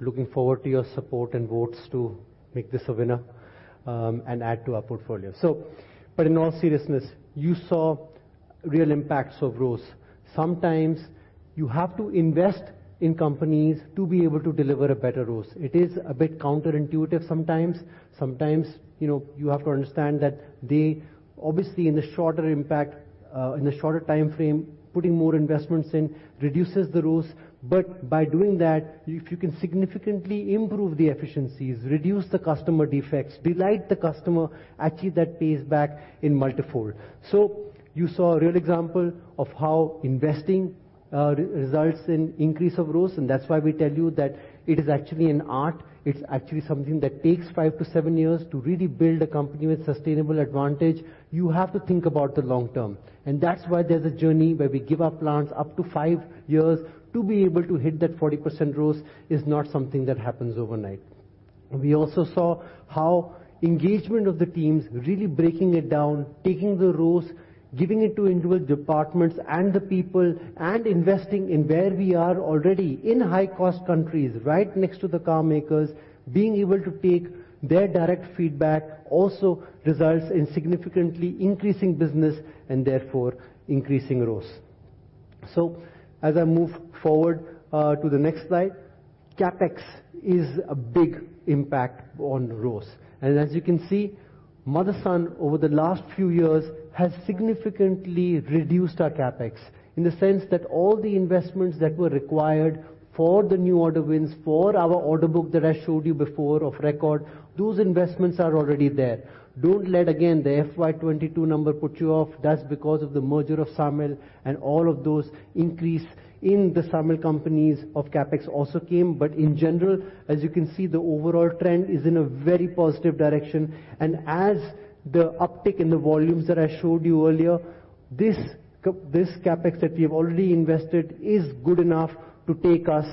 Looking forward to your support and votes to make this a winner and add to our portfolio. In all seriousness, you saw real impacts of growth. Sometimes you have to invest in companies to be able to deliver a better growth. It is a bit counterintuitive sometimes. Sometimes, you know, you have to understand that they obviously, in the shorter impact, in the shorter time frame, putting more investments in reduces the growth. By doing that, if you can significantly improve the efficiencies, reduce the customer defects, delight the customer, actually that pays back in multifold. You saw a real example of how investing re-results in increase of growth. That's why we tell you that it is actually an art. It's actually something that takes five to seven years to really build a company with sustainable advantage. You have to think about the long term. That's why there's a journey where we give our plants up to five years to be able to hit that 40% growth, is not something that happens overnight. We also saw how engagement of the teams, really breaking it down, taking the growth, giving it to individual departments and the people, and investing in where we are already in high-cost countries right next to the car makers. Being able to take their direct feedback also results in significantly increasing business and therefore increasing growth. As I move forward to the next slide, CapEx is a big impact on growth. As you can see, Motherson over the last few years has significantly reduced our CapEx in the sense that all the investments that were required for the new order wins, for our order book that I showed you before of record, those investments are already there. Don't let again the FY 2022 number put you off. That's because of the merger of SAMIL and all of those increase in the SAMIL companies of CapEx also came. In general, as you can see, the overall trend is in a very positive direction. As the uptick in the volumes that I showed you earlier, this CapEx that we've already invested is good enough to take us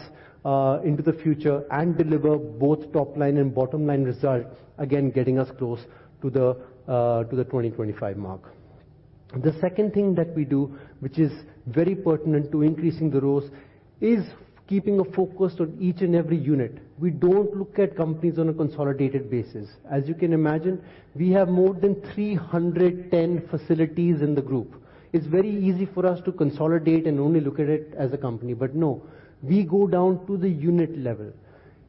into the future and deliver both top line and bottom line results, again, getting us close to the 2025 mark. The second thing that we do, which is very pertinent to increasing the growth, is keeping a focus on each and every unit. We don't look at companies on a consolidated basis. As you can imagine, we have more than 310 facilities in the group. It's very easy for us to consolidate and only look at it as a company. No, we go down to the unit level.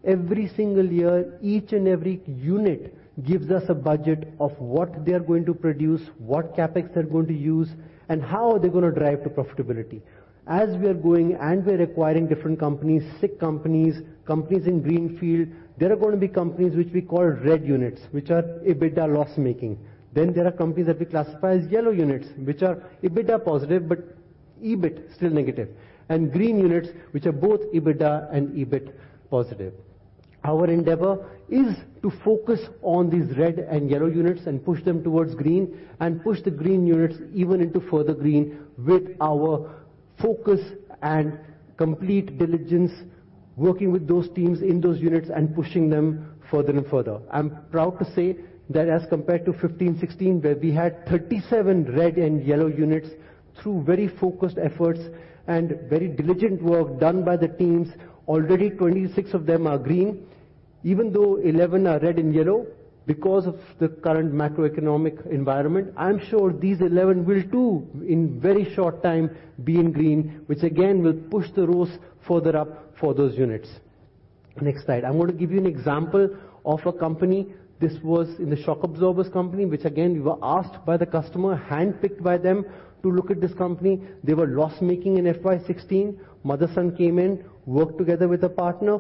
Every single year, each and every unit gives us a budget of what they are going to produce, what CapEx they're going to use, and how are they gonna drive to profitability. As we are growing and we're acquiring different companies, sick companies in greenfield, there are gonna be companies which we call red units, which are EBITDA loss-making. Then there are companies that we classify as yellow units, which are EBITDA positive, but EBIT still negative. Green units, which are both EBITDA and EBIT positive. Our endeavor is to focus on these red and yellow units and push them towards green and push the green units even into further green with our focus and complete diligence, working with those teams in those units and pushing them further and further. I'm proud to say that as compared to 2015, 2016, where we had 37 red and yellow units, through very focused efforts and very diligent work done by the teams, already 26 of them are green. Even though 11 are red and yellow because of the current macroeconomic environment, I am sure these 11 will too in very short time be in green, which again will push the growth further up for those units. Next slide. I'm going to give you an example of a company. This was in the shock absorbers company, which again, we were asked by the customer, handpicked by them to look at this company. They were loss-making in FY 2016. Motherson came in, worked together with a partner.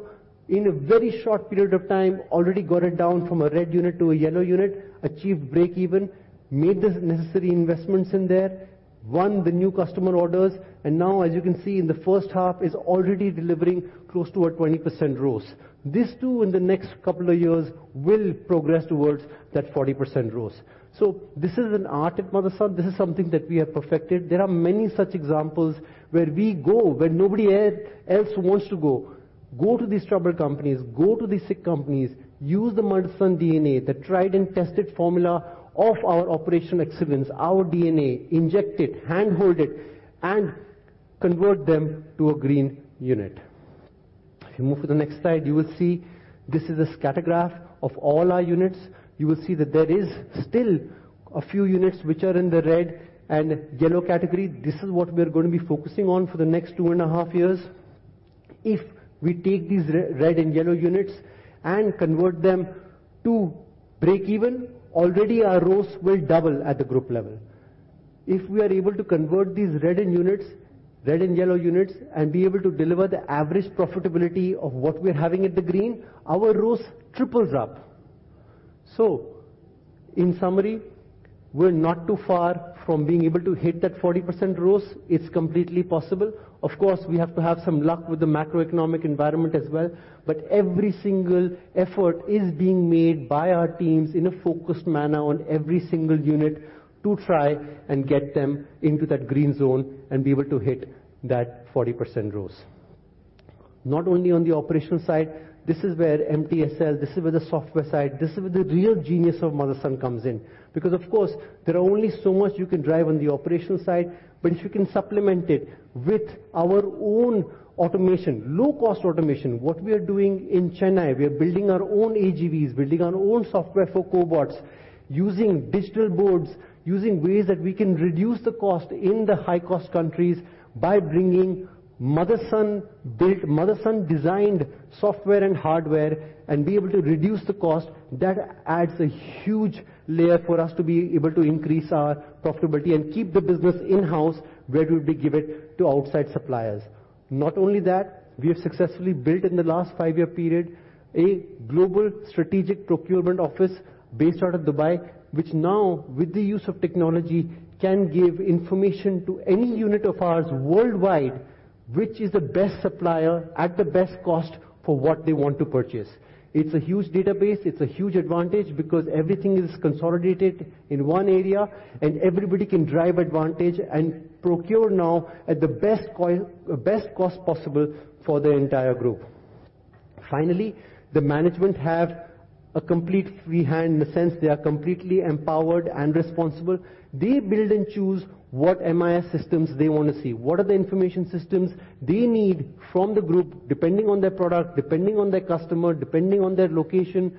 In a very short period of time, already got it down from a red unit to a yellow unit, achieved breakeven. Made the necessary investments in there, won the new customer orders, and now as you can see in the H1 is already delivering close to a 20% ROAS. This too, in the next couple of years will progress towards that 40% ROAS. This is an art at Motherson. This is something that we have perfected. There are many such examples where we go, where nobody else wants to go. Go to these troubled companies, go to these sick companies, use the Motherson DNA, the tried and tested formula of our operational excellence, our DNA, inject it, hand-hold it, and convert them to a green unit. If you move to the next slide, you will see this is a scattergraph of all our units. You will see that there is still a few units which are in the red and yellow category. This is what we're gonna be focusing on for the next two and half years. If we take these red and yellow units and convert them to break even, already our ROAS will double at the group level. If we are able to convert these red and yellow units and be able to deliver the average profitability of what we're having at the green, our ROAS triples up. In summary, we're not too far from being able to hit that 40% ROAS. It's completely possible. Of course, we have to have some luck with the macroeconomic environment as well, but every single effort is being made by our teams in a focused manner on every single unit to try and get them into that green zone and be able to hit that 40% ROAS. Not only on the operational side, this is where MTSL, this is where the software side, this is where the real genius of Motherson comes in. Of course, there are only so much you can drive on the operational side, but if you can supplement it with our own automation, low cost automation. What we are doing in Chennai, we are building our own AGVs, building our own software for cobots, using digital boards, using ways that we can reduce the cost in the high-cost countries by bringing Motherson designed software and hardware and be able to reduce the cost. That adds a huge layer for us to be able to increase our profitability and keep the business in-house where it would be give it to outside suppliers. Not only that, we have successfully built in the last five-year period, a global strategic procurement office based out of Dubai, which now with the use of technology, can give information to any unit of ours worldwide, which is the best supplier at the best cost for what they want to purchase. It's a huge database. It's a huge advantage because everything is consolidated in one area, and everybody can drive advantage and procure now at the best cost possible for the entire group. Finally, the management have a complete free hand in the sense they are completely empowered and responsible. They build and choose what MIS systems they wanna see. What are the information systems they need from the group, depending on their product, depending on their customer, depending on their location?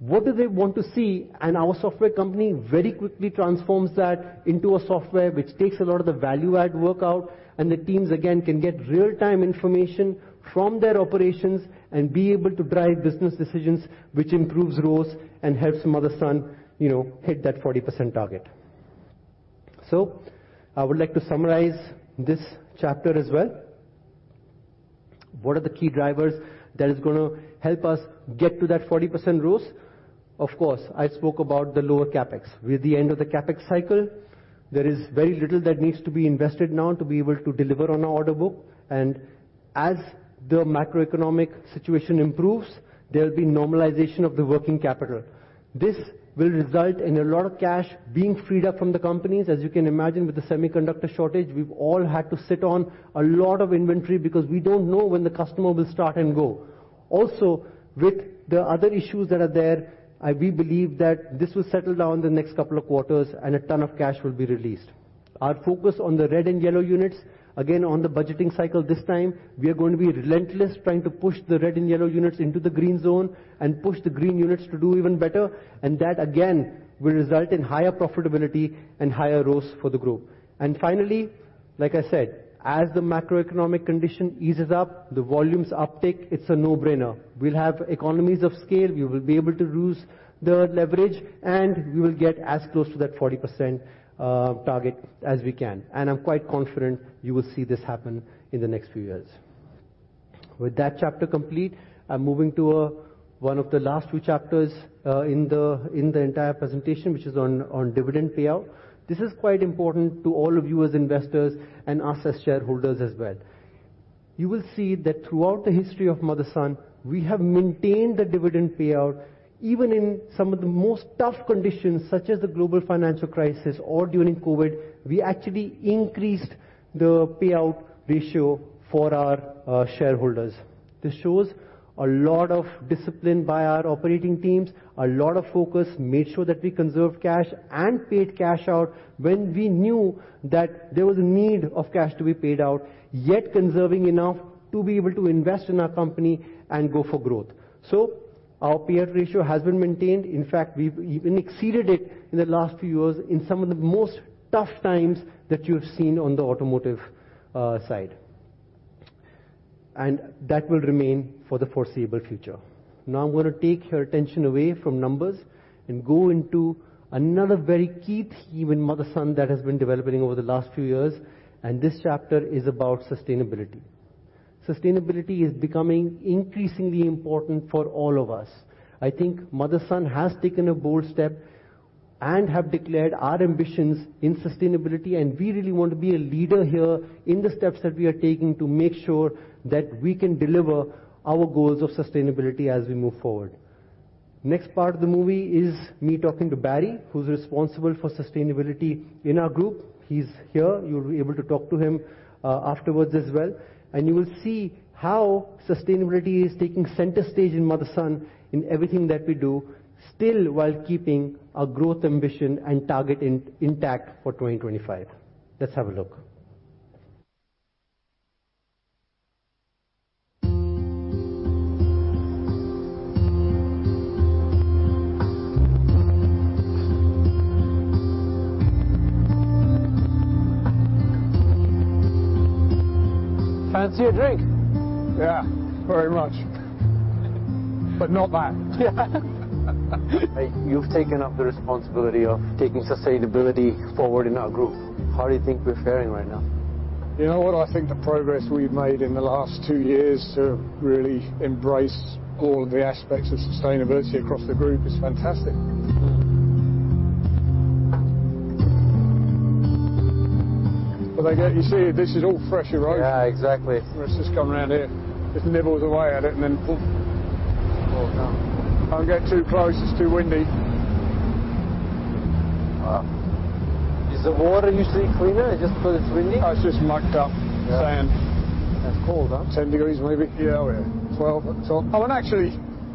What do they want to see? Our software company very quickly transforms that into a software which takes a lot of the value add work out, and the teams again can get real-time information from their operations and be able to drive business decisions which improves ROAS and helps Motherson, you know, hit that 40% target. I would like to summarize this chapter as well. What are the key drivers that is gonna help us get to that 40% ROAS? Of course, I spoke about the lower CapEx. We're at the end of the CapEx cycle. There is very little that needs to be invested now to be able to deliver on our order book. As the macroeconomic situation improves, there'll be normalization of the working capital. This will result in a lot of cash being freed up from the companies. As you can imagine with the semiconductor shortage, we've all had to sit on a lot of inventory because we don't know when the customer will start and go. Also, with the other issues that are there, we believe that this will settle down in the next couple of quarters and a ton of cash will be released. Our focus on the red and yellow units, again, on the budgeting cycle this time, we are going to be relentless trying to push the red and yellow units into the green zone and push the green units to do even better, and that again, will result in higher profitability and higher ROAS for the group. Finally, like I said, as the macroeconomic condition eases up, the volumes uptick, it's a no-brainer. We'll have economies of scale. We will be able to use the leverage, and we will get as close to that 40% target as we can. I'm quite confident you will see this happen in the next few years. With that chapter complete, I'm moving to one of the last two chapters in the entire presentation, which is on dividend payout. This is quite important to all of you as investors and us as shareholders as well. You will see that throughout the history of Motherson, we have maintained the dividend payout. Even in some of the most tough conditions, such as the global financial crisis or during COVID, we actually increased the payout ratio for our shareholders. This shows a lot of discipline by our operating teams, a lot of focus, made sure that we conserved cash and paid cash out when we knew that there was a need of cash to be paid out, yet conserving enough to be able to invest in our company and go for growth. So our payout ratio has been maintained. In fact, we've even exceeded it in the last few years in some of the most tough times that you've seen on the automotive side. That will remain for the foreseeable future. Now, I'm gonna take your attention away from numbers and go into another very key theme in Motherson that has been developing over the last few years. This chapter is about sustainability. Sustainability is becoming increasingly important for all of us. I think Motherson has taken a bold step and have declared our ambitions in sustainability, and we really want to be a leader here in the steps that we are taking to make sure that we can deliver our goals of sustainability as we move forward. Next part of the movie is me talking to Barry, who's responsible for sustainability in our group. He's here. You'll be able to talk to him afterwards as well. You will see how sustainability is taking center stage in Motherson in everything that we do, still while keeping our growth, ambition, and target intact for 2025. Let's have a look. Fancy a drink? Yeah, very much. Not that. Hey, you've taken up the responsibility of taking sustainability forward in our group. How do you think we're faring right now? You know what? I think the progress we've made in the last two years to really embrace all of the aspects of sustainability across the group is fantastic. Mm. I get. You see, this is all fresh erode. Yeah. Exactly. Where it's just come around here. Just nibbles away at it and then poof. Falls down. Don't get too close. It's too windy. Wow. Is the water usually cleaner just 'cause it's windy? Oh, it's just mucked up. Yeah. Sand. That's cold, huh? 10 degrees maybe. Yeah. Yeah. 12 at the top. Actually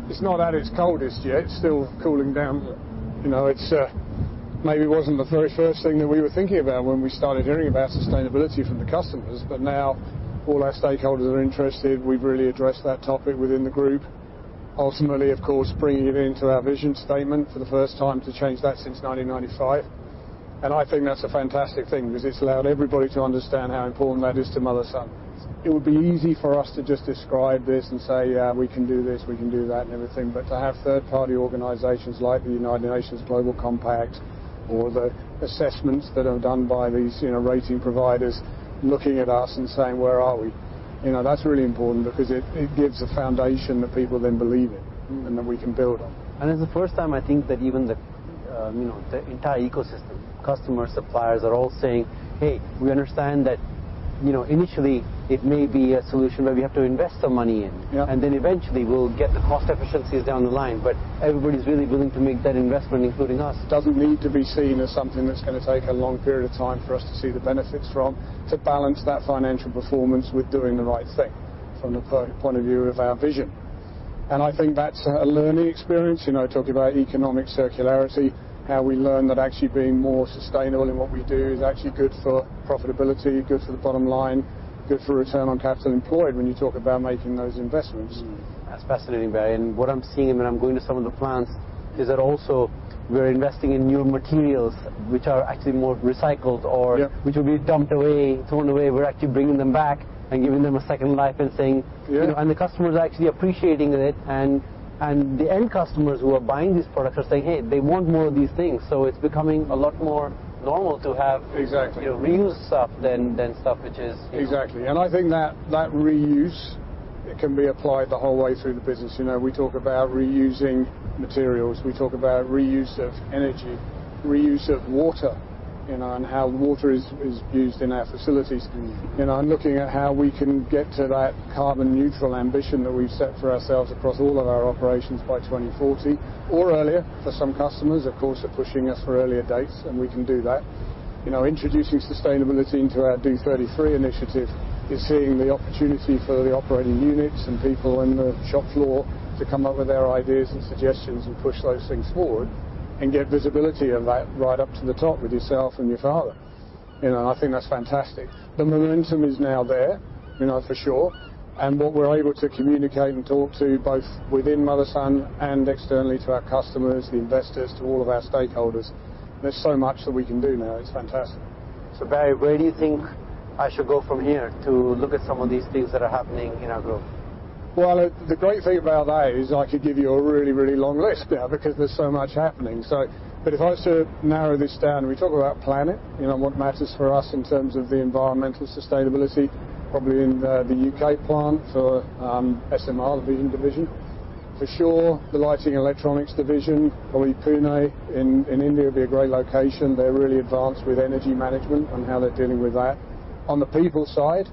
it's not at its coldest yet. It's still cooling down. You know, it's maybe wasn't the very first thing that we were thinking about when we started hearing about sustainability from the customers, but now all our stakeholders are interested. We've really addressed that topic within the group. Ultimately, of course, bringing it into our vision statement for the first time to change that since 1995, I think that's a fantastic thing because it's allowed everybody to understand how important that is to Motherson. It would be easy for us to just describe this and say, "Yeah, we can do this, we can do that," and everything. To have third-party organizations like the United Nations Global Compact or the assessments that are done by these, you know, rating providers looking at us and saying, "Where are we?" You know, that's really important because it gives a foundation that people then believe in. Mm-hmm. That we can build on. It's the first time I think that even the, you know, the entire ecosystem, customer, suppliers, are all saying, "Hey, we understand that, you know, initially it may be a solution where we have to invest some money in. Yeah. Eventually we'll get the cost efficiencies down the line. Everybody's really willing to make that investment, including us. It doesn't need to be seen as something that's gonna take a long period of time for us to see the benefits from, to balance that financial performance with doing the right thing from the point of view of our vision. I think that's a learning experience. You know, talking about economic circularity, how we learn that actually being more sustainable in what we do is actually good for profitability, good for the bottom line, good for return on capital employed when you talk about making those investments. That's fascinating, Barry. What I'm seeing when I'm going to some of the plants is that also we're investing in new materials which are actually more recycled. Yeah. which will be dumped away, thrown away. We're actually bringing them back and giving them a second life and saying- Yeah. you know, the customers are actually appreciating it and the end customers who are buying these products are saying, "Hey, they want more of these things." It's becoming a lot more normal to have. Exactly. -you know, reuse stuff than stuff which is, you know- Exactly. I think that reuse, it can be applied the whole way through the business. You know, we talk about reusing materials. We talk about reuse of energy, reuse of water, you know, and how water is used in our facilities. Mm-hmm. You know, looking at how we can get to that carbon neutral ambition that we've set for ourselves across all of our operations by 2040 or earlier for some customers of course, are pushing us for earlier dates, and we can do that. You know, introducing sustainability into our DO33 initiative is seeing the opportunity for the operating units and people in the shop floor to come up with their ideas and suggestions, and push those things forward and get visibility of that right up to the top with yourself and your father. You know, I think that's fantastic. The momentum is now there, you know, for sure, and what we're able to communicate and talk to both within Motherson and externally to our customers, the investors, to all of our stakeholders, there's so much that we can do now. It's fantastic. Barry, where do you think I should go from here to look at some of these things that are happening in our group? Well, the great thing about that is I could give you a really, really long list now because there's so much happening. If I was to narrow this down, we talk about planet, you know, what matters for us in terms of the environmental sustainability, probably in the U.K. plant for SMR division. For sure, the lighting and electronics division, probably Pune in India would be a great location. They're really advanced with energy management and how they're dealing with that. On the people side,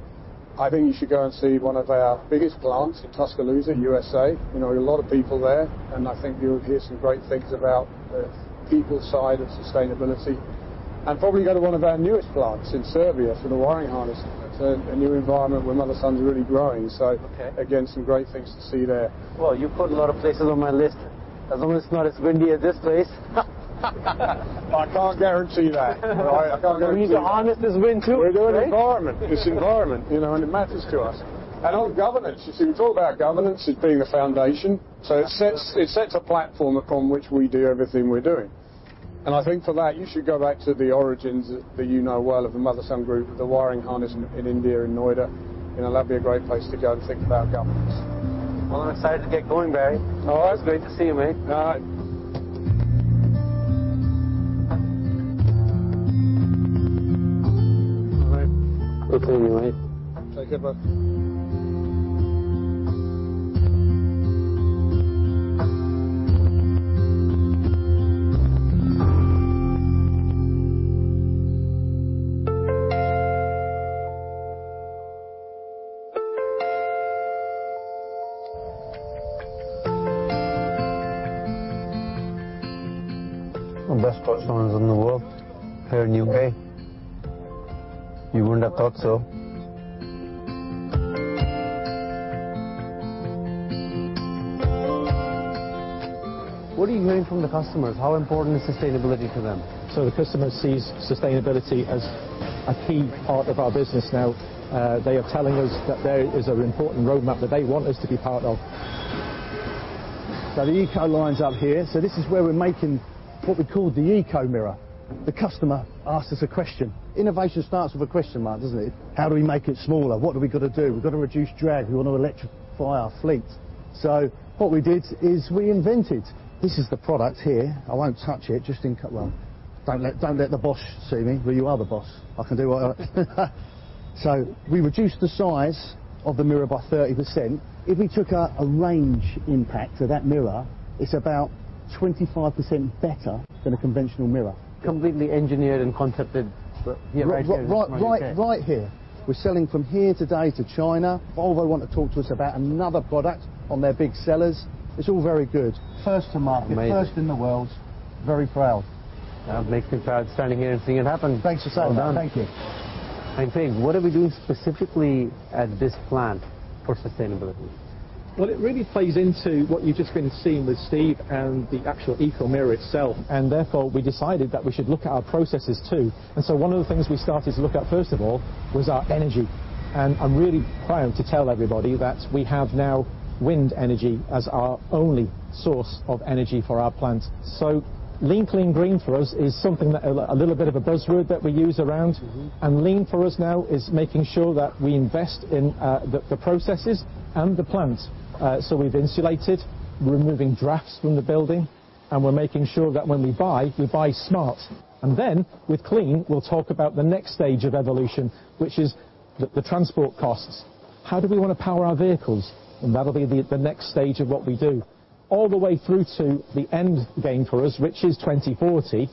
I think you should go and see one of our biggest plants in Tuscaloosa, U.S.A. You know, a lot of people there, and I think you'll hear some great things about the people side of sustainability. Probably go to one of our newest plants in Serbia for the wiring harness. It's a new environment where Motherson's really growing. Okay. again, some great things to see there. Well, you put a lot of places on my list. As long as it's not as windy as this place. I can't guarantee that. All right? I can't guarantee that. We need to harness this wind too, right? We're doing environment. It's environment, you know, it matters to us. On governance, you see, we talk about governance as being the foundation. It sets a platform upon which we do everything we're doing. I think for that you should go back to the origins that you know well of the Motherson Group, the wiring harness in India, in Noida. You know, that'd be a great place to go and think about governance. Well, I'm excited to get going, Barry. All right. It's great to see you, mate. All right. All right. Good seeing you, mate. Take care, bud. The best post loads in the world here in U.K. You wouldn't have thought so. What are you hearing from the customers? How important is sustainability to them? The customer sees sustainability as a key part of our business now. They are telling us that there is an important roadmap that they want us to be part of. The Eco line's up here, so this is where we're making what we call the Eco Mirror. The customer asks us a question. Innovation starts with a question mark, doesn't it? How do we make it smaller? What have we gotta do? We've gotta reduce drag. We wanna electrify our fleet. What we did is we invented. This is the product here. I won't touch it, just in well, don't let the boss see me. Well, you are the boss. I can do what I like. We reduced the size of the mirror by 30%. If we took a range impact of that mirror, it's about 25% better than a conventional mirror. Completely engineered and concepted but here at SMR UK. Right here. We're selling from here today to China. Volvo want to talk to us about another product on their big sellers. It's all very good. First to market. Amazing. First in the world. Very proud. That makes me proud standing here and seeing it happen. Thanks for saying that. Well done. Thank you. I'm thinking, what are we doing specifically at this plant for sustainability? Well, it really plays into what you've just been seeing with Steve and the actual Eco Mirror itself, and therefore, we decided that we should look at our processes too. One of the things we started to look at first of all was our energy. I'm really proud to tell everybody that we have now wind energy as our only source of energy for our plant. Lean, clean, green for us is something that a little bit of a buzzword that we use around. Mm-hmm. Lean for us now is making sure that we invest in the processes and the plant. We've insulated, we're removing drafts from the building, and we're making sure that when we buy, we buy smart. With clean, we'll talk about the next stage of evolution, which is the transport costs. How do we wanna power our vehicles? That'll be the next stage of what we do, all the way through to the end game for us, which is 2040,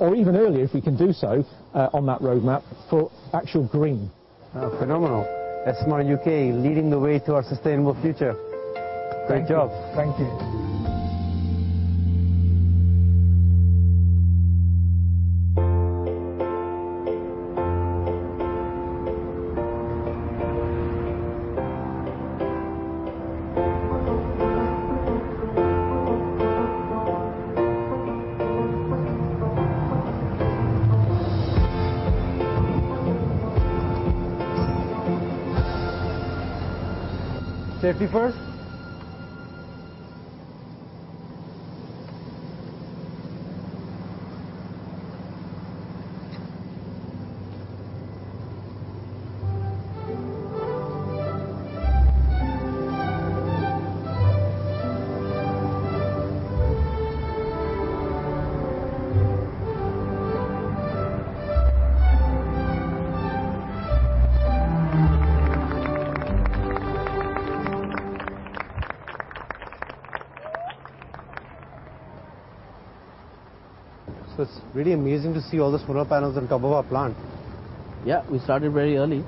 or even earlier if we can do so, on that roadmap for actual green. Oh, phenomenal. SMR UK leading the way to our sustainable future. Thank you. Great job. Thank you. Safety first. It's really amazing to see all the solar panels on top of our plant. Yeah, we started very early.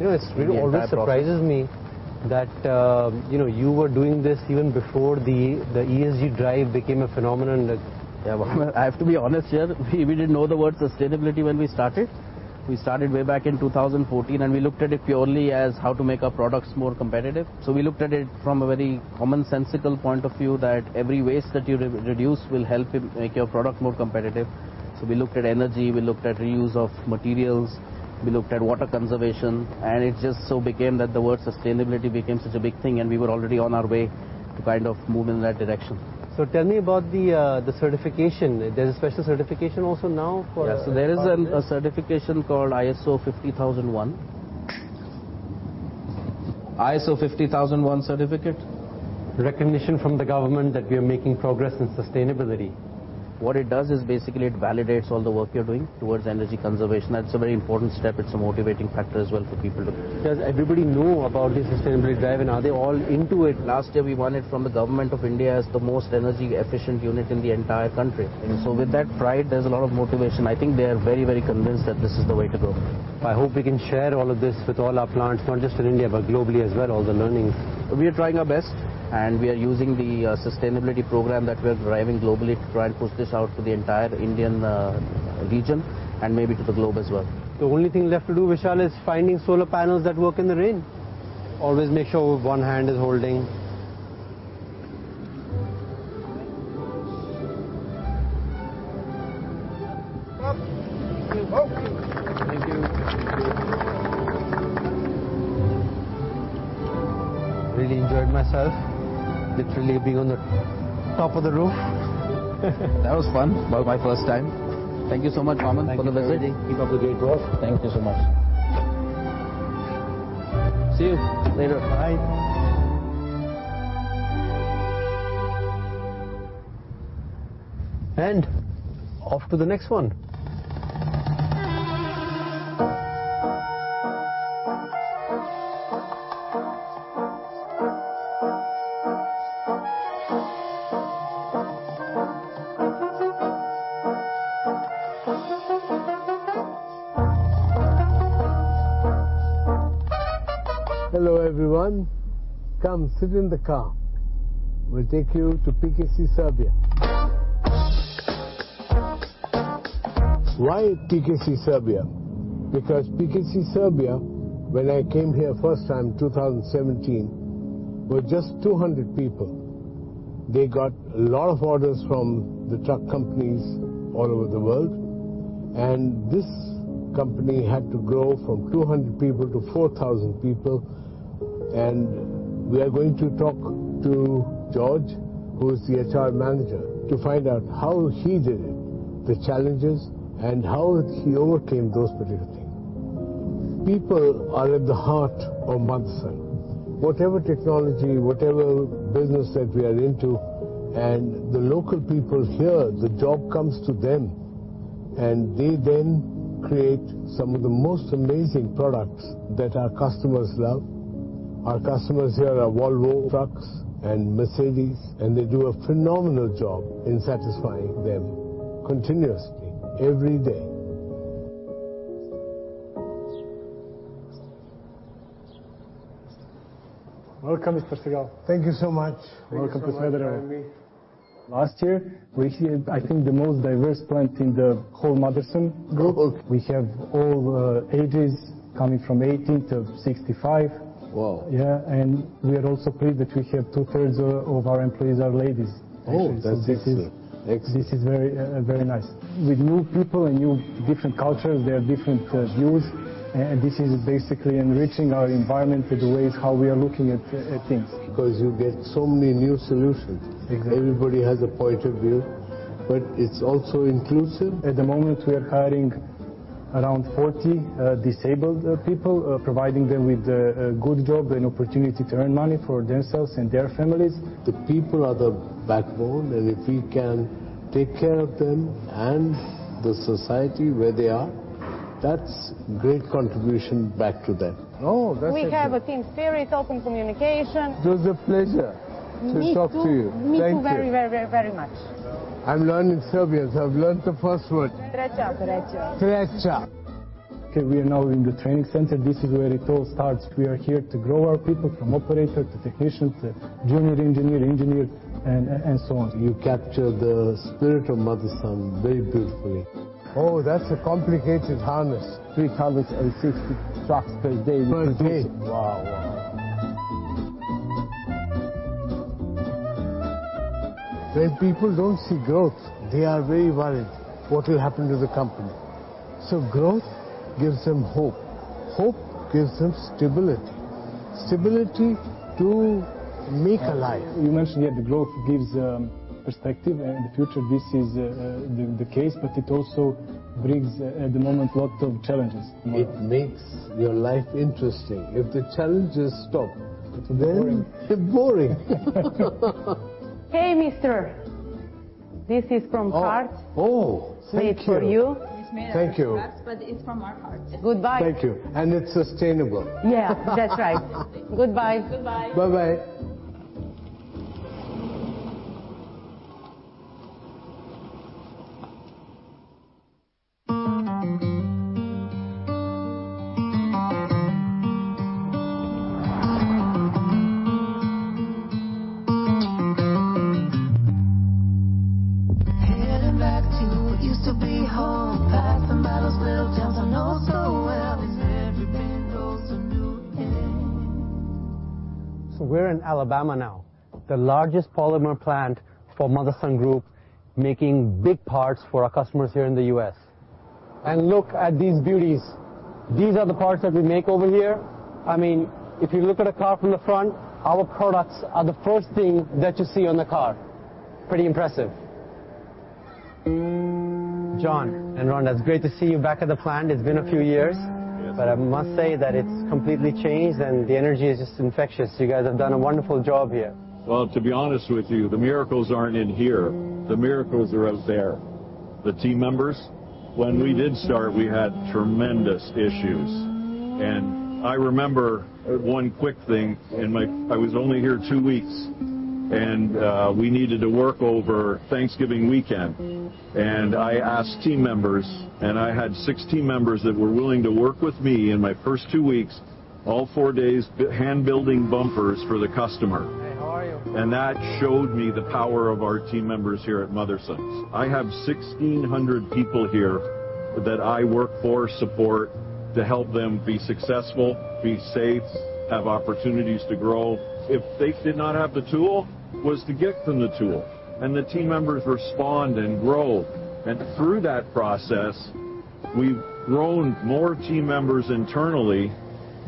You know, it's really- In the entire process. always surprises me that, you know, you were doing this even before the ESG drive became a phenomenon. Well, I have to be honest here. We didn't know the word sustainability when we started. We started way back in 2014, and we looked at it purely as how to make our products more competitive. We looked at it from a very commonsensical point of view that every waste that you re-reduce will help make your product more competitive. We looked at energy, we looked at reuse of materials, we looked at water conservation. It just so became that the word sustainability became such a big thing, and we were already on our way to kind of move in that direction. Tell me about the certification? There's a special certification also now. Yes. There is a certification called ISO 50001. ISO 50001 certificate. Recognition from the government that we are making progress in sustainability. What it does is basically it validates all the work you're doing towards energy conservation. That's a very important step. It's a motivating factor as well for people. Does everybody know about the sustainability drive, and are they all into it? Last year we won it from the Government of India as the most energy efficient unit in the entire country. Mm-hmm. With that pride, there's a lot of motivation. I think they are very, very convinced that this is the way to go. I hope we can share all of this with all our plants, not just in India, but globally as well, all the learnings. We are trying our best, and we are using the sustainability program that we're driving globally to try and push this out to the entire Indian region and maybe to the globe as well. The only thing left to do, Vishal, is finding solar panels that work in the rain. Always make sure one hand is holding. Thank you. Thank you. Really enjoyed myself, literally being on the top of the roof. That was fun. Well- My first time. Thank you so much, Vaaman, for the visit. Thank you for everything. Keep up the great work. Thank you so much. See you. Later. Bye Off to the next one. Hello, everyone. Come sit in the car. We'll take you to PKC Serbia. Why PKC Serbia? PKC Serbia, when I came here first time, 2017, were just 200 people. They got a lot of orders from the truck companies all over the world, and this company had to grow from 200 people to 4,000 people. We are going to talk to George, who is the HR manager, to find out how he did it, the challenges, and how he overcame those particular things. People are at the heart of Motherson. Whatever technology, whatever business that we are into, and the local people here, the job comes to them, and they then create some of the most amazing products that our customers love. Our customers here are Volvo Trucks and Mercedes, and they do a phenomenal job in satisfying them continuously every day. Welcome, Mr. Sheth. Thank you so much. Welcome to Serbia. Thank you so much for having me. Last year, we had, I think, the most diverse plant in the whole Motherson Group. Oh, okay. We have all the ages coming from 18 to 65. Wow. Yeah. We are also pleased that we have two-thirds of our employees are ladies. Oh, that's excellent. Excellent. This is very, very nice. With new people and new different cultures, there are different views, this is basically enriching our environment with the ways how we are looking at things. You get so many new solutions. Exactly. Everybody has a point of view, but it's also inclusive. At the moment, we are hiring around 40, disabled, people, providing them with a good job and opportunity to earn money for themselves and their families. The people are the backbone, and if we can take care of them and the society where they are, that's great contribution back to them. Oh, that's excellent. We have a team spirit, open communication. It was a pleasure to talk to you. Me too. Thank you. Me too, very, very, very much. I'm learning Serbian, so I've learned the first word. We are now in the training center. This is where it all starts. We are here to grow our people from operator to technician to junior engineer and so on. You capture the spirit of Motherson very beautifully. Oh, that's a complicated harness. 360 trucks per day. Per day? Wow. Wow. When people don't see growth, they are very worried what will happen to the company. Growth gives them hope. Hope gives them stability to make a life. You mentioned, yeah, the growth gives perspective and the future. This is the case, but it also brings at the moment, lot of challenges. It makes your life interesting. If the challenges stop. It's boring. It's boring. Hey, mister. This is from heart. Oh. Oh, thank you. Made for you. Thank you. It's made of scraps, but it's from our hearts. Goodbye. Thank you. It's sustainable. Yeah, that's right. Goodbye. Goodbye. Bye-bye. Heading back to what used to be home. Passing by those little towns I know so well. 'Cause everything knows a new end. We're in Alabama now, the largest polymer plant for Motherson Group, making big parts for our customers here in the U.S. Look at these beauties. These are the parts that we make over here. I mean, if you look at a car from the front, our products are the first thing that you see on the car. Pretty impressive. John and Rhonda, it's great to see you back at the plant. It's been a few years. Yes. I must say that it's completely changed, and the energy is just infectious. You guys have done a wonderful job here. To be honest with you, the miracles aren't in here. The miracles are out there. The team members, when we did start, we had tremendous issues. I remember one quick thing in my... I was only here two weeks, we needed to work over Thanksgiving weekend. I asked team members, I had six team members that were willing to work with me in my first two weeks, all four days hand-building bumpers for the customer. Hey, how are you? That showed me the power of our team members here at Motherson. I have 1,600 people here that I work for, support to help them be successful, be safe, have opportunities to grow. If they did not have the tool, was to get them the tool, and the team members respond and grow. Through that process, we've grown more team members internally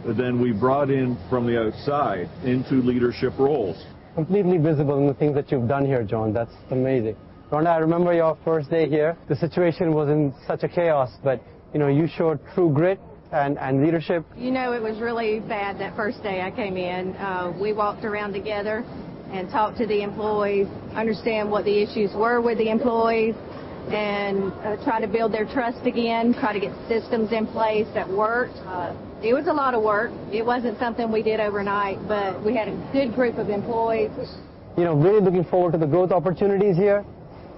than we brought in from the outside into leadership roles. Completely visible in the things that you've done here, John. That's amazing. Rona, I remember your first day here. The situation was in such a chaos, you know, you showed true grit and leadership. You know, it was really bad that first day I came in. We walked around together and talked to the employees, understand what the issues were with the employees and, try to build their trust again, try to get systems in place that worked. It was a lot of work. It wasn't something we did overnight, but we had a good group of employees. You know, really looking forward to the growth opportunities here,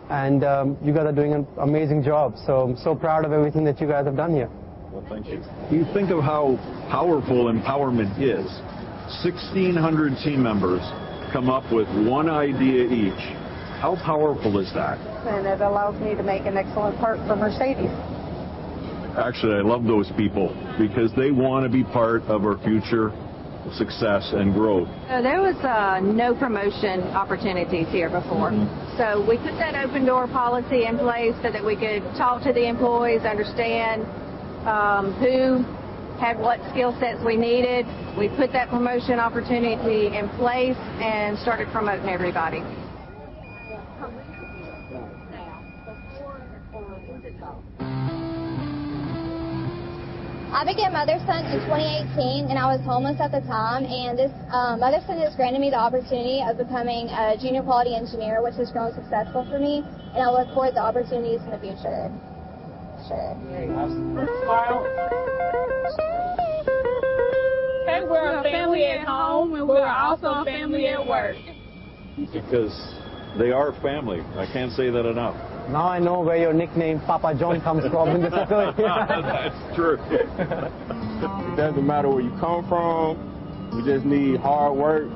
and you guys are doing an amazing job. I'm so proud of everything that you guys have done here. Well, thank you. You think of how powerful empowerment is. 1,600 team members come up with one idea each. How powerful is that? it allows me to make an excellent part for Mercedes-Benz. Actually, I love those people because they wanna be part of our future success and growth. There was no promotion opportunities here before. Mm-hmm. We put that open door policy in place so that we could talk to the employees, understand, who had what skill sets we needed. We put that promotion opportunity in place and started promoting everybody. I began Motherson in 2018. I was homeless at the time. This Motherson has granted me the opportunity of becoming a junior quality engineer, which is really successful for me, and I'll look forward to the opportunities in the future. Sure. Great. Awesome. Smile. We're a family at home, and we're also a family at work. They are family. I can't say that enough. Now I know where your nickname Papa John comes from in the facility. That's true. It doesn't matter where you come from. We just need hard work,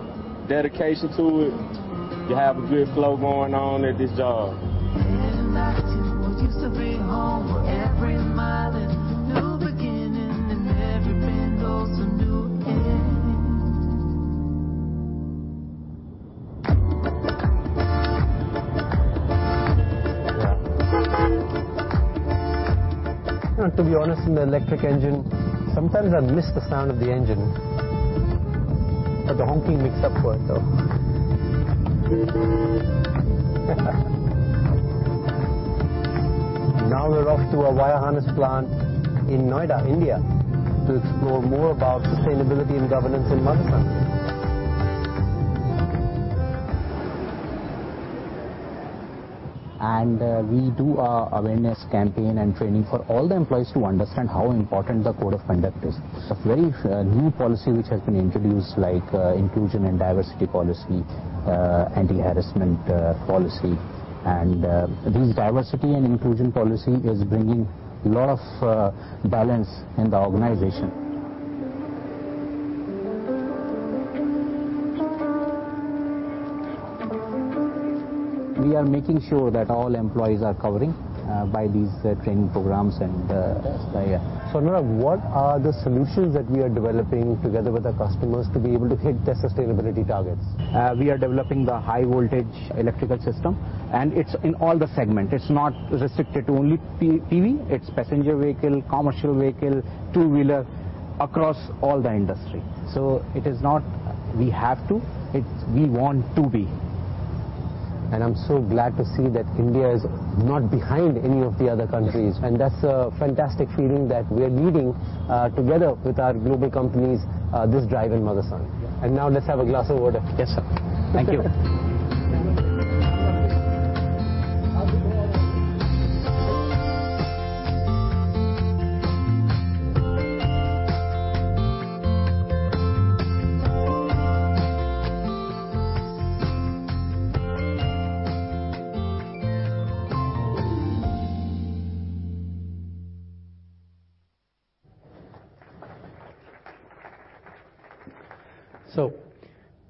dedication to it. You have a good flow going on at this job. To be honest, in the electric engine, sometimes I miss the sound of the engine. The honking makes up for it, though. Now we're off to a wire harness plant in Noida, India, to explore more about sustainability and governance in Motherson. We do our awareness campaign and training for all the employees to understand how important the code of conduct is. It's a very new policy which has been introduced like inclusion and diversity policy, anti-harassment policy. This diversity and inclusion policy is bringing a lot of balance in the organization. We are making sure that all employees are covering by these training programs, and yeah. Anurag, what are the solutions that we are developing together with our customers to be able to hit their sustainability targets? We are developing the high voltage electrical system. It's in all the segment. It's not restricted to only PV. It's passenger vehicle, commercial vehicle, two-wheeler, across all the industry. It is not we have to, it's we want to be. I'm so glad to see that India is not behind any of the other countries. Yes. That's a fantastic feeling that we are leading, together with our global companies, this drive in Motherson. Yeah. Now let's have a glass of water. Yes, sir. Thank you.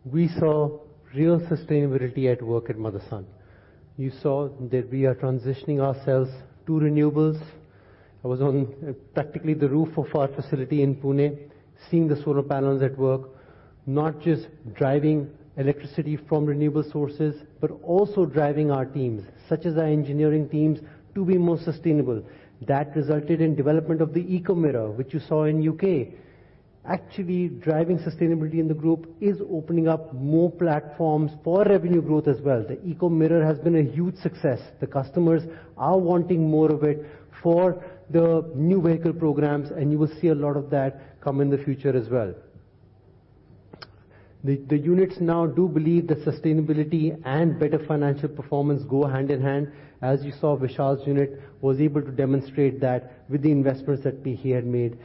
We saw real sustainability at work at Motherson. You saw that we are transitioning ourselves to renewables. I was on practically the roof of our facility in Pune, seeing the solar panels at work, not just driving electricity from renewable sources, but also driving our teams, such as our engineering teams, to be more sustainable. That resulted in development of the Eco Mirror, which you saw in U.K. Actually, driving sustainability in the group is opening up more platforms for revenue growth as well. The Eco Mirror has been a huge success. The customers are wanting more of it for the new vehicle programs, and you will see a lot of that come in the future as well. The units now do believe that sustainability and better financial performance go hand in hand. As you saw, Vishal's unit was able to demonstrate that with the investments that he had made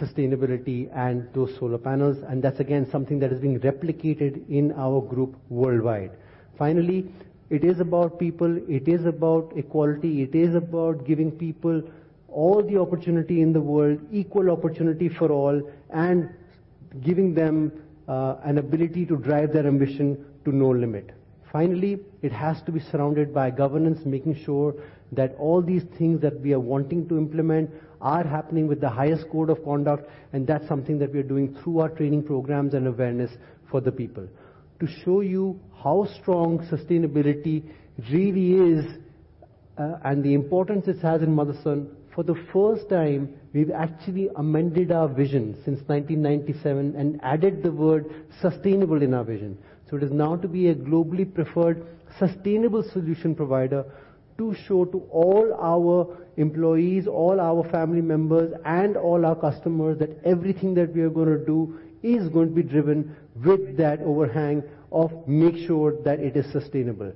in sustainability and those solar panels. That's again, something that is being replicated in our group worldwide. Finally, it is about people, it is about equality, it is about giving people all the opportunity in the world, equal opportunity for all, and giving them an ability to drive their ambition to no limit. Finally, it has to be surrounded by governance, making sure that all these things that we are wanting to implement are happening with the highest code of conduct, and that's something that we are doing through our training programs and awareness for the people. To show you how strong sustainability really is and the importance it has in Motherson, for the first time, we've actually amended our vision since 1997 and added the word sustainable in our vision. It is now to be a globally preferred sustainable solution provider to show to all our employees, all our family members, and all our customers that everything that we are gonna do is going to be driven with that overhang of make sure that it is sustainable.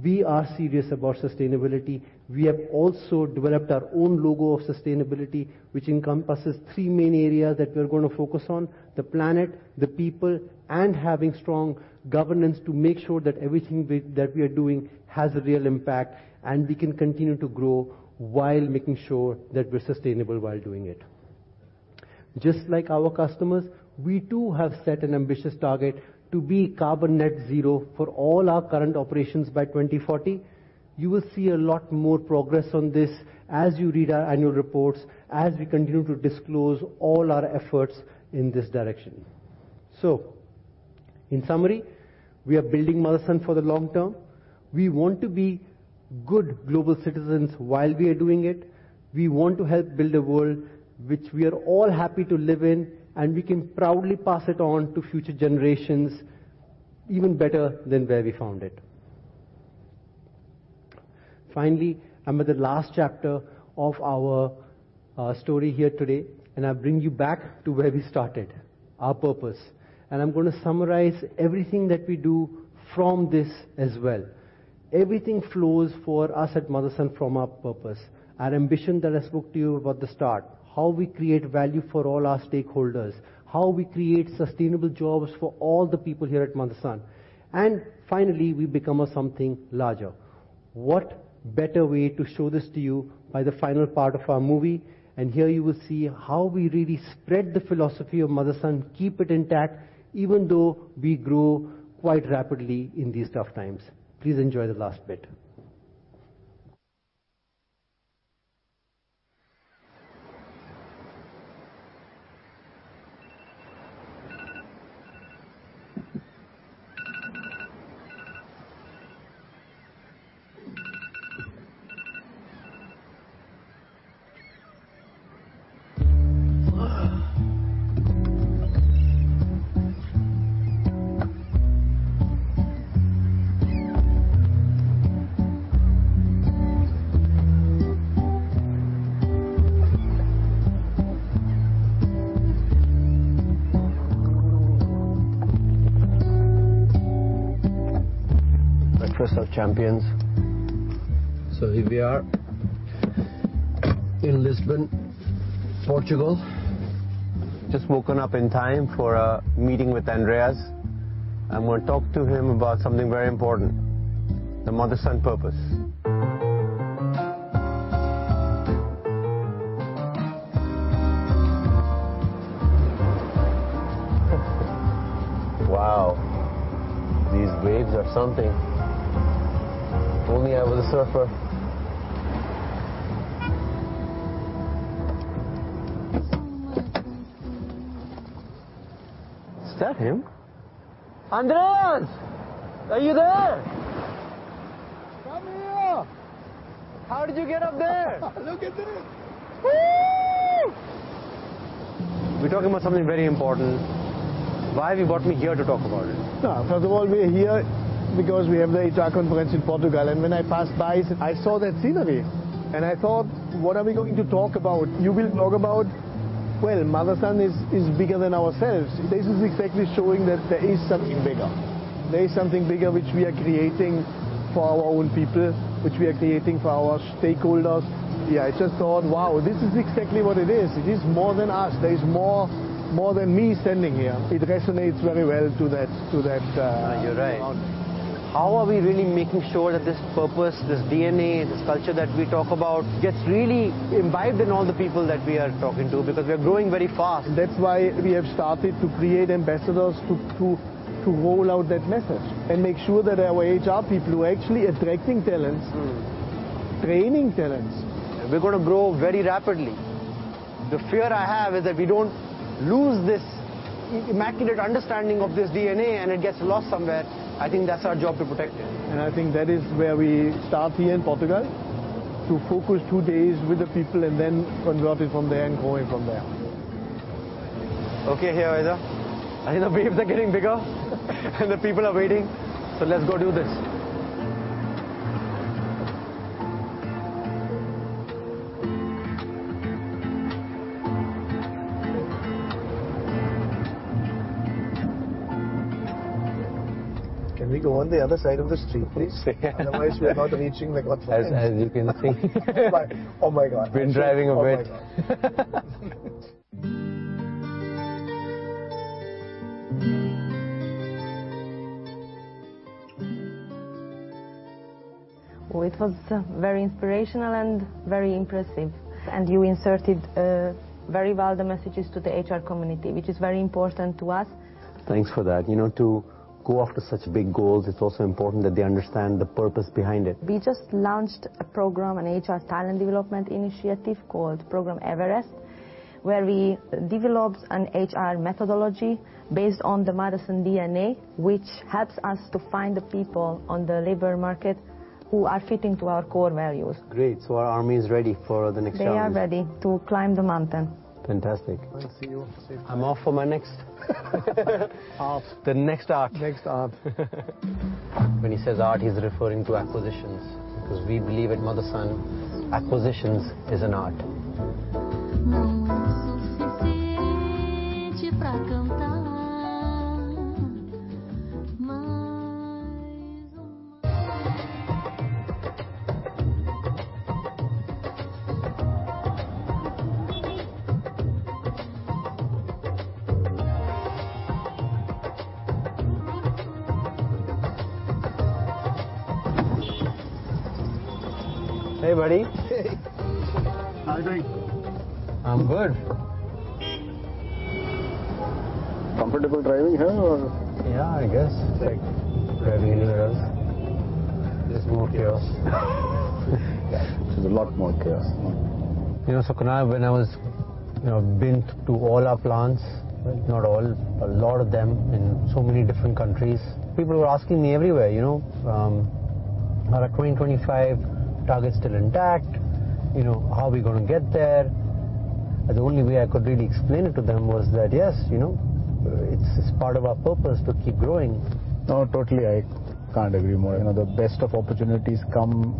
We are serious about sustainability. We have also developed our own logo of sustainability, which encompasses three main areas that we're gonna focus on: the planet, the people, and having strong governance to make sure that everything that we are doing has a real impact, and we can continue to grow while making sure that we're sustainable while doing it. Just like our customers, we too have set an ambitious target to be carbon net zero for all our current operations by 2040. You will see a lot more progress on this as you read our annual reports, as we continue to disclose all our efforts in this direction. In summary, we are building Motherson for the long term. We want to be good global citizens while we are doing it. We want to help build a world which we are all happy to live in, and we can proudly pass it on to future generations even better than where we found it. Finally, I'm at the last chapter of our story here today, and I bring you back to where we started, our purpose. I'm gonna summarize everything that we do from this as well. Everything flows for us at Motherson from our purpose. Our ambition that I spoke to you about the start, how we create value for all our stakeholders, how we create sustainable jobs for all the people here at Motherson, finally, we become a something larger. What better way to show this to you by the final part of our movie? Here you will see how we really spread the philosophy of Motherson, keep it intact, even though we grow quite rapidly in these tough times. Please enjoy the last bit. Breakfast of champions. Here we are in Lisbon, Portugal. Just woken up in time for a meeting with Andreas, I'm gonna talk to him about something very important, the Motherson purpose. Wow. These waves are something. If only I was a surfer. Is that him? Andreas! Are you there? Come here. How did you get up there? Look at this. Whoo! We're talking about something very important. Why have you brought me here to talk about it? No. First of all, we're here because we have the HR conference in Portugal, and when I passed by, I saw that scenery and I thought, "What are we going to talk about?" You will talk about, well, Motherson is bigger than ourselves. This is exactly showing that there is something bigger. There is something bigger which we are creating for our own people, which we are creating for our stakeholders. Yeah, I just thought, "Wow, this is exactly what it is." It is more than us. There is more than me standing here. It resonates very well to that, to that. No, you're right. -thought. How are we really making sure that this purpose, this DNA, this culture that we talk about gets really imbibed in all the people that we are talking to? Because we're growing very fast. That's why we have started to create ambassadors to roll out that message and make sure that our HR people who are actually attracting. Mm. training talents. We're gonna grow very rapidly. The fear I have is that we don't lose this immaculate understanding of this DNA, and it gets lost somewhere. I think that's our job to protect it. I think that is where we start here in Portugal, to focus two days with the people and then convert it from there and grow it from there. Okay here, either. I think the waves are getting bigger and the people are waiting. Let's go do this. Can we go on the other side of the street, please? Yes. Otherwise, we are not reaching the conference. As you can see. Bye. Oh, my God. Been driving a bit. Oh, my God. It was very inspirational and very impressive. You inserted very well the messages to the HR community, which is very important to us. Thanks for that. You know, to go after such big goals, it's also important that they understand the purpose behind it. We just launched a program, an HR talent development initiative called Program Everest. We developed an HR methodology based on the Motherson DNA, which helps us to find the people on the labor market who are fitting to our core values. Great. Our army is ready for the next challenges. They are ready to climb the mountain. Fantastic. I'll see you safe. I'm off for my next. Art. The next art. Next art. When he says art, he's referring to acquisitions, because we believe at Motherson acquisitions is an art. Hey, buddy. Hey. How are you doing? I'm good. Comfortable driving here or... Yeah, I guess. It's like driving anywhere else. There's more chaos. There's a lot more chaos. You know, Sukhinay when I was, you know, been to all our plants... Right. -not all, a lot of them in so many different countries, people were asking me everywhere, you know, are our 2025 targets still intact? You know, how are we gonna get there? The only way I could really explain it to them was that, yes, you know, it's part of our purpose to keep growing. No, totally. I can't agree more. You know, the best of opportunities come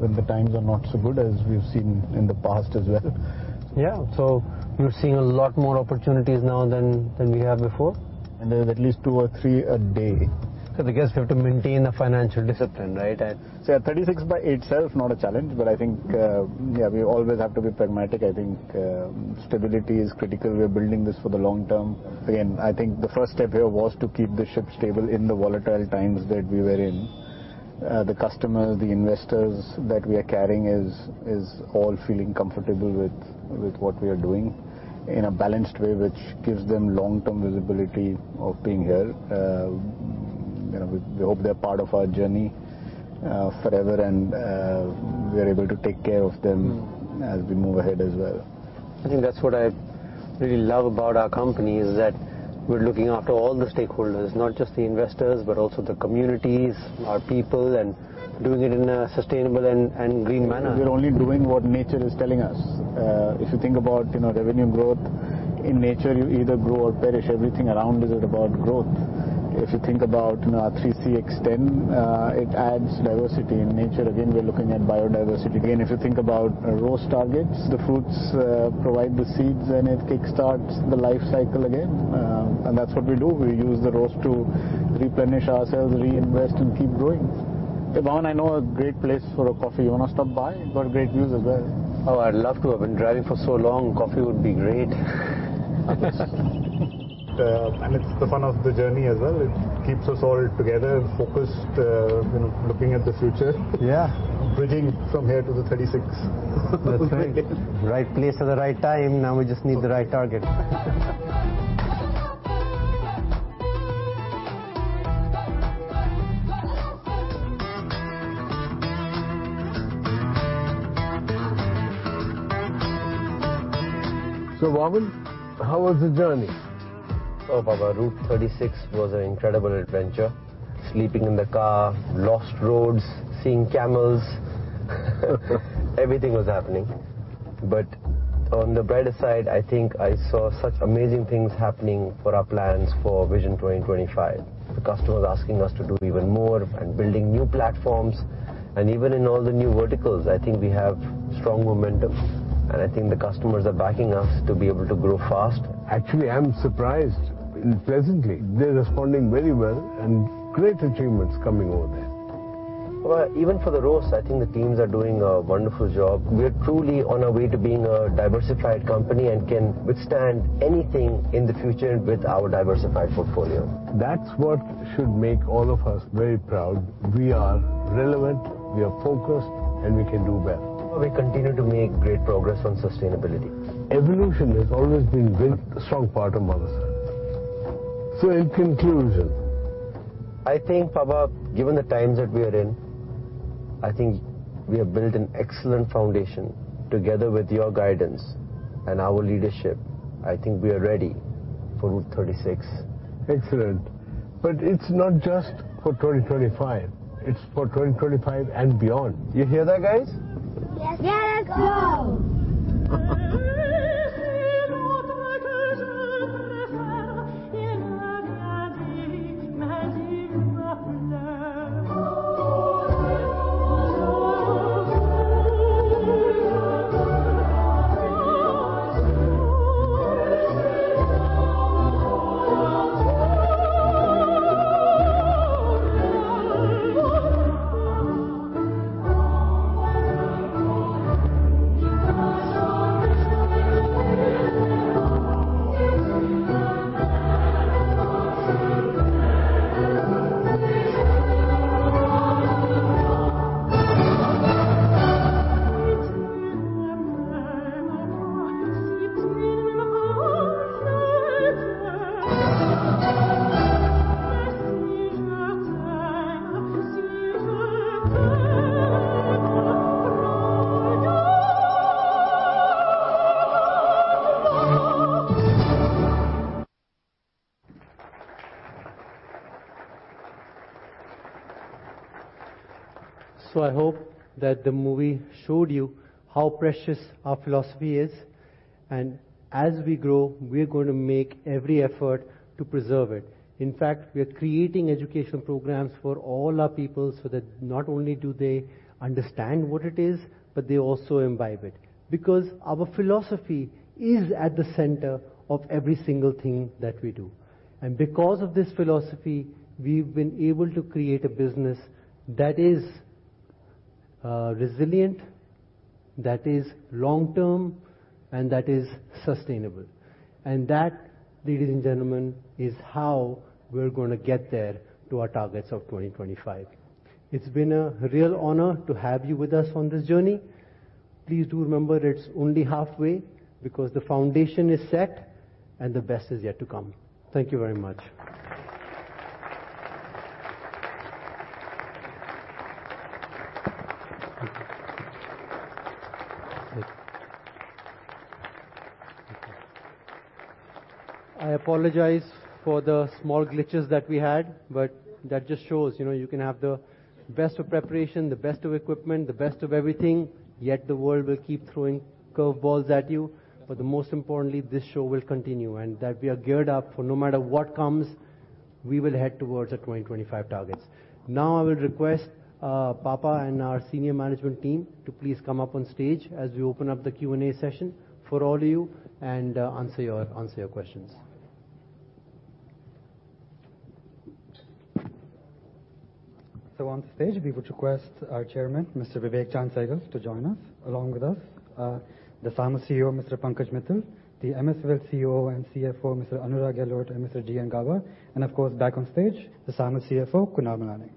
when the times are not so good, as we've seen in the past as well. Yeah. We're seeing a lot more opportunities now than we have before. There's at least two or three a day. I guess you have to maintain a financial discipline, right? Yeah, 36 by itself, not a challenge, but I think, yeah, we always have to be pragmatic. I think stability is critical. We are building this for the long term. I think the first step here was to keep the ship stable in the volatile times that we were in. The customers, the investors that we are carrying is all feeling comfortable with what we are doing in a balanced way, which gives them long-term visibility of being here. You know, we hope they're part of our journey forever and we are able to take care of them. Mm. as we move ahead as well. I think that's what I really love about our company, is that we're looking after all the stakeholders, not just the investors, but also the communities, our people, and doing it in a sustainable and green manner. We're only doing what nature is telling us. If you think about, you know, revenue growth, in nature, you either grow or perish. Everything around is about growth. If you think about, you know, our three C extend, it adds diversity. In nature, again, we are looking at biodiversity. Again, if you think about roast targets, the fruits provide the seeds, and it kick-starts the life cycle again. That's what we do. We use the roast to replenish ourselves, reinvest, and keep growing. Hey, Bhavin, I know a great place for a coffee. You wanna stop by? Got great news as well. Oh, I'd love to. I've been driving for so long. Coffee would be great. It's the fun of the journey as well. It keeps us all together and focused, you know, looking at the future. Yeah. Bridging from here to the 36. That's right. Right place at the right time. Now we just need the right target. Bhavin, how was the journey? Papa, Route 36 was an incredible adventure. Sleeping in the car, lost roads, seeing camels. Everything was happening. On the brighter side, I think I saw such amazing things happening for our plans for Vision 2025. The customers asking us to do even more and building new platforms, and even in all the new verticals, I think we have strong momentum, and I think the customers are backing us to be able to grow fast. Actually, I'm surprised, pleasantly. They're responding very well and great achievements coming over there. Well, even for the roasts, I think the teams are doing a wonderful job. We are truly on our way to being a diversified company and can withstand anything in the future with our diversified portfolio. That's what should make all of us very proud. We are relevant, we are focused, and we can do well. We continue to make great progress on sustainability. Evolution has always been a very strong part of Motherson. In conclusion... I think, Papa, given the times that we are in, I think we have built an excellent foundation together with your guidance and our leadership. I think we are ready for Route 36. Excellent. It's not just for 2025. It's for 2025 and beyond. You hear that, guys? Yes, let's go! I hope that the movie showed you how precious our philosophy is. As we grow, we're gonna make every effort to preserve it. In fact, we are creating educational programs for all our people, so that not only do they understand what it is, but they also imbibe it. Our philosophy is at the center of every single thing that we do. Because of this philosophy, we've been able to create a business that is resilient, that is long-term, and that is sustainable. That, ladies and gentlemen, is how we're gonna get there to our targets of 2025. It's been a real honor to have you with us on this journey. Please do remember it's only halfway, because the foundation is set and the best is yet to come. Thank you very much. I apologize for the small glitches that we had, that just shows, you know, you can have the best of preparation, the best of equipment, the best of everything, yet the world will keep throwing curve balls at you. The most importantly, this show will continue, that we are geared up for no matter what comes, we will head towards the 2025 targets. Now I would request Papa and our senior management team to please come up on stage as we open up the Q&A session for all you answer your questions. On stage, we would request our Chairman, Mr. Vivek Chaand Sehgal, to join us. Along with us, the SAMIL CEO, Mr. Pankaj Mital, the MSWIL CEO and CFO, Mr. Anurag Gahlot and Mr. G.N. Gauba. Of course, back on stage, the SAMIL CFO, Kunal Malani.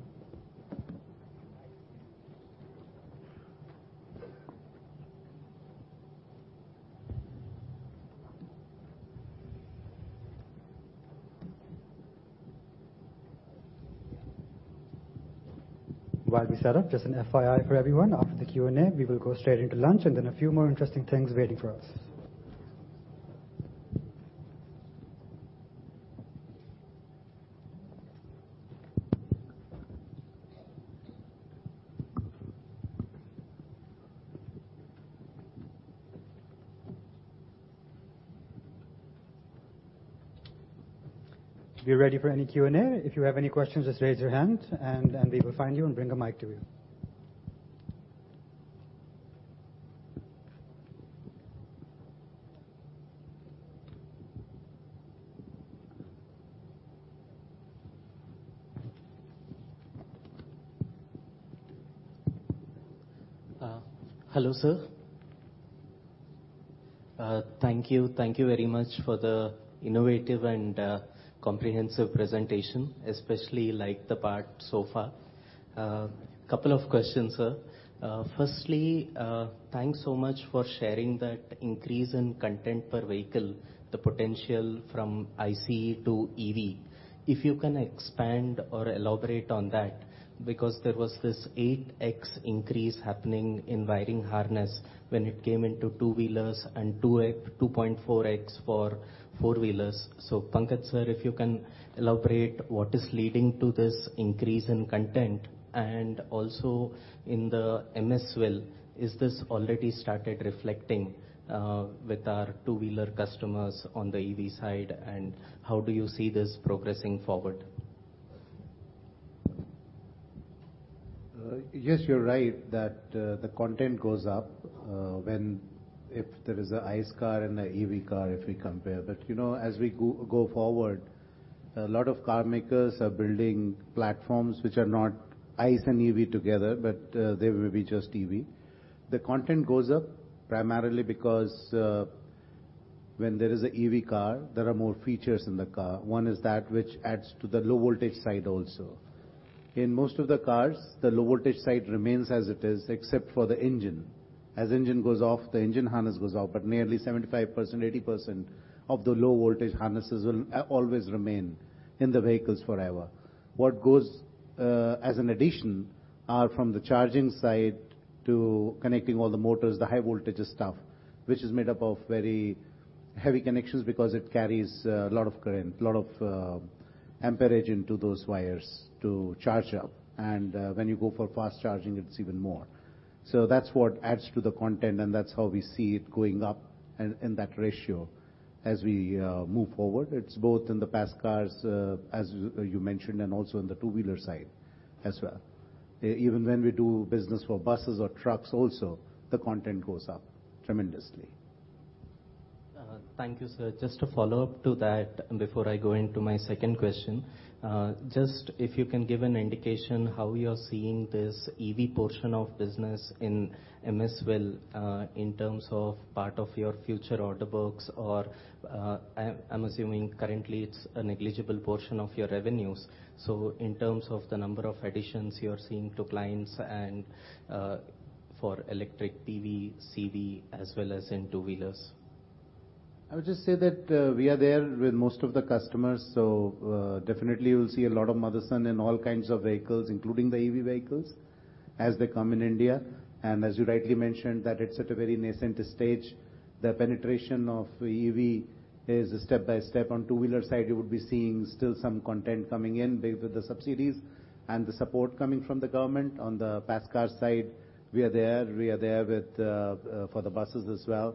While we set up, just an FYI for everyone, after the Q&A, we will go straight into lunch and then a few more interesting things waiting for us. We're ready for any Q&A. If you have any questions, just raise your hand and we will find you and bring a mic to you. Hello sir. Thank you, thank you very much for the innovative and comprehensive presentation, especially like the part so far. Couple of questions, sir. Firstly, thanks so much for sharing that increase in content per vehicle, the potential from ICE to EV. If you can expand or elaborate on that, because there was this 8x increase happening in wiring harness when it came into two-wheelers and 2.4x for four-wheelers. Pankaj, sir, if you can elaborate what is leading to this increase in content? Also in the MSWIL, is this already started reflecting with our two-wheeler customers on the EV side, and how do you see this progressing forward? Yes, you're right that the content goes up when if there is a ICE car and a EV car, if we compare. You know, as we go forward, a lot of car makers are building platforms which are not ICE and EV together, but they will be just EV. The content goes up primarily because when there is a EV car, there are more features in the car. One is that which adds to the low voltage side also. In most of the cars, the low voltage side remains as it is, except for the engine. As engine goes off, the engine harness goes off, but nearly 75%, 80% of the low voltage harnesses will always remain in the vehicles forever. What goes as an addition are from the charging side to connecting all the motors, the high voltage stuff, which is made up of very heavy connections because it carries a lot of current, lot of amperage into those wires to charge up. When you go for fast charging, it's even more. That's what adds to the content, and that's how we see it going up in that ratio as we move forward. It's both in the past cars, as you mentioned, and also in the two-wheeler side as well. Even when we do business for buses or trucks also, the content goes up tremendously. question. Regarding the EV portion of our business at MSWIL, it's an area we are actively monitoring and developing. While currently a relatively small portion of our overall revenues, we anticipate significant growth in this segment in the coming years. I would just say that we are there with most of the customers. Definitely you'll see a lot of Motherson in all kinds of vehicles, including the EV vehicles as they come in India. As you rightly mentioned, that it's at a very nascent stage. The penetration of EV is step-by-step. On two-wheeler side, you will be seeing still some content coming in with the subsidies and the support coming from the government. On the fast car side, we are there. We are there with for the buses as well.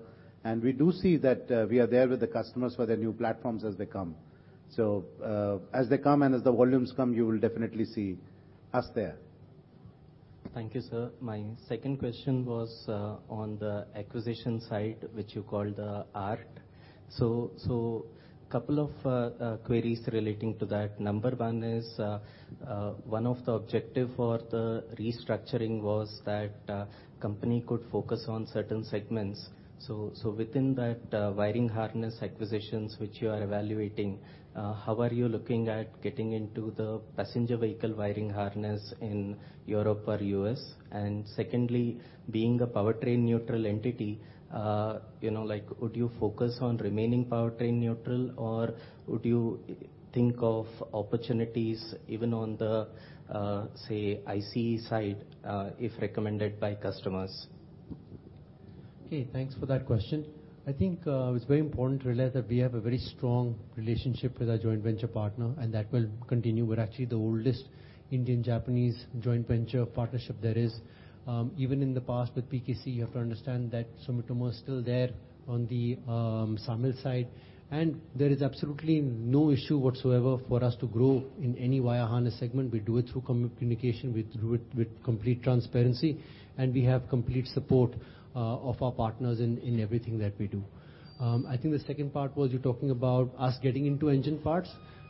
We do see that we are there with the customers for their new platforms as they come. As they come and as the volumes come, you will definitely see us there. Thank you, sir. My second question was on the acquisition side, which you call the ARC. Couple of queries relating to that. Number one is, one of the objective for the restructuring was that company could focus on certain segments. Within that, wiring harness acquisitions which you are evaluating, how are you looking at getting into the passenger vehicle wiring harness in Europe or U.S.? Secondly, being a powertrain neutral entity, you know, like would you focus on remaining powertrain neutral? Or would you think of opportunities even on the say, ICE side, if recommended by customers? Okay, thanks for that question. I think, it's very important to realize that we have a very strong relationship with our joint venture partner, and that will continue. We're actually the oldest Indian-Japanese joint venture partnership there is. Even in the past with PKC, you have to understand that Sumitomo is still there on the Samil side. There is absolutely no issue whatsoever for us to grow in any wire harness segment. We do it through communication. We do it with complete transparency, and we have complete support of our partners in everything that we do. I think the second part was you talking about us getting into engine parts.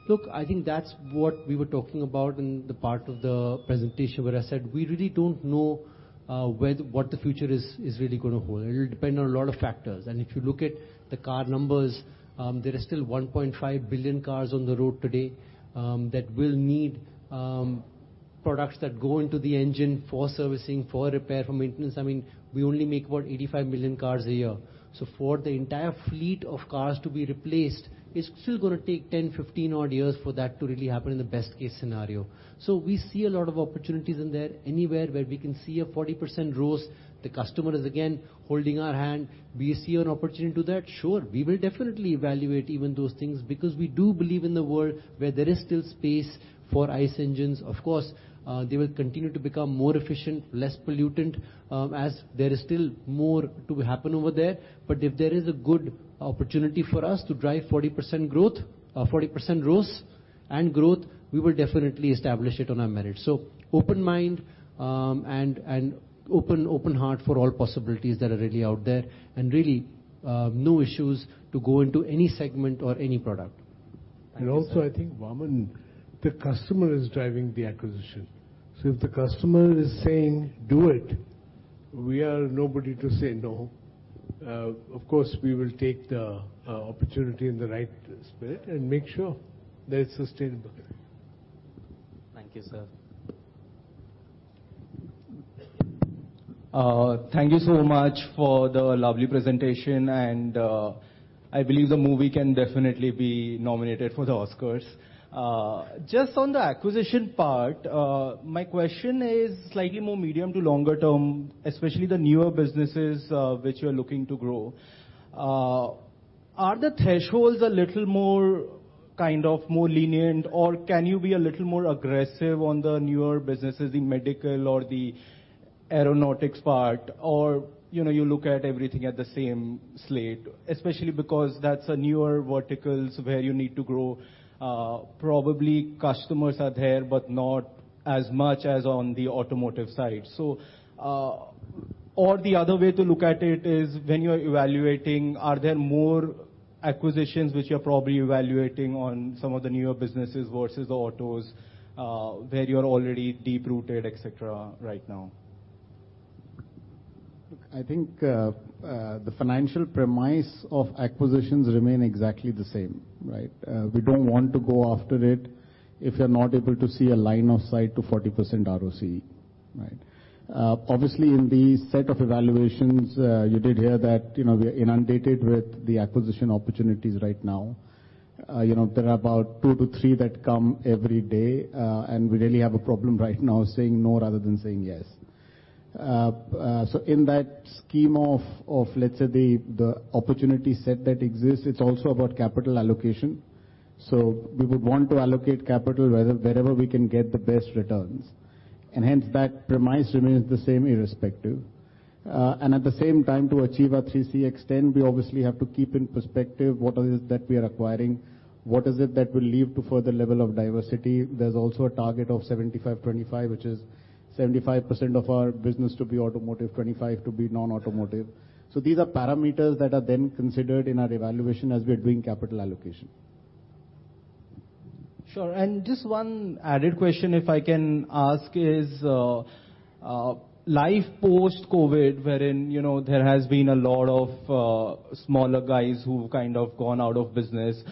Look, I think that's what we were talking about in the part of the presentation where I said, we really don't know what the future is really gonna hold. It'll depend on a lot of factors. If you look at the car numbers, there are still 1.5 billion cars on the road today, that will need products that go into the engine for servicing, for repair, for maintenance. I mean, we only make about 85 million cars a year. For the entire fleet of cars to be replaced, it's still gonna take 10, 15 odd years for that to really happen in the best case scenario. We see a lot of opportunities in there. Anywhere where we can see a 40% growth, the customer is again holding our hand, we see an opportunity to that, sure, we will definitely evaluate even those things, because we do believe in the world where there is still space for ICE engines. Of course, they will continue to become more efficient, less pollutant, as there is still more to happen over there. If there is a good opportunity for us to drive 40% growth and growth, we will definitely establish it on our merit. Open mind, and open heart for all possibilities that are really out there. Really, no issues to go into any segment or any product. Also, I think, Vaman, the customer is driving the acquisition. If the customer is saying, "Do it," we are nobody to say no. Of course, we will take the opportunity in the right spirit and make sure that it's sustainable. Thank you, sir. Thank you so much for the lovely presentation, I believe the movie can definitely be nominated for the Oscars. Just on the acquisition part, my question is slightly more medium to longer term, especially the newer businesses, which you're looking to grow. Are the thresholds a little more kind of more lenient, or can you be a little more aggressive on the newer businesses, the medical or the aeronautics part? You know, you look at everything at the same slate, especially because that's a newer verticals where you need to grow. Probably customers are there, but not as much as on the automotive side. Or the other way to look at it is when you're evaluating, are there more acquisitions which you're probably evaluating on some of the newer businesses versus the autos, where you're already deep-rooted, et cetera, right now? I think the financial premise of acquisitions remain exactly the same, right? We don't want to go after it if we're not able to see a line of sight to 40% ROC, right? Obviously in the set of evaluations, you did hear that, you know, we are inundated with the acquisition opportunities right now. You know, there are about two to three that come every day, and we really have a problem right now saying no rather than saying yes. So in that scheme of, let's say, the opportunity set that exists, it's also about capital allocation. So we would want to allocate capital rather wherever we can get the best returns. Hence that premise remains the same irrespective. At the same time, to achieve our 3CX10, we obviously have to keep in perspective what is it that we are acquiring? What is it that will lead to further level of diversity? There's also a target of 75/25, which is 75% of our business to be automotive, 25% to be non-automotive. These are parameters that are then considered in our evaluation as we are doing capital allocation. Sure. Just one added question, if I can ask, is life post-COVID, wherein, you know, there has been a lot of smaller guys who've kind of gone out of business,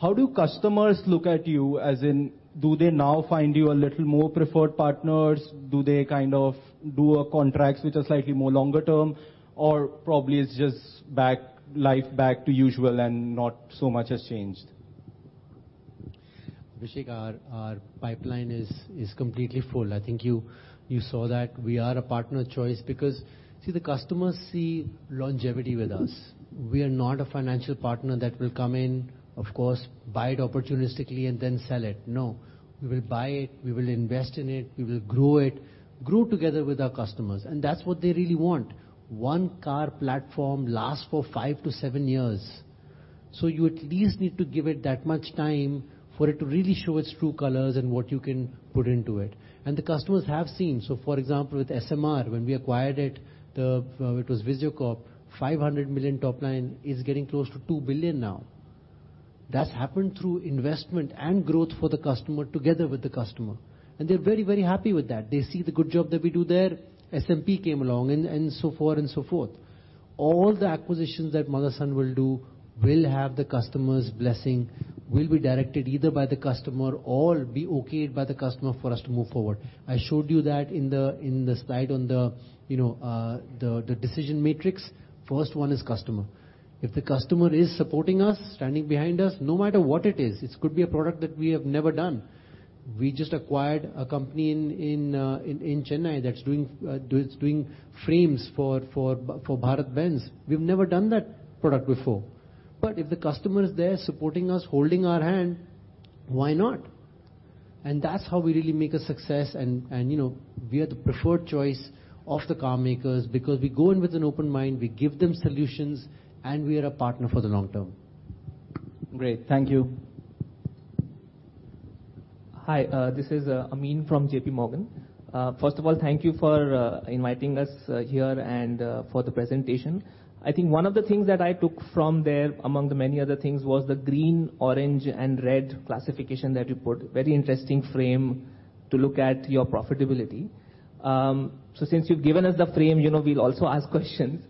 how do customers look at you, as in do they now find you a little more preferred partners? Do they kind of do a contracts which are slightly more longer term? Or probably it's just back, life back to usual and not so much has changed? Abhishek, our pipeline is completely full. I think you saw that we are a partner of choice because, see, the customers see longevity with us. We are not a financial partner that will come in, of course, buy it opportunistically, and then sell it. No, we will buy it. We will invest in it. We will grow it, grow together with our customers, and that's what they really want. One car platform lasts for five to seven years, so you at least need to give it that much time for it to really show its true colors and what you can put into it. The customers have seen. For example, with SMR, when we acquired it was Visiocorp, $500 million top line, is getting close to $2 billion now. That's happened through investment and growth for the customer together with the customer. They're very, very happy with that. They see the good job that we do there. SMP came along and so forth and so forth. All the acquisitions that Motherson will do will have the customer's blessing, will be directed either by the customer or be okayed by the customer for us to move forward. I showed you that in the, in the slide on the, you know, the decision matrix. First one is customer. If the customer is supporting us, standing behind us, no matter what it is, it could be a product that we have never done. We just acquired a company in Chennai that's doing frames for BharatBenz. We've never done that product before. If the customer is there supporting us, holding our hand, why not? That's how we really make a success and, you know, we are the preferred choice of the car makers because we go in with an open mind, we give them solutions, and we are a partner for the long term. Great. Thank you. Hi, this is Amin from JPMorgan. First of all, thank you for inviting us here and for the presentation. I think one of the things that I took from there, among the many other things, was the green, orange, and red classification that you put. Very interesting frame to look at your profitability. Since you've given us the frame, you know we'll also ask questions.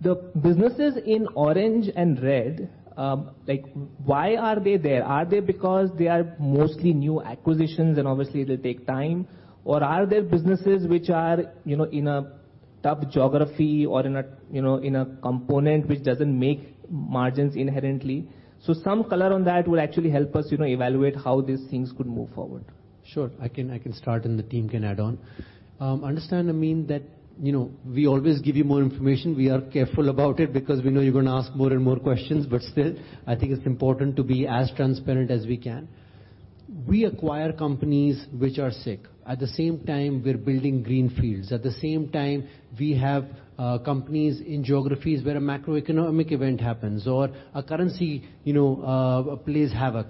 The businesses in orange and red, like why are they there? Are they because they are mostly new acquisitions and obviously it'll take time? Or are there businesses which are, you know, in a tough geography or in a, you know, in a component which doesn't make margins inherently? Some color on that will actually help us, you know, evaluate how these things could move forward. Sure. I can start. The team can add on. Understand, Amin, that, you know, we always give you more information. We are careful about it because we know you're gonna ask more and more questions, still, I think it's important to be as transparent as we can. We acquire companies which are sick. At the same time, we're building greenfields. At the same time, we have companies in geographies where a macroeconomic event happens or a currency, you know, plays havoc.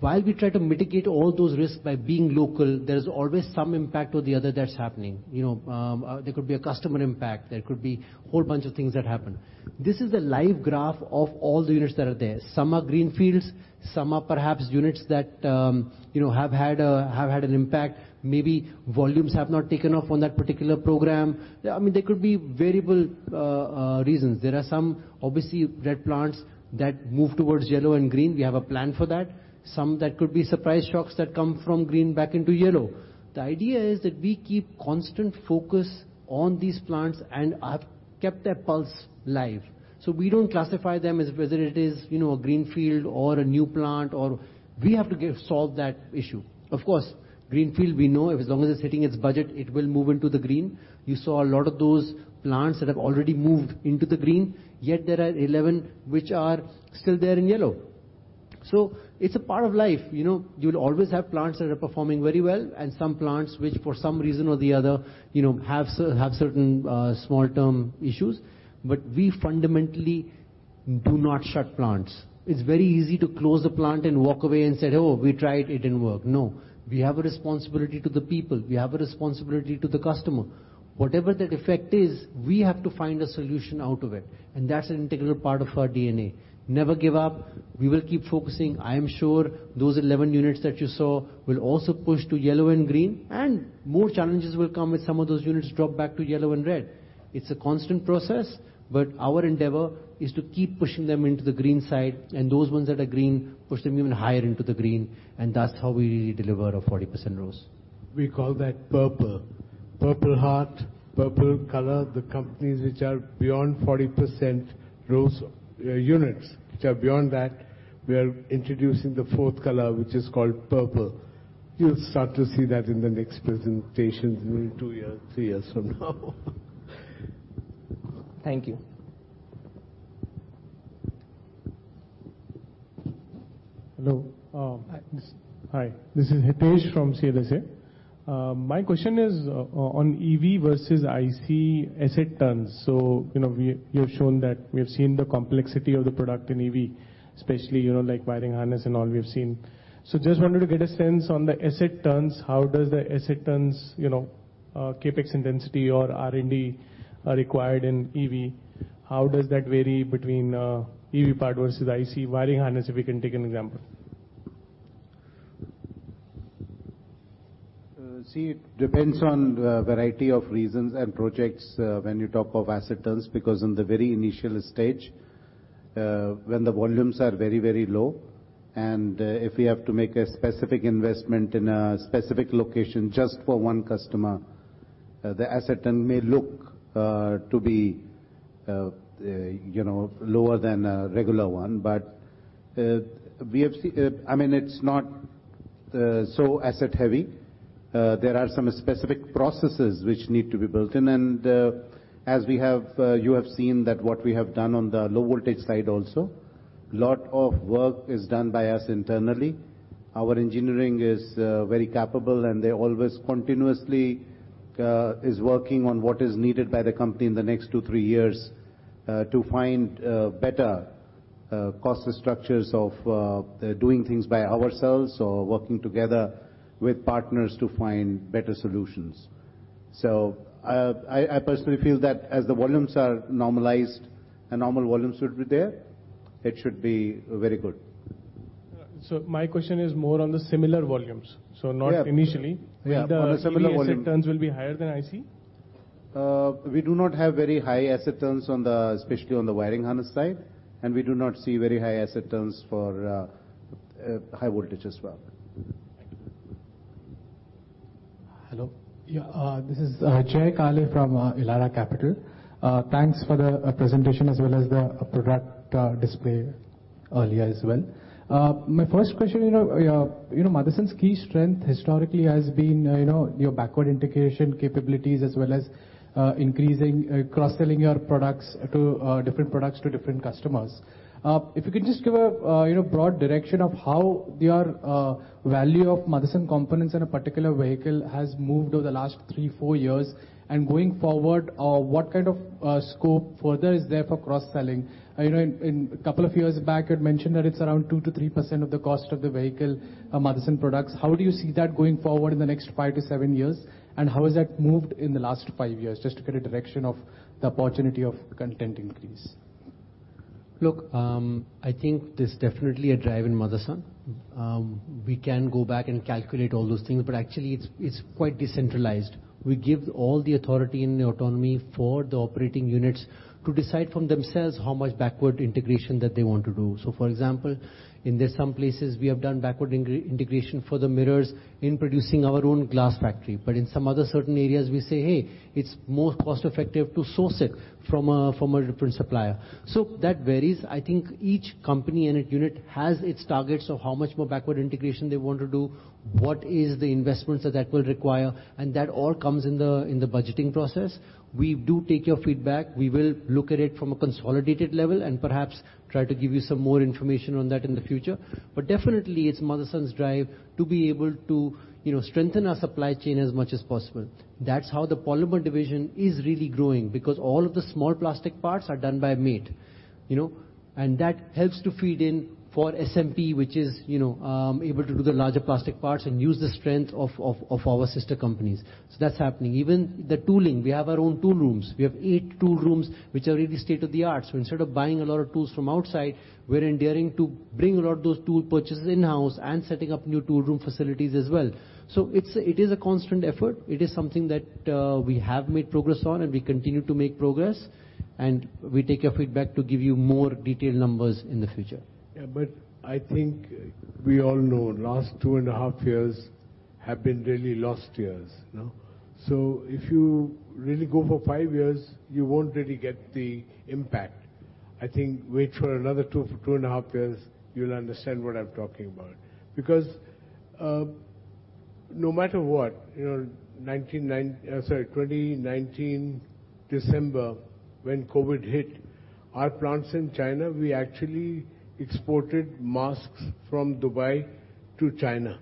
While we try to mitigate all those risks by being local, there's always some impact or the other that's happening. You know, there could be a customer impact, there could be whole bunch of things that happen. This is the live graph of all the units that are there. Some are greenfields, some are perhaps units that, you know, have had an impact. Maybe volumes have not taken off on that particular program. I mean, there could be variable reasons. There are some obviously red plants that move towards yellow and green. We have a plan for that. Some that could be surprise shocks that come from green back into yellow. The idea is that we keep constant focus on these plants and have kept their pulse live. We don't classify them as whether it is, you know, a greenfield or a new plant or. We have to solve that issue. Of course, greenfield we know if, as long as it's hitting its budget, it will move into the green. You saw a lot of those plants that have already moved into the green, yet there are 11 which are still there in yellow. It's a part of life. You know, you'll always have plants that are performing very well and some plants which for some reason or the other, you know, have certain small term issues. We fundamentally do not shut plants. It's very easy to close the plant and walk away and say, "Oh, we tried. It didn't work." No. We have a responsibility to the people. We have a responsibility to the customer. Whatever the defect is, we have to find a solution out of it, and that's an integral part of our DNA. Never give up. We will keep focusing. I am sure those 11 units that you saw will also push to yellow and green, and more challenges will come with some of those units drop back to yellow and red. It's a constant process, but our endeavor is to keep pushing them into the green side and those ones that are green, push them even higher into the green, and that's how we really deliver a 40% rose. We call that purple. Purple heart, purple color. The companies which are beyond 40% rose, units, which are beyond that, we are introducing the fourth color, which is called purple. You'll start to see that in the next presentations in two years, three years from now. Thank you. Hello. Hi. Hi. This is Hitesh from CDSA. My question is on EV versus IC asset turns. You know, you have shown that we have seen the complexity of the product in EV, especially, you know, like wiring harness and all we have seen. Just wanted to get a sense on the asset turns, how does the asset turns, you know, CapEx intensity or R&D are required in EV? How does that vary between EV part versus IC wiring harness, if we can take an example? See, it depends on a variety of reasons and projects, when you talk of asset turns, because in the very initial stage, when the volumes are very, very low, and, if we have to make a specific investment in a specific location just for one customer. The asset turn may look, to be, you know, lower than a regular one, but, I mean, it's not, so asset heavy. There are some specific processes which need to be built in, and, you have seen that what we have done on the low voltage side also. Lot of work is done by us internally. Our engineering is very capable, and they always continuously is working on what is needed by the company in the next two, three years to find better cost structures of doing things by ourselves or working together with partners to find better solutions. I personally feel that as the volumes are normalized and normal volumes will be there, it should be very good. My question is more on the similar volumes. Yeah. Not initially. Yeah, on a similar volume. Maybe the EV asset turns will be higher than IC? We do not have very high asset turns especially on the wiring harness side, and we do not see very high asset turns for high voltage as well. Thank you. Hello. This is Jay Kale from Elara Capital. Thanks for the presentation, as well as the product display earlier as well. My first question, you know, you know, Motherson's key strength historically has been, you know, your backward integration capabilities as well as increasing cross-selling your products to different products to different customers. If you could just give a, you know, broad direction of how your value of Motherson components in a particular vehicle has moved over the last three, four years. Going forward, what kind of scope further is there for cross-selling? You know, in a couple of years back, you'd mentioned that it's around 2%-3% of the cost of the vehicle are Motherson products. How do you see that going forward in the next five to seven years? How has that moved in the last five years? Just to get a direction of the opportunity of content increase. Look, I think there's definitely a drive in Motherson. We can go back and calculate all those things, but actually it's quite decentralized. We give all the authority and the autonomy for the operating units to decide from themselves how much backward integration that they want to do. For example, in some places we have done backward integration for the mirrors in producing our own glass factory. In some other certain areas, we say, "Hey, it's more cost effective to source it from a different supplier." That varies. I think each company and unit has its targets of how much more backward integration they want to do, what is the investments that that will require, and that all comes in the budgeting process. We do take your feedback. We will look at it from a consolidated level. Perhaps try to give you some more information on that in the future. Definitely it's Motherson's drive to be able to, you know, strengthen our supply chain as much as possible. That's how the polymer division is really growing, because all of the small plastic parts are done by MATE, you know? That helps to feed in for SMP, which is, you know, able to do the larger plastic parts and use the strength of our sister companies. That's happening. Even the tooling, we have our own tool rooms. We have eight tool rooms which are really state-of-the-art. Instead of buying a lot of tools from outside, we're enduring to bring a lot of those tool purchases in-house and setting up new tool room facilities as well. It is a constant effort. It is something that we have made progress on and we continue to make progress, and we take your feedback to give you more detailed numbers in the future. I think we all know last two and a half years have been really lost years, no? If you really go for five years, you won't really get the impact. I think wait for another two and a half years, you'll understand what I'm talking about. No matter what, you know, 2019 December, when COVID hit, our plants in China, we actually exported masks from Dubai to China.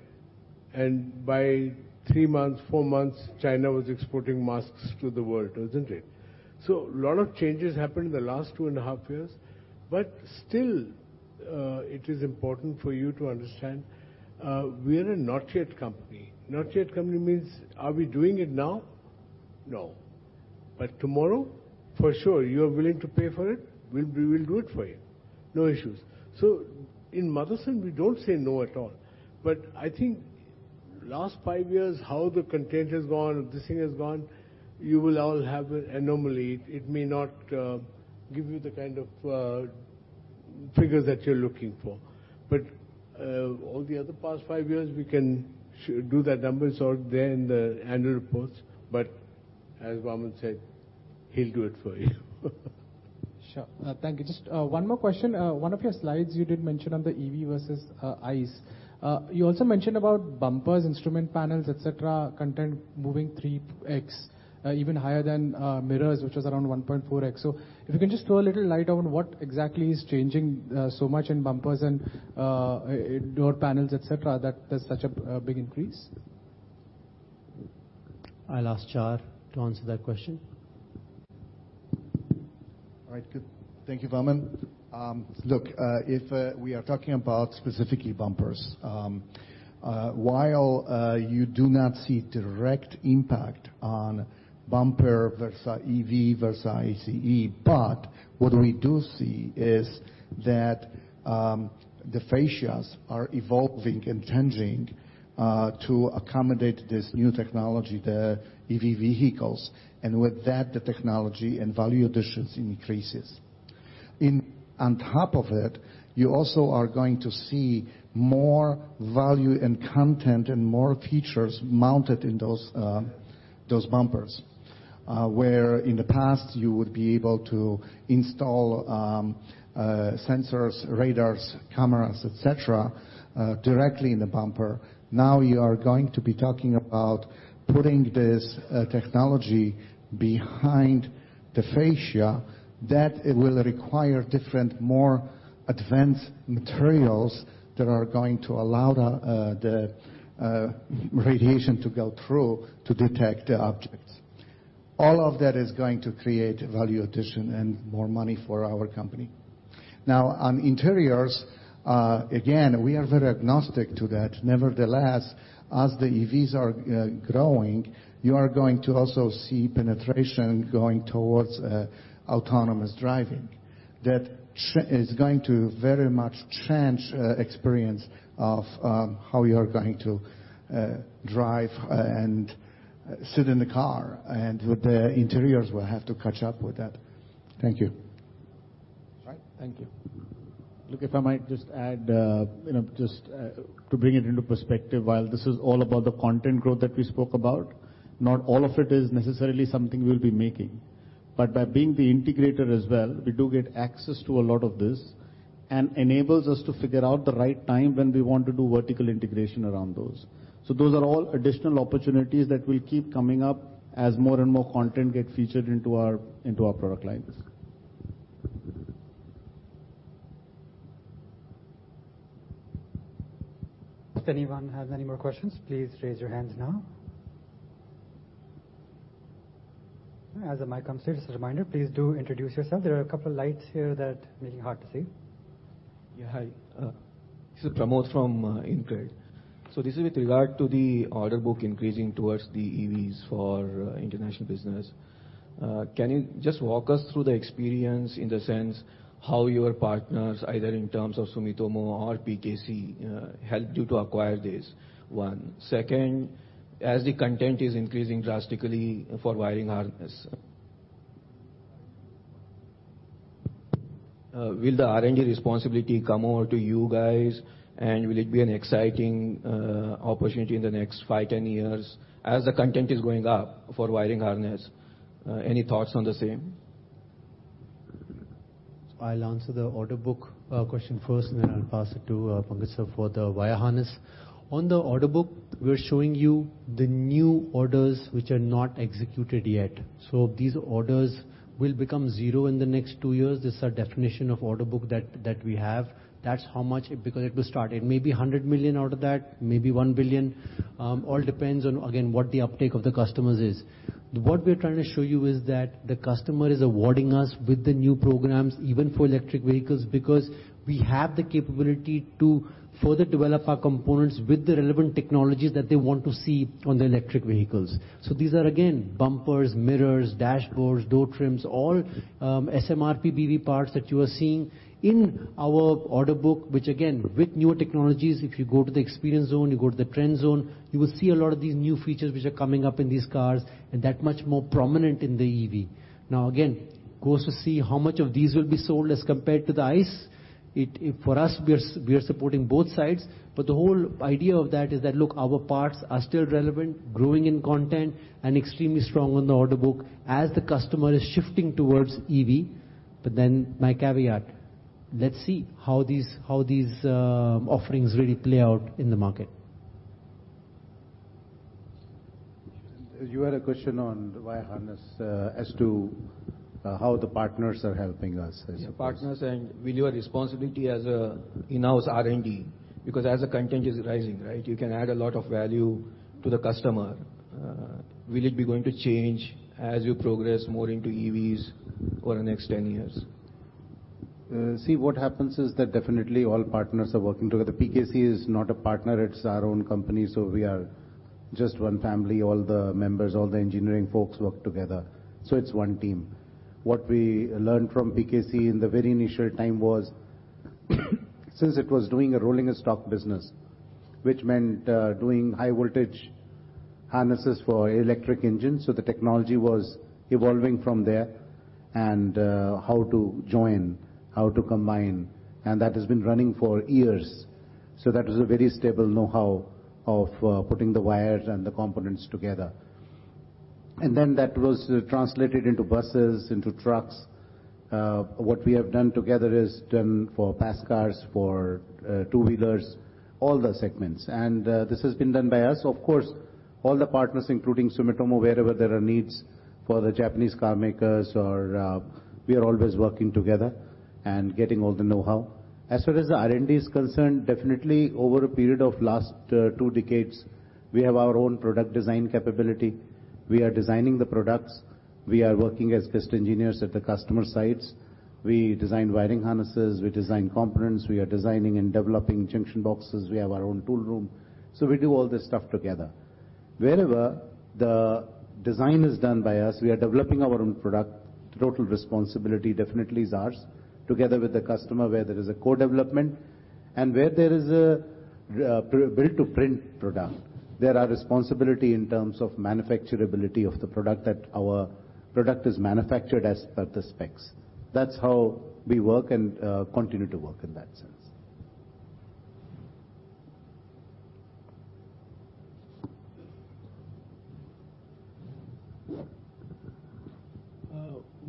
By three months, four months, China was exporting masks to the world, wasn't it? A lot of changes happened in the last two and a half years, still, it is important for you to understand, we're a not yet company. Not yet company means are we doing it now? No. Tomorrow, for sure. You are willing to pay for it, we will do it for you. No issues. In Motherson, we don't say no at all. I think last five years, how the content has gone, this thing has gone, you will all have an anomaly. It may not give you the kind of figures that you're looking for. All the other past five years, we can do the numbers out there in the annual reports. As Vaman said, he'll do it for you. Sure. Thank you. Just one more question. One of your slides you did mention on the EV versus ICE. You also mentioned about bumpers, instrument panels, et cetera, content moving 3x even higher than mirrors, which was around 1.4x. If you can just throw a little light on what exactly is changing so much in bumpers and door panels, et cetera, that there's such a big increase. I'll ask Char to answer that question. All right, good. Thank you, Vaman. Look, if we are talking about specifically bumpers, while you do not see direct impact on bumper versus EV versus ICE, but what we do see is that the fascias are evolving and changing to accommodate this new technology, the EV vehicles. With that, the technology and value additions increases. On top of it, you also are going to see more value and content and more features mounted in those bumpers. Where in the past you would be able to install sensors, radars, cameras, et cetera, directly in the bumper, now you are going to be talking about putting this technology behind the fascia, that it will require different more advanced materials that are going to allow the radiation to go through to detect the objects. All of that is going to create value addition and more money for our company. On interiors, again, we are very agnostic to that. Nevertheless, as the EVs are growing, you are going to also see penetration going towards autonomous driving. That is going to very much change experience of how you are going to drive and sit in the car. With the interiors will have to catch up with that. Thank you. Right. Thank you. Look, if I might just add, you know, just to bring it into perspective, while this is all about the content growth that we spoke about, not all of it is necessarily something we'll be making. By being the integrator as well, we do get access to a lot of this, and enables us to figure out the right time when we want to do vertical integration around those. Those are all additional opportunities that will keep coming up as more and more content get featured into our, into our product lines. If anyone has any more questions, please raise your hands now. As the mic comes to you, just a reminder, please do introduce yourself. There are a couple lights here that make it hard to see. Yeah, hi. This is Pramod from Incred. This is with regard to the order book increasing towards the EVs for international business. Can you just walk us through the experience in the sense how your partners, either in terms of Sumitomo or PKC, helped you to acquire this? One. Second, as the content is increasing drastically for wiring harness, will the R&D responsibility come over to you guys? Will it be an exciting opportunity in the next five, 10 years as the content is going up for wiring harness? Any thoughts on the same? I'll answer the order book question first, then I'll pass it to Pankaj Mital Sir for the wire harness. On the order book, we're showing you the new orders which are not executed yet. These orders will become zero in the next two years. This is our definition of order book that we have. That's how much it will start. It may be $100 million out of that, maybe $1 billion. All depends on, again, what the uptake of the customers is. What we're trying to show you is that the customer is awarding us with the new programs, even for electric vehicles, because we have the capability to further develop our components with the relevant technologies that they want to see on the electric vehicles. These are, again, bumpers, mirrors, dashboards, door trims, all SMRP BV parts that you are seeing in our order book, which again, with newer technologies, if you go to the experience zone, you go to the trend zone, you will see a lot of these new features which are coming up in these cars, and that much more prominent in the EV. Again, goes to see how much of these will be sold as compared to the ICE. For us, we are supporting both sides, but the whole idea of that is that, look, our parts are still relevant, growing in content, and extremely strong on the order book as the customer is shifting towards EV. My caveat, let's see how these, how these offerings really play out in the market. You had a question on wire harness, as to, how the partners are helping us, I suppose. Partners and with your responsibility as a in-house R&D. Because as the content is rising, right? You can add a lot of value to the customer. Will it be going to change as you progress more into EVs over the next 10 years? See, what happens is that definitely all partners are working together. PKC is not a partner, it's our own company, we are just one family. All the members, all the engineering folks work together, it's one team. What we learned from PKC in the very initial time was, since it was doing a rolling stock business, which meant doing high voltage harnesses for electric engines, the technology was evolving from there, how to join, how to combine. That has been running for years. That was a very stable know-how of putting the wires and the components together. That was translated into buses, into trucks. What we have done together is done for pass cars, for two-wheelers, all the segments. This has been done by us. Of course, all the partners, including Sumitomo, wherever there are needs for the Japanese car makers or, we are always working together and getting all the know-how. As far as the R&D is concerned, definitely over a period of last, two decades, we have our own product design capability. We are designing the products. We are working as test engineers at the customer sites. We design wiring harnesses, we design components, we are designing and developing junction boxes. We have our own tool room. We do all this stuff together. Wherever the design is done by us, we are developing our own product. Total responsibility definitely is ours. Together with the customer where there is a co-development- Where there is a build-to-print product, there are responsibility in terms of manufacturability of the product, that our product is manufactured as per the specs. That's how we work and, continue to work in that sense.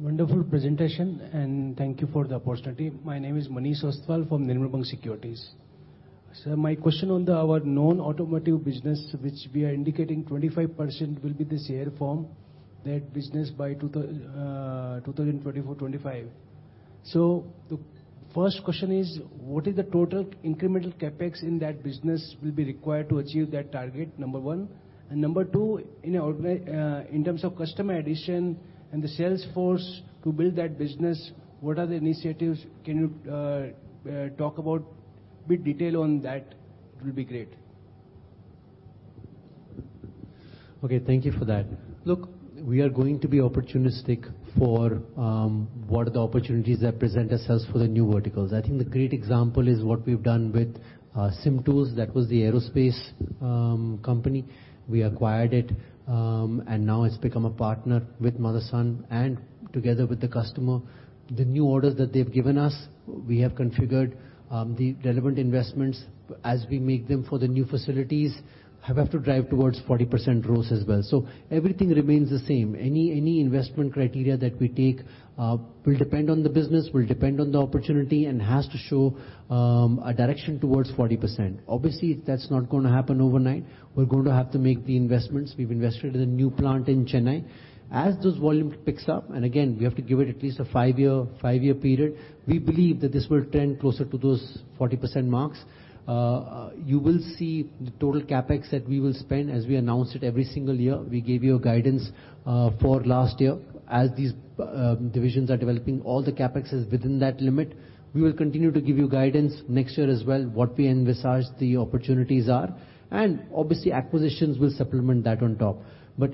Wonderful presentation, thank you for the opportunity. My name is Manish Ostwal from Nirmal Bang Securities. My question on the our known automotive business, which we are indicating 25% will be the share from that business by 2024-2025. The first question is: What is the total incremental CapEx in that business will be required to achieve that target? Number one. Number two, in terms of customer addition and the sales force to build that business, what are the initiatives? Can you talk about bit detail on that will be great. Okay, thank you for that. Look, we are going to be opportunistic for what are the opportunities that present ourselves for the new verticals. I think the great example is what we've done with CIM Tools. That was the aerospace company. We acquired it, and now it's become a partner with Motherson and together with the customer. The new orders that they've given us, we have configured the relevant investments as we make them for the new facilities have to drive towards 40% growth as well. Everything remains the same. Any investment criteria that we take, will depend on the business, will depend on the opportunity, and has to show a direction towards 40%. Obviously, that's not gonna happen overnight. We're going to have to make the investments. We've invested in a new plant in Chennai. As those volume picks up, again we have to give it at least a five-year period, we believe that this will trend closer to those 40% marks. You will see the total CapEx that we will spend as we announce it every single year. We gave you a guidance for last year. As these divisions are developing, all the CapEx is within that limit. We will continue to give you guidance next year as well, what we envisage the opportunities are. Obviously, acquisitions will supplement that on top.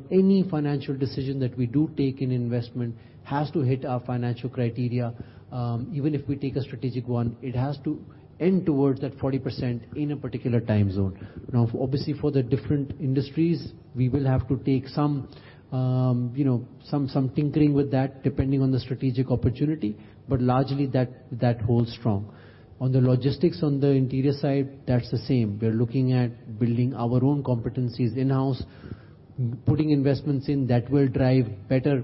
Any financial decision that we do take in investment has to hit our financial criteria. Even if we take a strategic one, it has to end towards that 40% in a particular time zone. Obviously, for the different industries, we will have to take some, you know, some tinkering with that depending on the strategic opportunity, but largely that holds strong. On the logistics on the interior side, that's the same. We're looking at building our own competencies in-house, putting investments in. That will drive better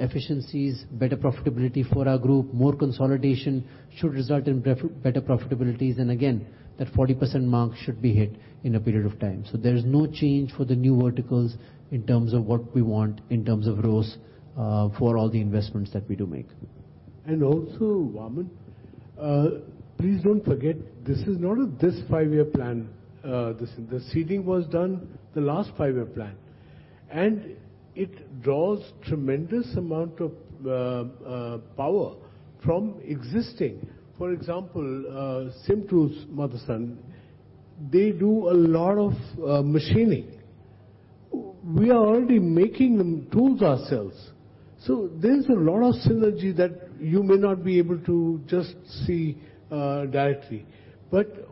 efficiencies, better profitability for our group. More consolidation should result in better profitabilities, and again, that 40% mark should be hit in a period of time. There is no change for the new verticals in terms of what we want, in terms of growth for all the investments that we do make. Also, Vaman, please don't forget, this is not a this five-year plan, this. The seeding was done the last five-year plan. It draws tremendous amount of power from existing. For example, CIM Tools, Motherson, they do a lot of machining. We are already making tools ourselves, so there's a lot of synergy that you may not be able to just see directly.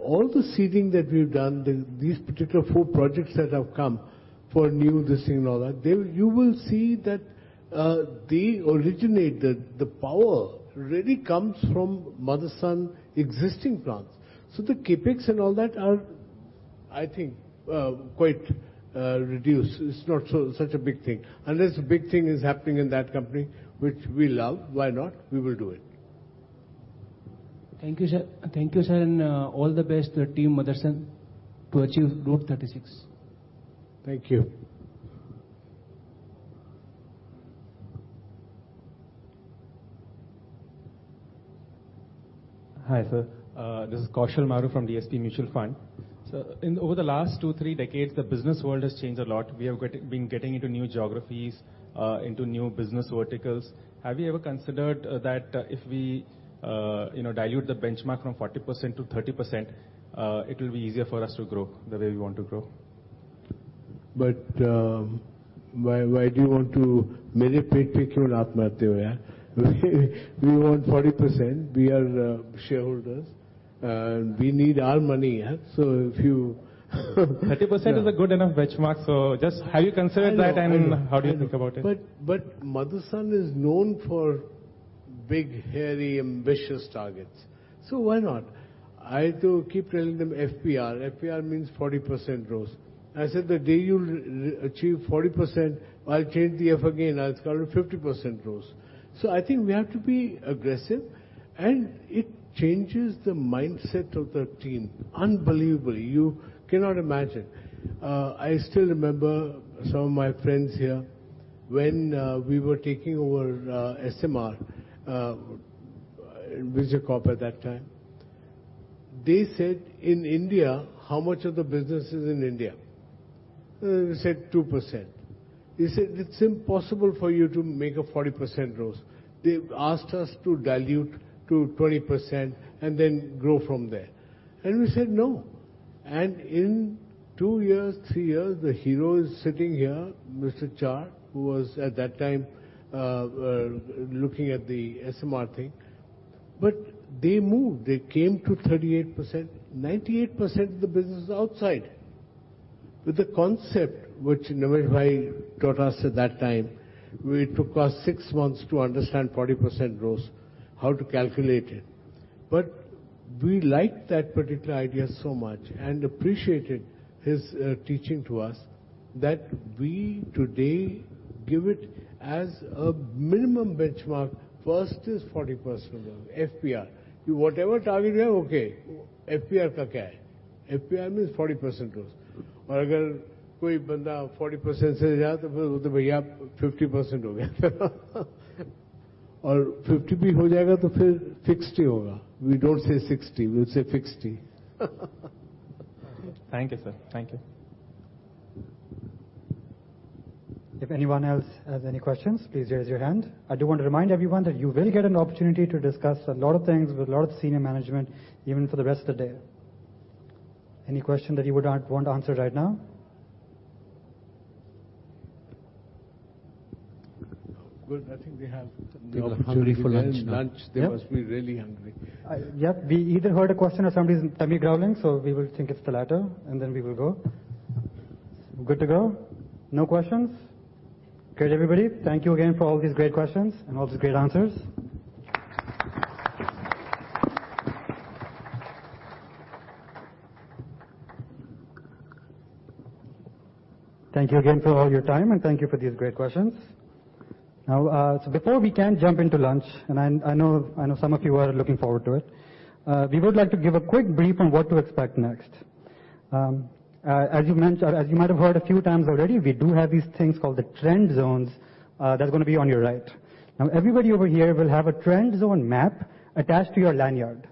All the seeding that we've done, these particular four projects that have come for new this thing and all that, they. You will see that they originated, the power really comes from Motherson existing plants. The CapEx and all that are, I think, quite reduced. It's not so, such a big thing. Unless a big thing is happening in that company, which we love, why not? We will do it. Thank you, sir. Thank you, sir, and all the best to Team Motherson to achieve Growth 36. Thank you. Hi, sir. This is Kaushal Maroo from DSP Mutual Fund. In over the last two, three decades, the business world has changed a lot. We have been getting into new geographies, into new business verticals. Have you ever considered that if we, you know, dilute the benchmark from 40% to 30%, it'll be easier for us to grow the way we want to grow? why do you want to? We want 40%. We are shareholders. We need our money, yeah. if you 30% is a good enough benchmark, just have you considered that? I know. I know. How do you think about it? Motherson is known for big, hairy, ambitious targets, so why not? I had to keep telling them FPR. FPR means 40% growth. I said, "The day you achieve 40%, I'll change the F again. I'll call it 50% growth." I think we have to be aggressive, and it changes the mindset of the team unbelievably. You cannot imagine. I still remember some of my friends here when we were taking over SMR, Visiocorp at that time. They said, "In India, how much of the business is in India?" We said, "2%." They said, "It's impossible for you to make a 40% growth." They asked us to dilute to 20% and then grow from there. We said, "No." In two years, three years, the hero is sitting here, Mr. Char, who was at that time looking at the SMR thing. They moved. They came to 38%. 98% of the business is outside. With the concept which Nimitbhai taught us at that time, it took us 6 months to understand 40% growth, how to calculate it. We liked that particular idea so much and appreciated his teaching to us that we today give it as a minimum benchmark. First is 40% FPR. Whatever target, okay, FPR 40%. FPR means 40% growth. Or 40%, but yeah, 50%. Or 50 people 60. We don't say sixty, we say sixty. Thank you, sir. Thank you. If anyone else has any questions, please raise your hand. I do want to remind everyone that you will get an opportunity to discuss a lot of things with a lot of senior management, even for the rest of the day. Any question that you would want answered right now? Good. I think we have the opportunity for lunch. Lunch. They must be really hungry. We either heard a question or somebody's tummy growling, so we will think it's the latter, and then we will go. Good to go? No questions? Good, everybody. Thank you again for all these great questions and all these great answers. Thank you again for all your time, and thank you for these great questions. Before we can jump into lunch, and I know some of you are looking forward to it, we would like to give a quick brief on what to expect next. As you might have heard a few times already, we do have these things called the trend zones, that's gonna be on your right. Everybody over here will have a trend zone map attached to your lanyard.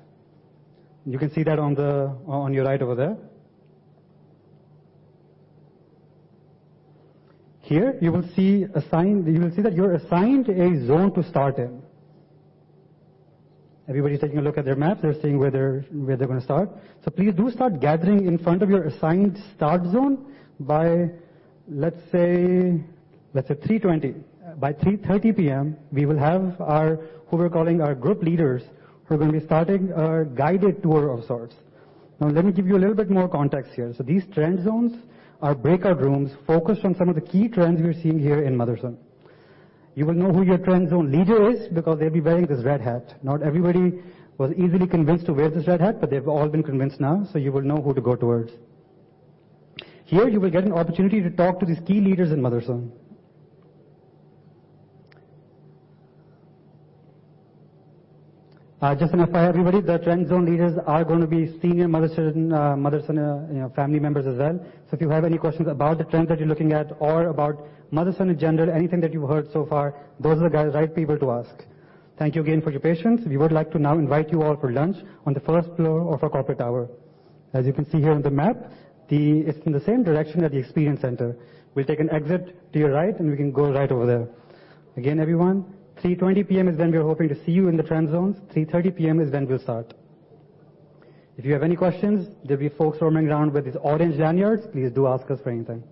You can see that on your right over there. You will see that you're assigned a zone to start in. Everybody's taking a look at their maps. They're seeing where they're gonna start. Please do start gathering in front of your assigned start zone by, let's say, 3:20 P.M. By 3:30 P.M., we will have our, who we're calling our group leaders, who are gonna be starting a guided tour of sorts. Let me give you a little bit more context here. These trend zones are breakout rooms focused on some of the key trends we are seeing here in Motherson. You will know who your trend zone leader is because they'll be wearing this red hat. Not everybody was easily convinced to wear this red hat, but they've all been convinced now, so you will know who to go towards. Here you will get an opportunity to talk to these key leaders in Motherson. Just an FYI, everybody, the trend zone leaders are gonna be senior Motherson, you know, family members as well. If you have any questions about the trends that you're looking at or about Motherson in general, anything that you've heard so far, those are the guys, right people to ask. Thank you again for your patience. We would like to now invite you all for lunch on the first floor of our corporate tower. As you can see here on the map, it's in the same direction as the experience center. We'll take an exit to your right, and we can go right over there. Again, everyone, 3:20 P.M. is when we are hoping to see you in the trend zones. 3:30 P.M. is when we'll start. If you have any questions, there'll be folks roaming around with these orange lanyards. Please do ask us for anything.